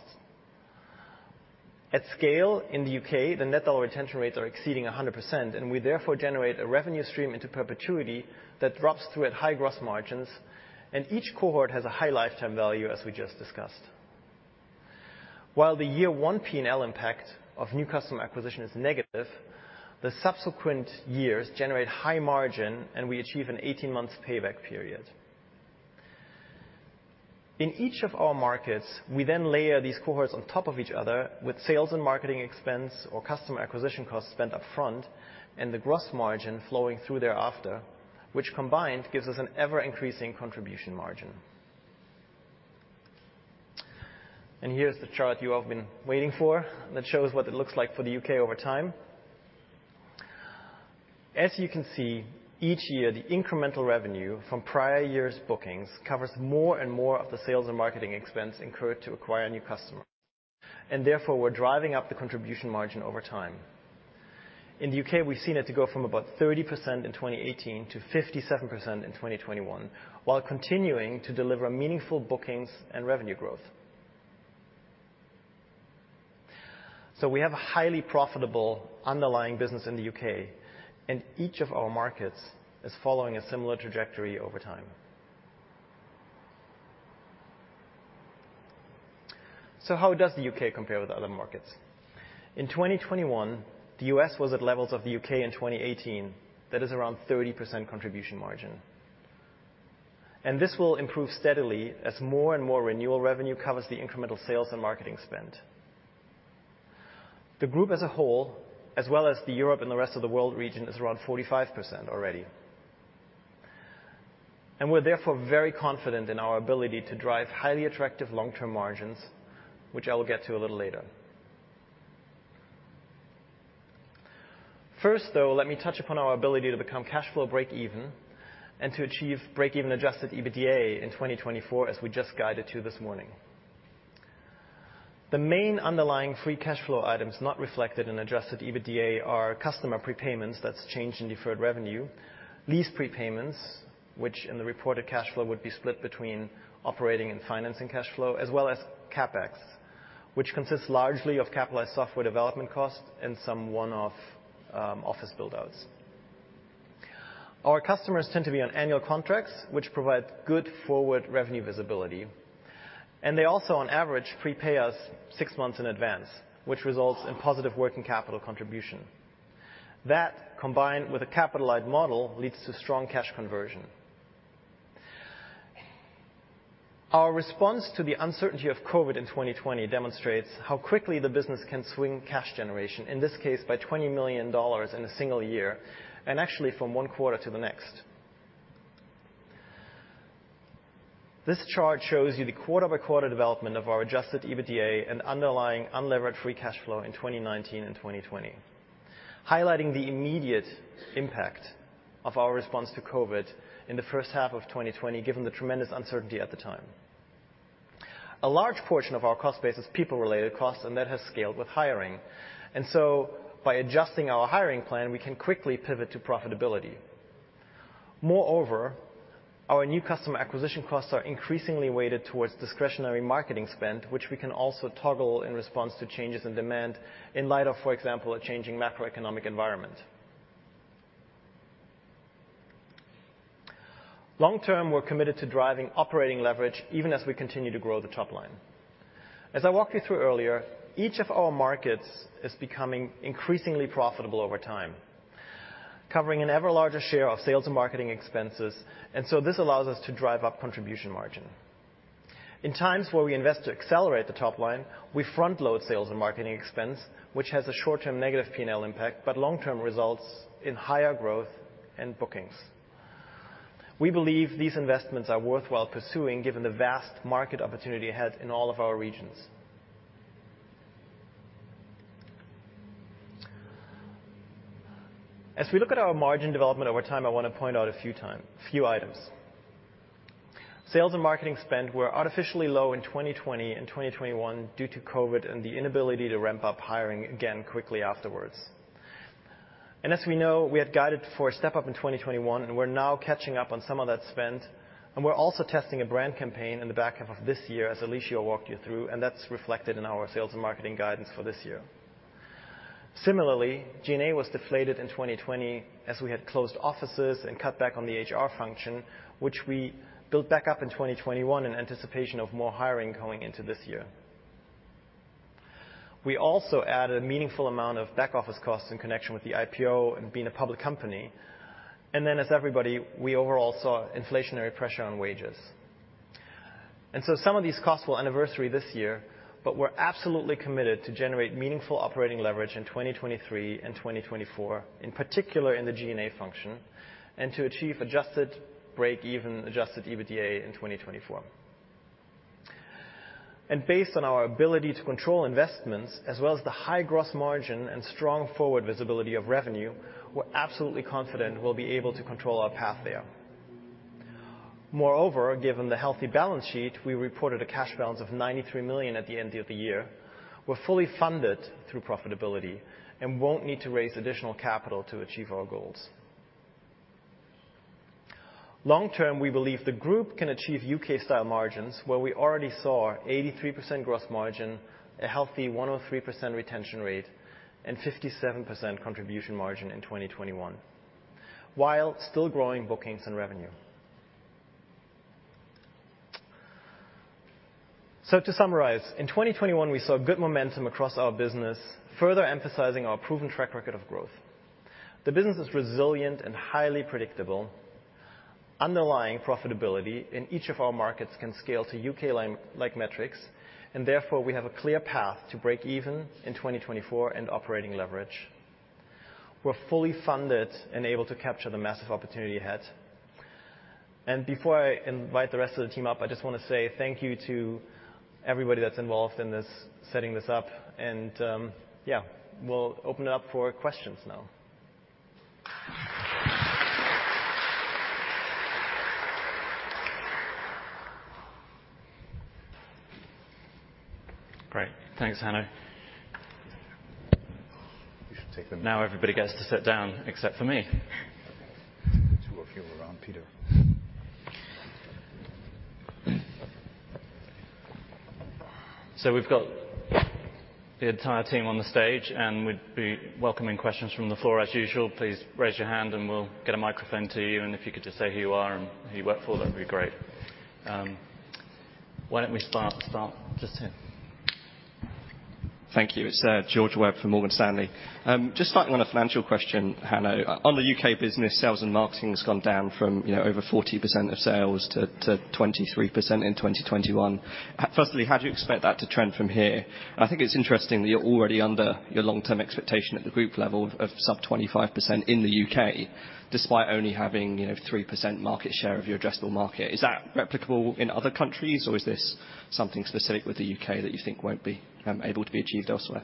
At scale in the U.K., the net dollar retention rates are exceeding 100%, and we therefore generate a revenue stream into perpetuity that drops through at high gross margins, and each cohort has a high lifetime value, as we just discussed. While the year-one P&L impact of new customer acquisition is negative, the subsequent years generate high margin, and we achieve an 18-month payback period. In each of our markets, we then layer these cohorts on top of each other with sales and marketing expense or customer acquisition costs spent up front and the gross margin flowing through thereafter, which combined gives us an ever-increasing contribution margin. Here's the chart you have been waiting for that shows what it looks like for the U.K. over time. As you can see, each year, the incremental revenue from prior year's bookings covers more and more of the sales and marketing expense incurred to acquire a new customer. Therefore, we're driving up the contribution margin over time. In the U.K., we've seen it to go from about 30% in 2018 to 57% in 2021 while continuing to deliver meaningful bookings and revenue growth. We have a highly profitable underlying business in the U.K., and each of our markets is following a similar trajectory over time. How does the U.K. compare with other markets? In 2021, the U.S. was at levels of the U.K. in 2018. That is around 30% contribution margin. This will improve steadily as more and more renewal revenue covers the incremental sales and marketing spend. The group as a whole, as well as the Europe and the rest of the world region, is around 45% already. We're therefore very confident in our ability to drive highly attractive long-term margins, which I will get to a little later. First, though, let me touch upon our ability to become cash flow break even and to achieve break-even adjusted EBITDA in 2024, as we just guided to this morning. The main underlying free cash flow items not reflected in adjusted EBITDA are customer prepayments, that's change in deferred revenue, lease prepayments, which in the reported cash flow would be split between operating and financing cash flow, as well as CapEx, which consists largely of capitalized software development costs and some one-off office build-outs. Our customers tend to be on annual contracts, which provide good forward revenue visibility. They also, on average, prepay us six months in advance, which results in positive working capital contribution. That, combined with a capitalized model, leads to strong cash conversion. Our response to the uncertainty of COVID in 2020 demonstrates how quickly the business can swing cash generation, in this case by $20 million in a single year, and actually from one quarter to the next. This chart shows you the quarter-by-quarter development of our adjusted EBITDA and underlying unlevered free cash flow in 2019 and 2020, highlighting the immediate impact of our response to COVID in the first half of 2020, given the tremendous uncertainty at the time. A large portion of our cost base is people-related costs, and that has scaled with hiring. By adjusting our hiring plan, we can quickly pivot to profitability. Moreover, our new customer acquisition costs are increasingly weighted towards discretionary marketing spend, which we can also toggle in response to changes in demand in light of, for example, a changing macroeconomic environment. Long term, we're committed to driving operating leverage even as we continue to grow the top line. As I walked you through earlier, each of our markets is becoming increasingly profitable over time, covering an ever larger share of sales and marketing expenses. This allows us to drive up contribution margin. In times where we invest to accelerate the top line, we front-load sales and marketing expense, which has a short-term negative P&L impact, but long-term results in higher growth and bookings. We believe these investments are worthwhile pursuing given the vast market opportunity ahead in all of our regions. As we look at our margin development over time, I want to point out a few items. Sales and marketing spend were artificially low in 2020 and 2021 due to COVID and the inability to ramp up hiring again quickly afterwards. As we know, we had guided for a step-up in 2021, and we're now catching up on some of that spend. We're also testing a brand campaign in the back half of this year, as Alicia walked you through, and that's reflected in our sales and marketing guidance for this year. Similarly, G&A was deflated in 2020 as we had closed offices and cut back on the HR function, which we built back up in 2021 in anticipation of more hiring going into this year. We also added a meaningful amount of back-office costs in connection with the IPO and being a public company. Then as everybody, we overall saw inflationary pressure on wages. Some of these costs will anniversary this year, but we're absolutely committed to generate meaningful operating leverage in 2023 and 2024, in particular in the G&A function, and to achieve adjusted break-even adjusted EBITDA in 2024. Based on our ability to control investments as well as the high gross margin and strong forward visibility of revenue, we're absolutely confident we'll be able to control our path there. Moreover, given the healthy balance sheet, we reported a cash balance of $93 million at the end of the year. We're fully funded through profitability and won't need to raise additional capital to achieve our goals. Long term, we believe the group can achieve U.K.-style margins where we already saw 83% gross margin, a healthy 103% retention rate, and 57% contribution margin in 2021, while still growing bookings and revenue. To summarize, in 2021, we saw good momentum across our business, further emphasizing our proven track record of growth. The business is resilient and highly predictable. Underlying profitability in each of our markets can scale to U.K.-like metrics, and therefore, we have a clear path to break even in 2024 and operating leverage. We're fully funded and able to capture the massive opportunity ahead. Before I invite the rest of the team up, I just wanna say thank you to everybody that's involved in this, setting this up. Yeah, we'll open it up for questions now. Great. Thanks, Hanno. You should take them. Now everybody gets to sit down except for me. Two of you around Peter. We've got the entire team on the stage, and we'd be welcoming questions from the floor. As usual, please raise your hand and we'll get a microphone to you. If you could just say who you are and who you work for, that'd be great. Why don't we start just here. Thank you. It's George Webb from Morgan Stanley. Just starting on a financial question, Hanno. On the U.K. business, sales and marketing has gone down from, you know, over 40% of sales to 23% in 2021. Firstly, how do you expect that to trend from here? I think it's interesting that you're already under your long-term expectation at the group level of sub-25% in the U.K., despite only having, you know, 3% market share of your addressable market. Is that replicable in other countries, or is this something specific with the U.K. that you think won't be able to be achieved elsewhere?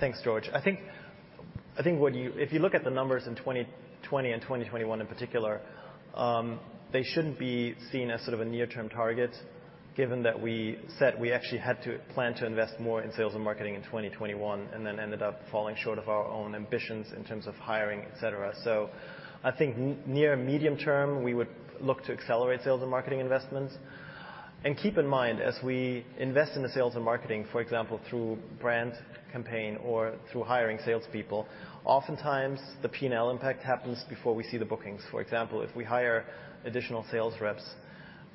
Thanks, George. I think what you... If you look at the numbers in 2020 and 2021 in particular, they shouldn't be seen as sort of a near-term target, given that we said we actually had to plan to invest more in sales and marketing in 2021 and then ended up falling short of our own ambitions in terms of hiring, etc. I think near-medium term, we would look to accelerate sales and marketing investments. Keep in mind, as we invest in the sales and marketing, for example, through brand campaign or through hiring salespeople, oftentimes the P&L impact happens before we see the bookings. For example, if we hire additional sales reps,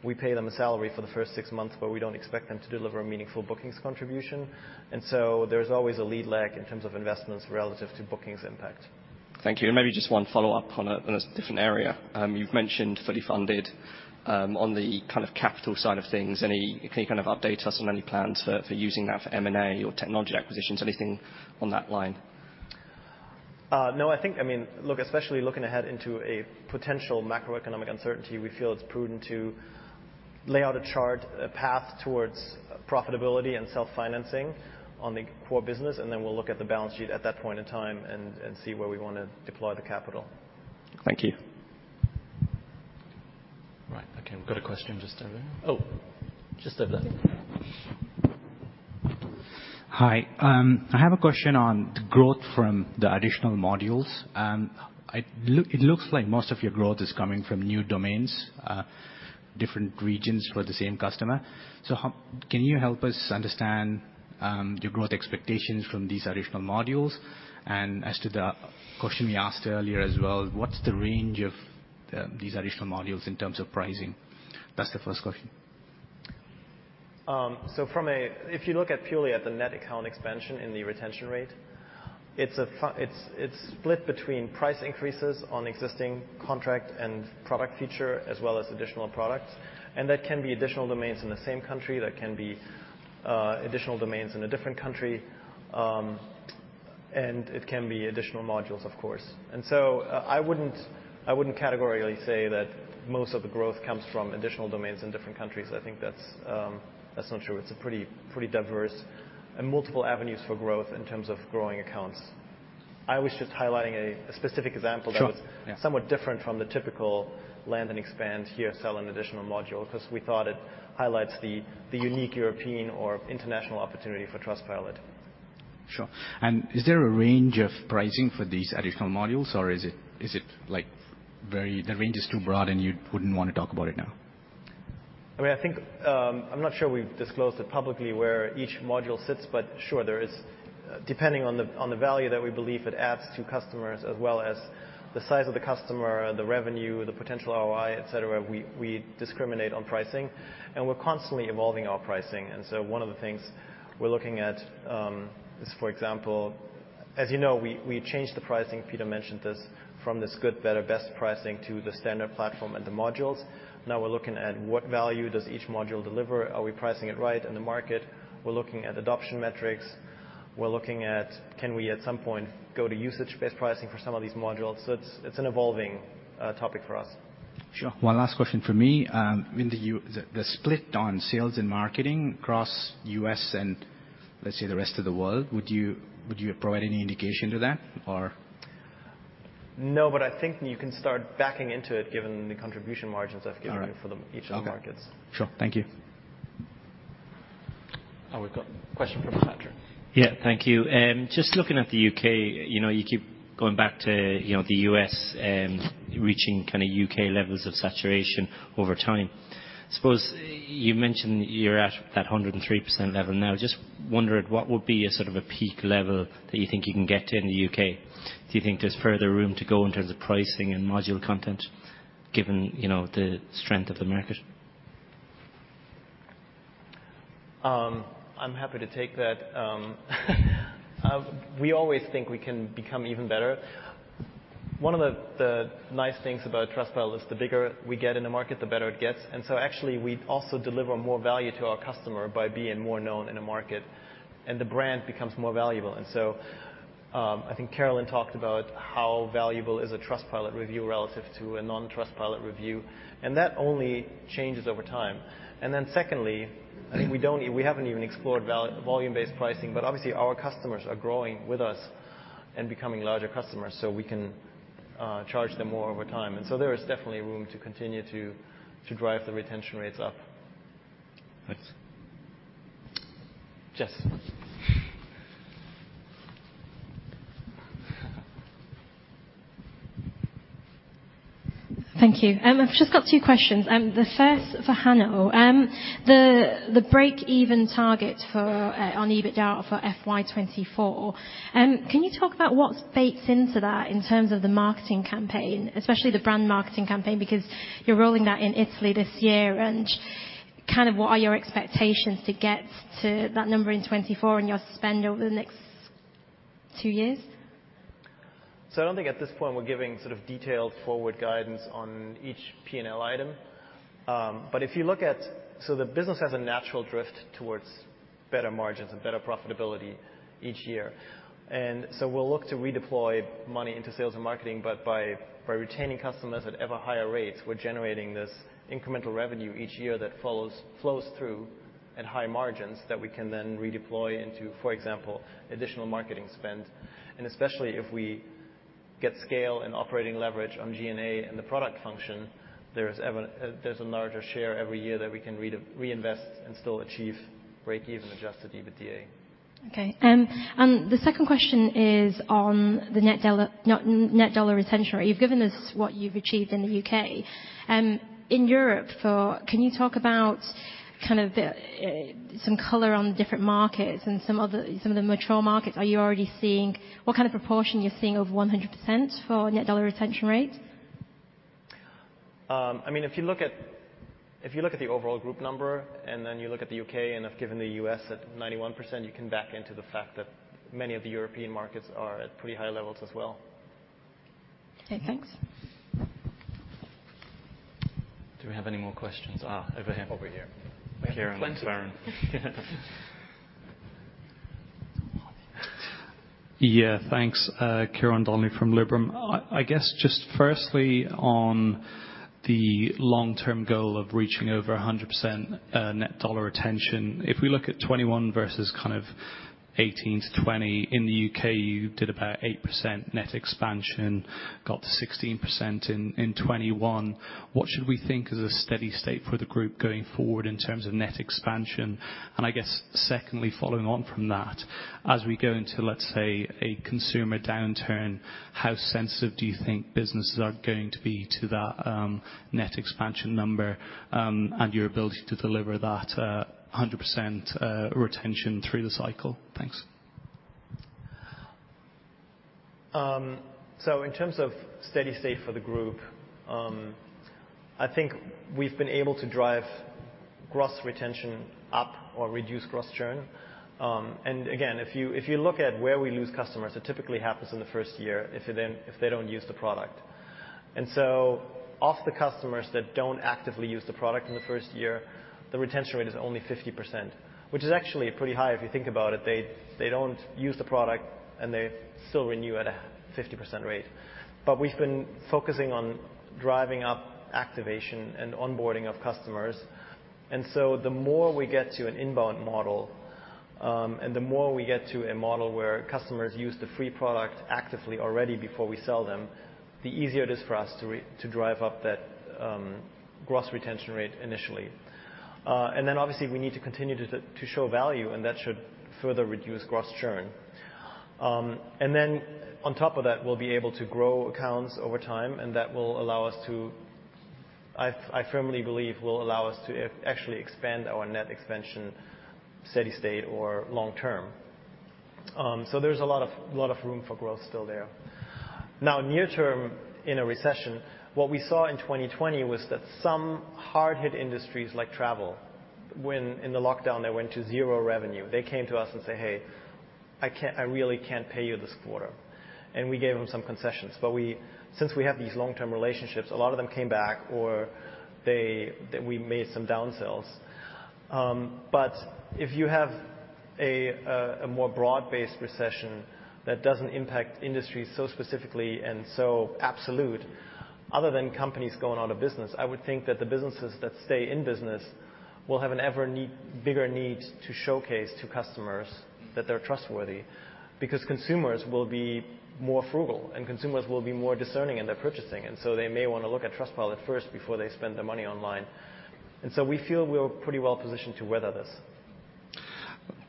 we pay them a salary for the first six months, but we don't expect them to deliver a meaningful bookings contribution. There's always a lead lag in terms of investments relative to bookings impact. Thank you. Maybe just one follow-up on a different area. You've mentioned fully funded on the kind of capital side of things. Can you kind of update us on any plans for using that for M&A or technology acquisitions, anything on that line? No, I think I mean, look, especially looking ahead into a potential macroeconomic uncertainty, we feel it's prudent to lay out a chart, a path towards profitability and self-financing on the core business, and then we'll look at the balance sheet at that point in time and see where we wanna deploy the capital. Thank you. Right. Okay. We've got a question just over here. Oh, just over there. Hi. I have a question on the growth from the additional modules. It looks like most of your growth is coming from new domains, different regions for the same customer. Can you help us understand your growth expectations from these additional modules? As to the question we asked earlier as well, what's the range of these additional modules in terms of pricing? That's the first question. If you look at purely at the net account expansion and the retention rate, it's split between price increases on existing contract and product feature as well as additional products. That can be additional domains in the same country, that can be additional domains in a different country, and it can be additional modules, of course. I wouldn't categorically say that most of the growth comes from additional domains in different countries. I think that's not true. It's a pretty diverse and multiple avenues for growth in terms of growing accounts. I was just highlighting a specific example. Sure. Yeah. that was somewhat different from the typical land and expand here, sell an additional module 'cause we thought it highlights the unique European or international opportunity for Trustpilot. Sure. Is there a range of pricing for these additional modules, or is it like very. The range is too broad and you wouldn't wanna talk about it now? I mean, I think, I'm not sure we've disclosed it publicly where each module sits, but sure, there is. Depending on the value that we believe it adds to customers as well as the size of the customer, the revenue, the potential ROI, et cetera, we discriminate on pricing, and we're constantly evolving our pricing. One of the things we're looking at is, for example, as you know, we changed the pricing, Peter mentioned this, from this good, better, best pricing to the standard platform and the modules. Now we're looking at what value does each module deliver. Are we pricing it right in the market? We're looking at adoption metrics. We're looking at can we at some point go to usage-based pricing for some of these modules? It's an evolving topic for us. Sure. One last question from me. The split on sales and marketing across U.S. and, let's say, the rest of the world, would you provide any indication to that or? No, I think you can start backing into it given the contribution margins I've given you. All right. for each of the markets. Okay. Sure. Thank you. Now we've got question from Patrick. Yeah. Thank you. Just looking at the U.K., You know, you keep going back to, you know, the U.S. and reaching kind of U.K. levels of saturation over time. Suppose you mentioned you're at that 103% level now. Just wondering what would be a sort of a peak level that you think you can get to in the U.K.. Do you think there's further room to go in terms of pricing and module content given, you know, the strength of the market? I'm happy to take that. We always think we can become even better. One of the nice things about Trustpilot is the bigger we get in the market, the better it gets. Actually we also deliver more value to our customer by being more known in the market, and the brand becomes more valuable. I think Carolyn talked about how valuable is a Trustpilot review relative to a non-Trustpilot review, and that only changes over time. Secondly, I think we haven't even explored volume-based pricing. Obviously, our customers are growing with us and becoming larger customers, so we can charge them more over time. There is definitely room to continue to drive the retention rates up. Thanks. Jess. Thank you. I've just got two questions. The first for Hanno. The breakeven target on EBITDA for FY 2024. Can you talk about what bakes into that in terms of the marketing campaign, especially the brand marketing campaign? Because you're rolling that in Italy this year and kind of what are your expectations to get to that number in 2024 and your spend over the next two years? I don't think at this point we're giving sort of detailed forward guidance on each P&L item. But if you look at, the business has a natural drift towards better margins and better profitability each year. We'll look to redeploy money into sales and marketing, but by retaining customers at ever higher rates, we're generating this incremental revenue each year that flows through at high margins that we can then redeploy into, for example, additional marketing spend. Especially if we get scale and operating leverage on G&A and the product function, there's a larger share every year that we can reinvest and still achieve break-even adjusted EBITDA. Okay. The second question is on the net dollar retention rate. You've given us what you've achieved in the U.K.. In Europe, can you talk about kind of the some color on the different markets and some of the mature markets. Are you already seeing what kind of proportion you're seeing of 100% for net dollar retention rates? I mean, if you look at the overall group number, and then you look at the U.K., and I've given the U.S. at 91%, you can back into the fact that many of the European markets are at pretty high levels as well. Okay, thanks. Do we have any more questions? Over here. Over here. Karen Barron. We have plenty. Yeah, thanks. Ciaran Donnelly from Liberum. I guess just firstly on the long-term goal of reaching over 100%, net dollar retention. If we look at 2021 versus kind of 2018-2020, in the U.K. you did about 8% net expansion, got to 16% in 2021. What should we think is a steady state for the group going forward in terms of net expansion? I guess secondly, following on from that, as we go into, let's say, a consumer downturn, how sensitive do you think businesses are going to be to that net expansion number, and your ability to deliver that 100% retention through the cycle? Thanks. In terms of steady state for the group, I think we've been able to drive gross retention up or reduce gross churn. Again, if you look at where we lose customers, it typically happens in the first year if they don't use the product. Of the customers that don't actively use the product in the first year, the retention rate is only 50%, which is actually pretty high if you think about it. They don't use the product and they still renew at a 50% rate. We've been focusing on driving up activation and onboarding of customers. The more we get to an inbound model, and the more we get to a model where customers use the free product actively already before we sell them, the easier it is for us to drive up that gross retention rate initially. Obviously we need to continue to show value and that should further reduce gross churn. On top of that, we'll be able to grow accounts over time, and that will allow us to, I firmly believe, actually expand our net expansion steady state or long term. There's a lot of room for growth still there. Now, near term in a recession, what we saw in 2020 was that some hard-hit industries like travel, when in the lockdown they went to zero revenue. They came to us and say, "Hey, I really can't pay you this quarter." We gave them some concessions. Since we have these long-term relationships, a lot of them came back, or we made some downsells. If you have a more broad-based recession that doesn't impact industries so specifically and so absolute other than companies going out of business, I would think that the businesses that stay in business will have an ever bigger need to showcase to customers that they're trustworthy because consumers will be more frugal, and consumers will be more discerning in their purchasing, and so they may wanna look at Trustpilot first before they spend their money online. We feel we're pretty well positioned to weather this.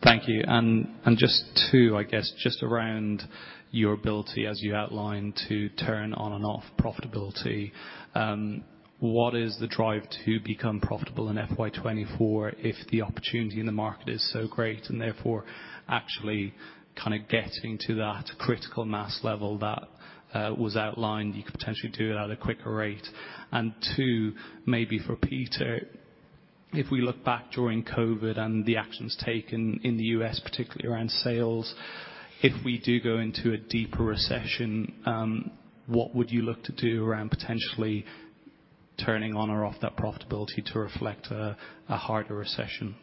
Thank you. Just two, I guess, just around your ability as you outlined, to turn on and off profitability. What is the drive to become profitable in FY 2024 if the opportunity in the market is so great, and therefore actually kinda getting to that critical mass level that was outlined, you could potentially do it at a quicker rate? Two, maybe for Peter, if we look back during COVID and the actions taken in the U.S., particularly around sales, if we do go into a deeper recession, what would you look to do around potentially turning on or off that profitability to reflect a harder recession?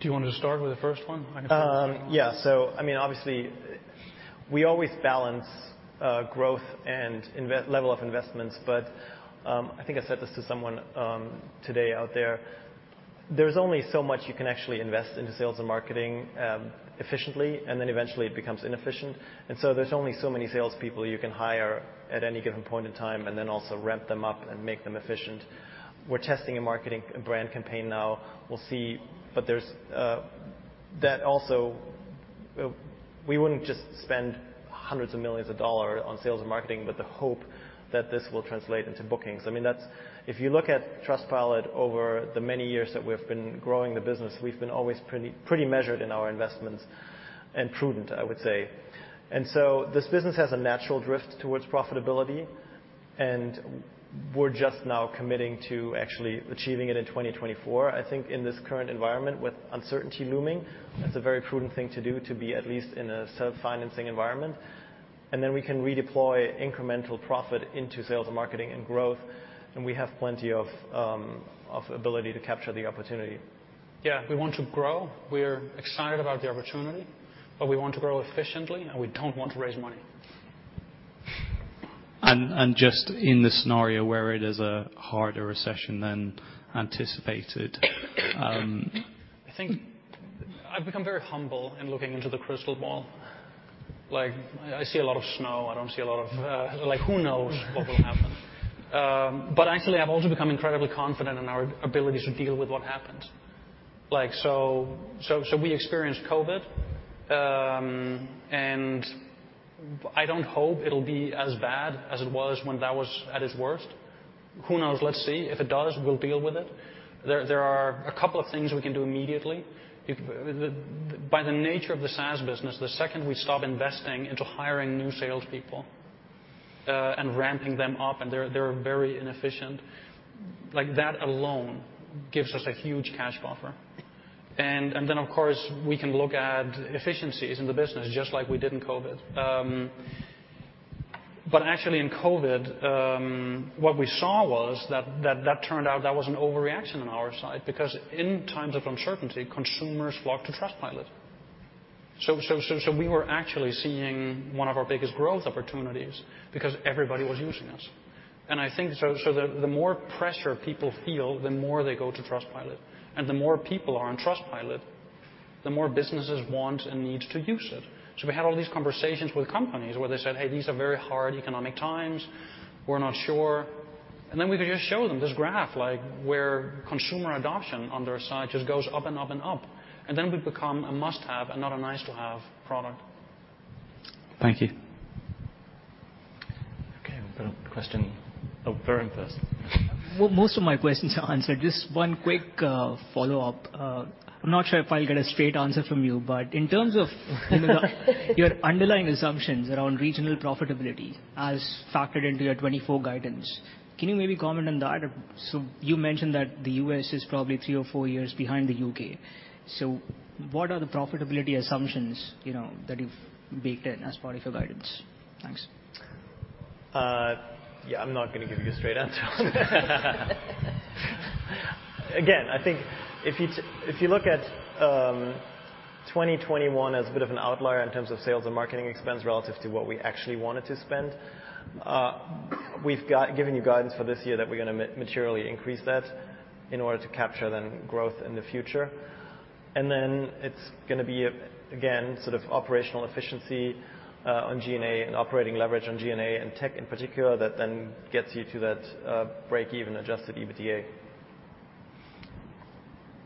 Do you want to start with the first one? I mean, obviously we always balance growth and level of investments, but I think I said this to someone today out there's only so much you can actually invest into sales and marketing efficiently, and then eventually it becomes inefficient. There's only so many salespeople you can hire at any given point in time, and then also ramp them up and make them efficient. We're testing a marketing brand campaign now. We'll see. There's that also. We wouldn't just spend hundreds of millions of dollars on sales and marketing with the hope that this will translate into bookings. I mean, that's if you look at Trustpilot over the many years that we've been growing the business, we've been always pretty measured in our investments and prudent, I would say. This business has a natural drift toward profitability, and we're just now committing to actually achieving it in 2024. I think in this current environment with uncertainty looming, that's a very prudent thing to do, to be at least in a self-financing environment. Then we can redeploy incremental profit into sales and marketing and growth, and we have plenty of ability to capture the opportunity. Yeah. We want to grow. We're excited about the opportunity, but we want to grow efficiently, and we don't want to raise money. Just in the scenario where it is a harder recession than anticipated. I think I've become very humble in looking into the crystal ball. Like I see a lot of snow. Like, who knows what will happen? But actually I've also become incredibly confident in our ability to deal with what happens. Like, we experienced COVID, and I don't hope it'll be as bad as it was when that was at its worst. Who knows? Let's see. If it does, we'll deal with it. There are a couple of things we can do immediately. By the nature of the SaaS business, the second we stop investing into hiring new salespeople and ramping them up, and they're very inefficient, like that alone gives us a huge cash buffer. Then of course, we can look at efficiencies in the business just like we did in COVID. Actually in COVID, what we saw was that that turned out that was an overreaction on our side because in times of uncertainty, consumers flock to Trustpilot. We were actually seeing one of our biggest growth opportunities because everybody was using us. I think the more pressure people feel, the more they go to Trustpilot. The more people are on Trustpilot, the more businesses want and need to use it. We had all these conversations with companies where they said, "Hey, these are very hard economic times. We're not sure." Then we could just show them this graph, like where consumer adoption on their side just goes up and up and up, and then we become a must-have and not a nice-to-have product. Thank you. Okay. We've got a question. Oh, Varun first. Well, most of my questions are answered. Just one quick follow-up. I'm not sure if I'll get a straight answer from you, but in terms of your underlying assumptions around regional profitability as factored into your 2024 guidance, can you maybe comment on that? You mentioned that the U.S. is probably three or four years behind the U.K.. What are the profitability assumptions, you know, that you've baked in as part of your guidance? Thanks. Yeah, I'm not gonna give you a straight answer on that. Again, I think if you look at 2021 as a bit of an outlier in terms of sales and marketing expense relative to what we actually wanted to spend. We've given you guidance for this year that we're gonna materially increase that in order to capture the growth in the future. Then it's gonna be, again, sort of operational efficiency on G&A and operating leverage on G&A and tech in particular that then gets you to that break-even adjusted EBITDA.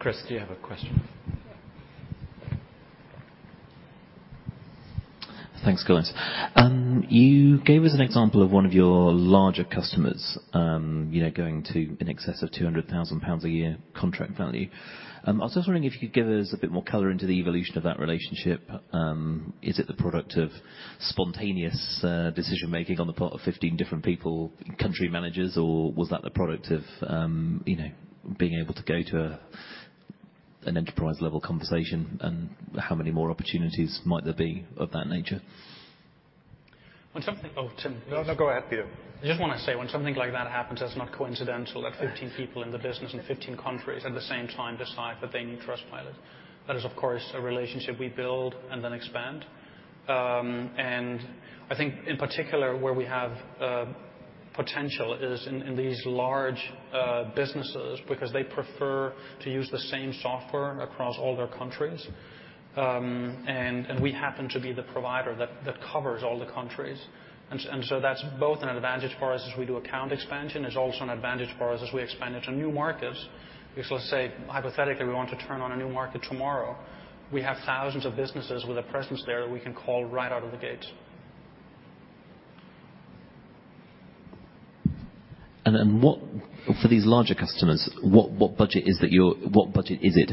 Chris, do you have a question? Thanks, guys. You gave us an example of one of your larger customers, you know, going to in excess of 200,000 pounds a year contract value. I was just wondering if you could give us a bit more color into the evolution of that relationship. Is it the product of spontaneous decision-making on the part of 15 different people, country managers, or was that the product of, you know, being able to go to an enterprise level conversation? How many more opportunities might there be of that nature? Oh, Tim. No, no, go ahead, Peter. I just want to say, when something like that happens, that's not coincidental that 15 people in the business in 15 countries at the same time decide that they need Trustpilot. That is, of course, a relationship we build and then expand. I think in particular where we have potential is in these large businesses because they prefer to use the same software across all their countries. We happen to be the provider that covers all the countries. That's both an advantage for us as we do account expansion. It's also an advantage for us as we expand into new markets. Let's say, hypothetically, we want to turn on a new market tomorrow. We have thousands of businesses with a presence there that we can call right out of the gate. For these larger customers, what budget is it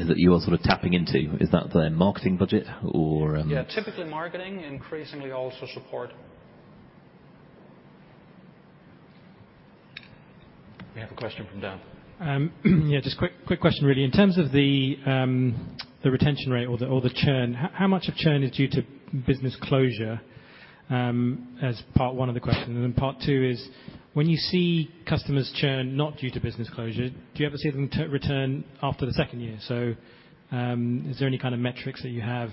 that you are sort of tapping into? Is that their marketing budget or Yeah, typically marketing, increasingly also support. We have a question from Daud Khan. Yeah, just quick question really. In terms of the retention rate or the churn, how much of churn is due to business closure? As part one of the question. Part two is, when you see customers churn not due to business closure, do you ever see them return after the second year? Is there any kind of metrics that you have?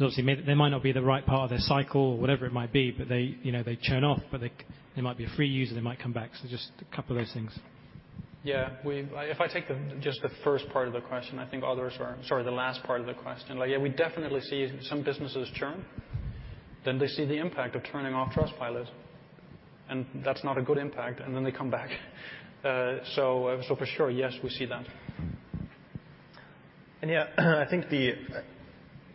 Obviously, they might not be the right part of their cycle, whatever it might be, but you know, they churn off, but they might be a free user, they might come back. Just a couple of those things. Yeah. If I take just the first part of the question, sorry, the last part of the question. Like, yeah, we definitely see some businesses churn. Then they see the impact of churning off Trustpilot, and that's not a good impact, and then they come back. So, for sure, yes, we see that. Yeah, I think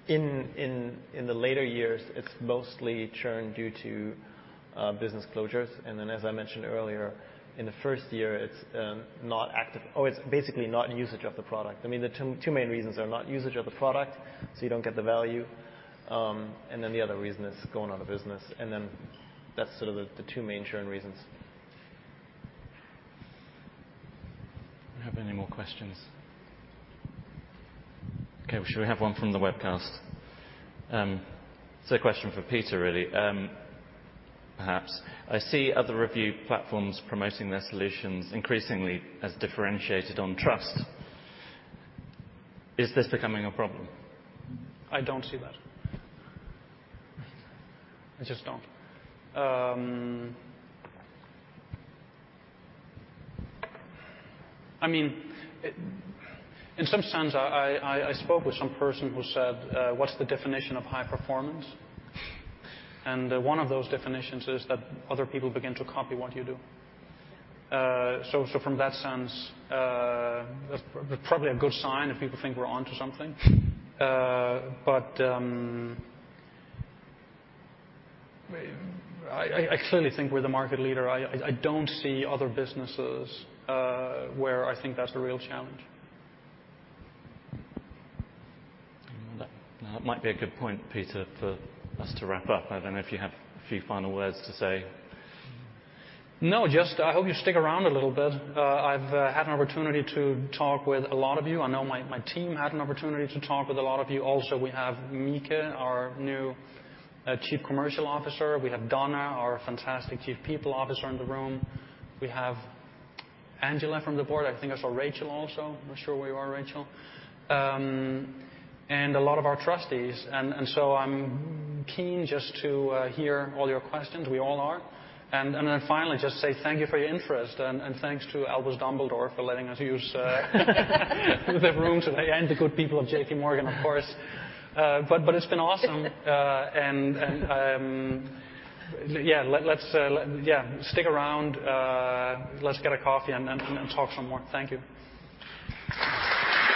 in the later years, it's mostly churn due to business closures. Then, as I mentioned earlier, in the first year, it's not active. Or it's basically not usage of the product. I mean, the two main reasons are not usage of the product, so you don't get the value, and then the other reason is going out of business. Then that's sort of the two main churn reasons. Do we have any more questions? Okay, we sure have one from the webcast. A question for Peter really, perhaps. I see other review platforms promoting their solutions increasingly as differentiated on trust. Is this becoming a problem? I don't see that. I just don't. I mean, it, in some sense, I spoke with some person who said, "What's the definition of high performance?" One of those definitions is that other people begin to copy what you do. From that sense, it's probably a good sign if people think we're onto something. I clearly think we're the market leader. I don't see other businesses where I think that's the real challenge. That might be a good point, Peter, for us to wrap up. I don't know if you have a few final words to say. No, just I hope you stick around a little bit. I've had an opportunity to talk with a lot of you. I know my team had an opportunity to talk with a lot of you. Also, we have Mika, our new Chief Commercial Officer. We have Donna, our fantastic Chief People Officer in the room. We have Angela from the board. I think I saw Rachel also. I'm not sure where you are, Rachel. And a lot of our trustees. So I'm keen just to hear all your questions. We all are. Then finally, just say thank you for your interest. Thanks to Albus Dumbledore for letting us use the room today, and the good people of JPMorgan, of course. But it's been awesome. Yeah, let's yeah. Stick around. Let's get a coffee and talk some more. Thank you.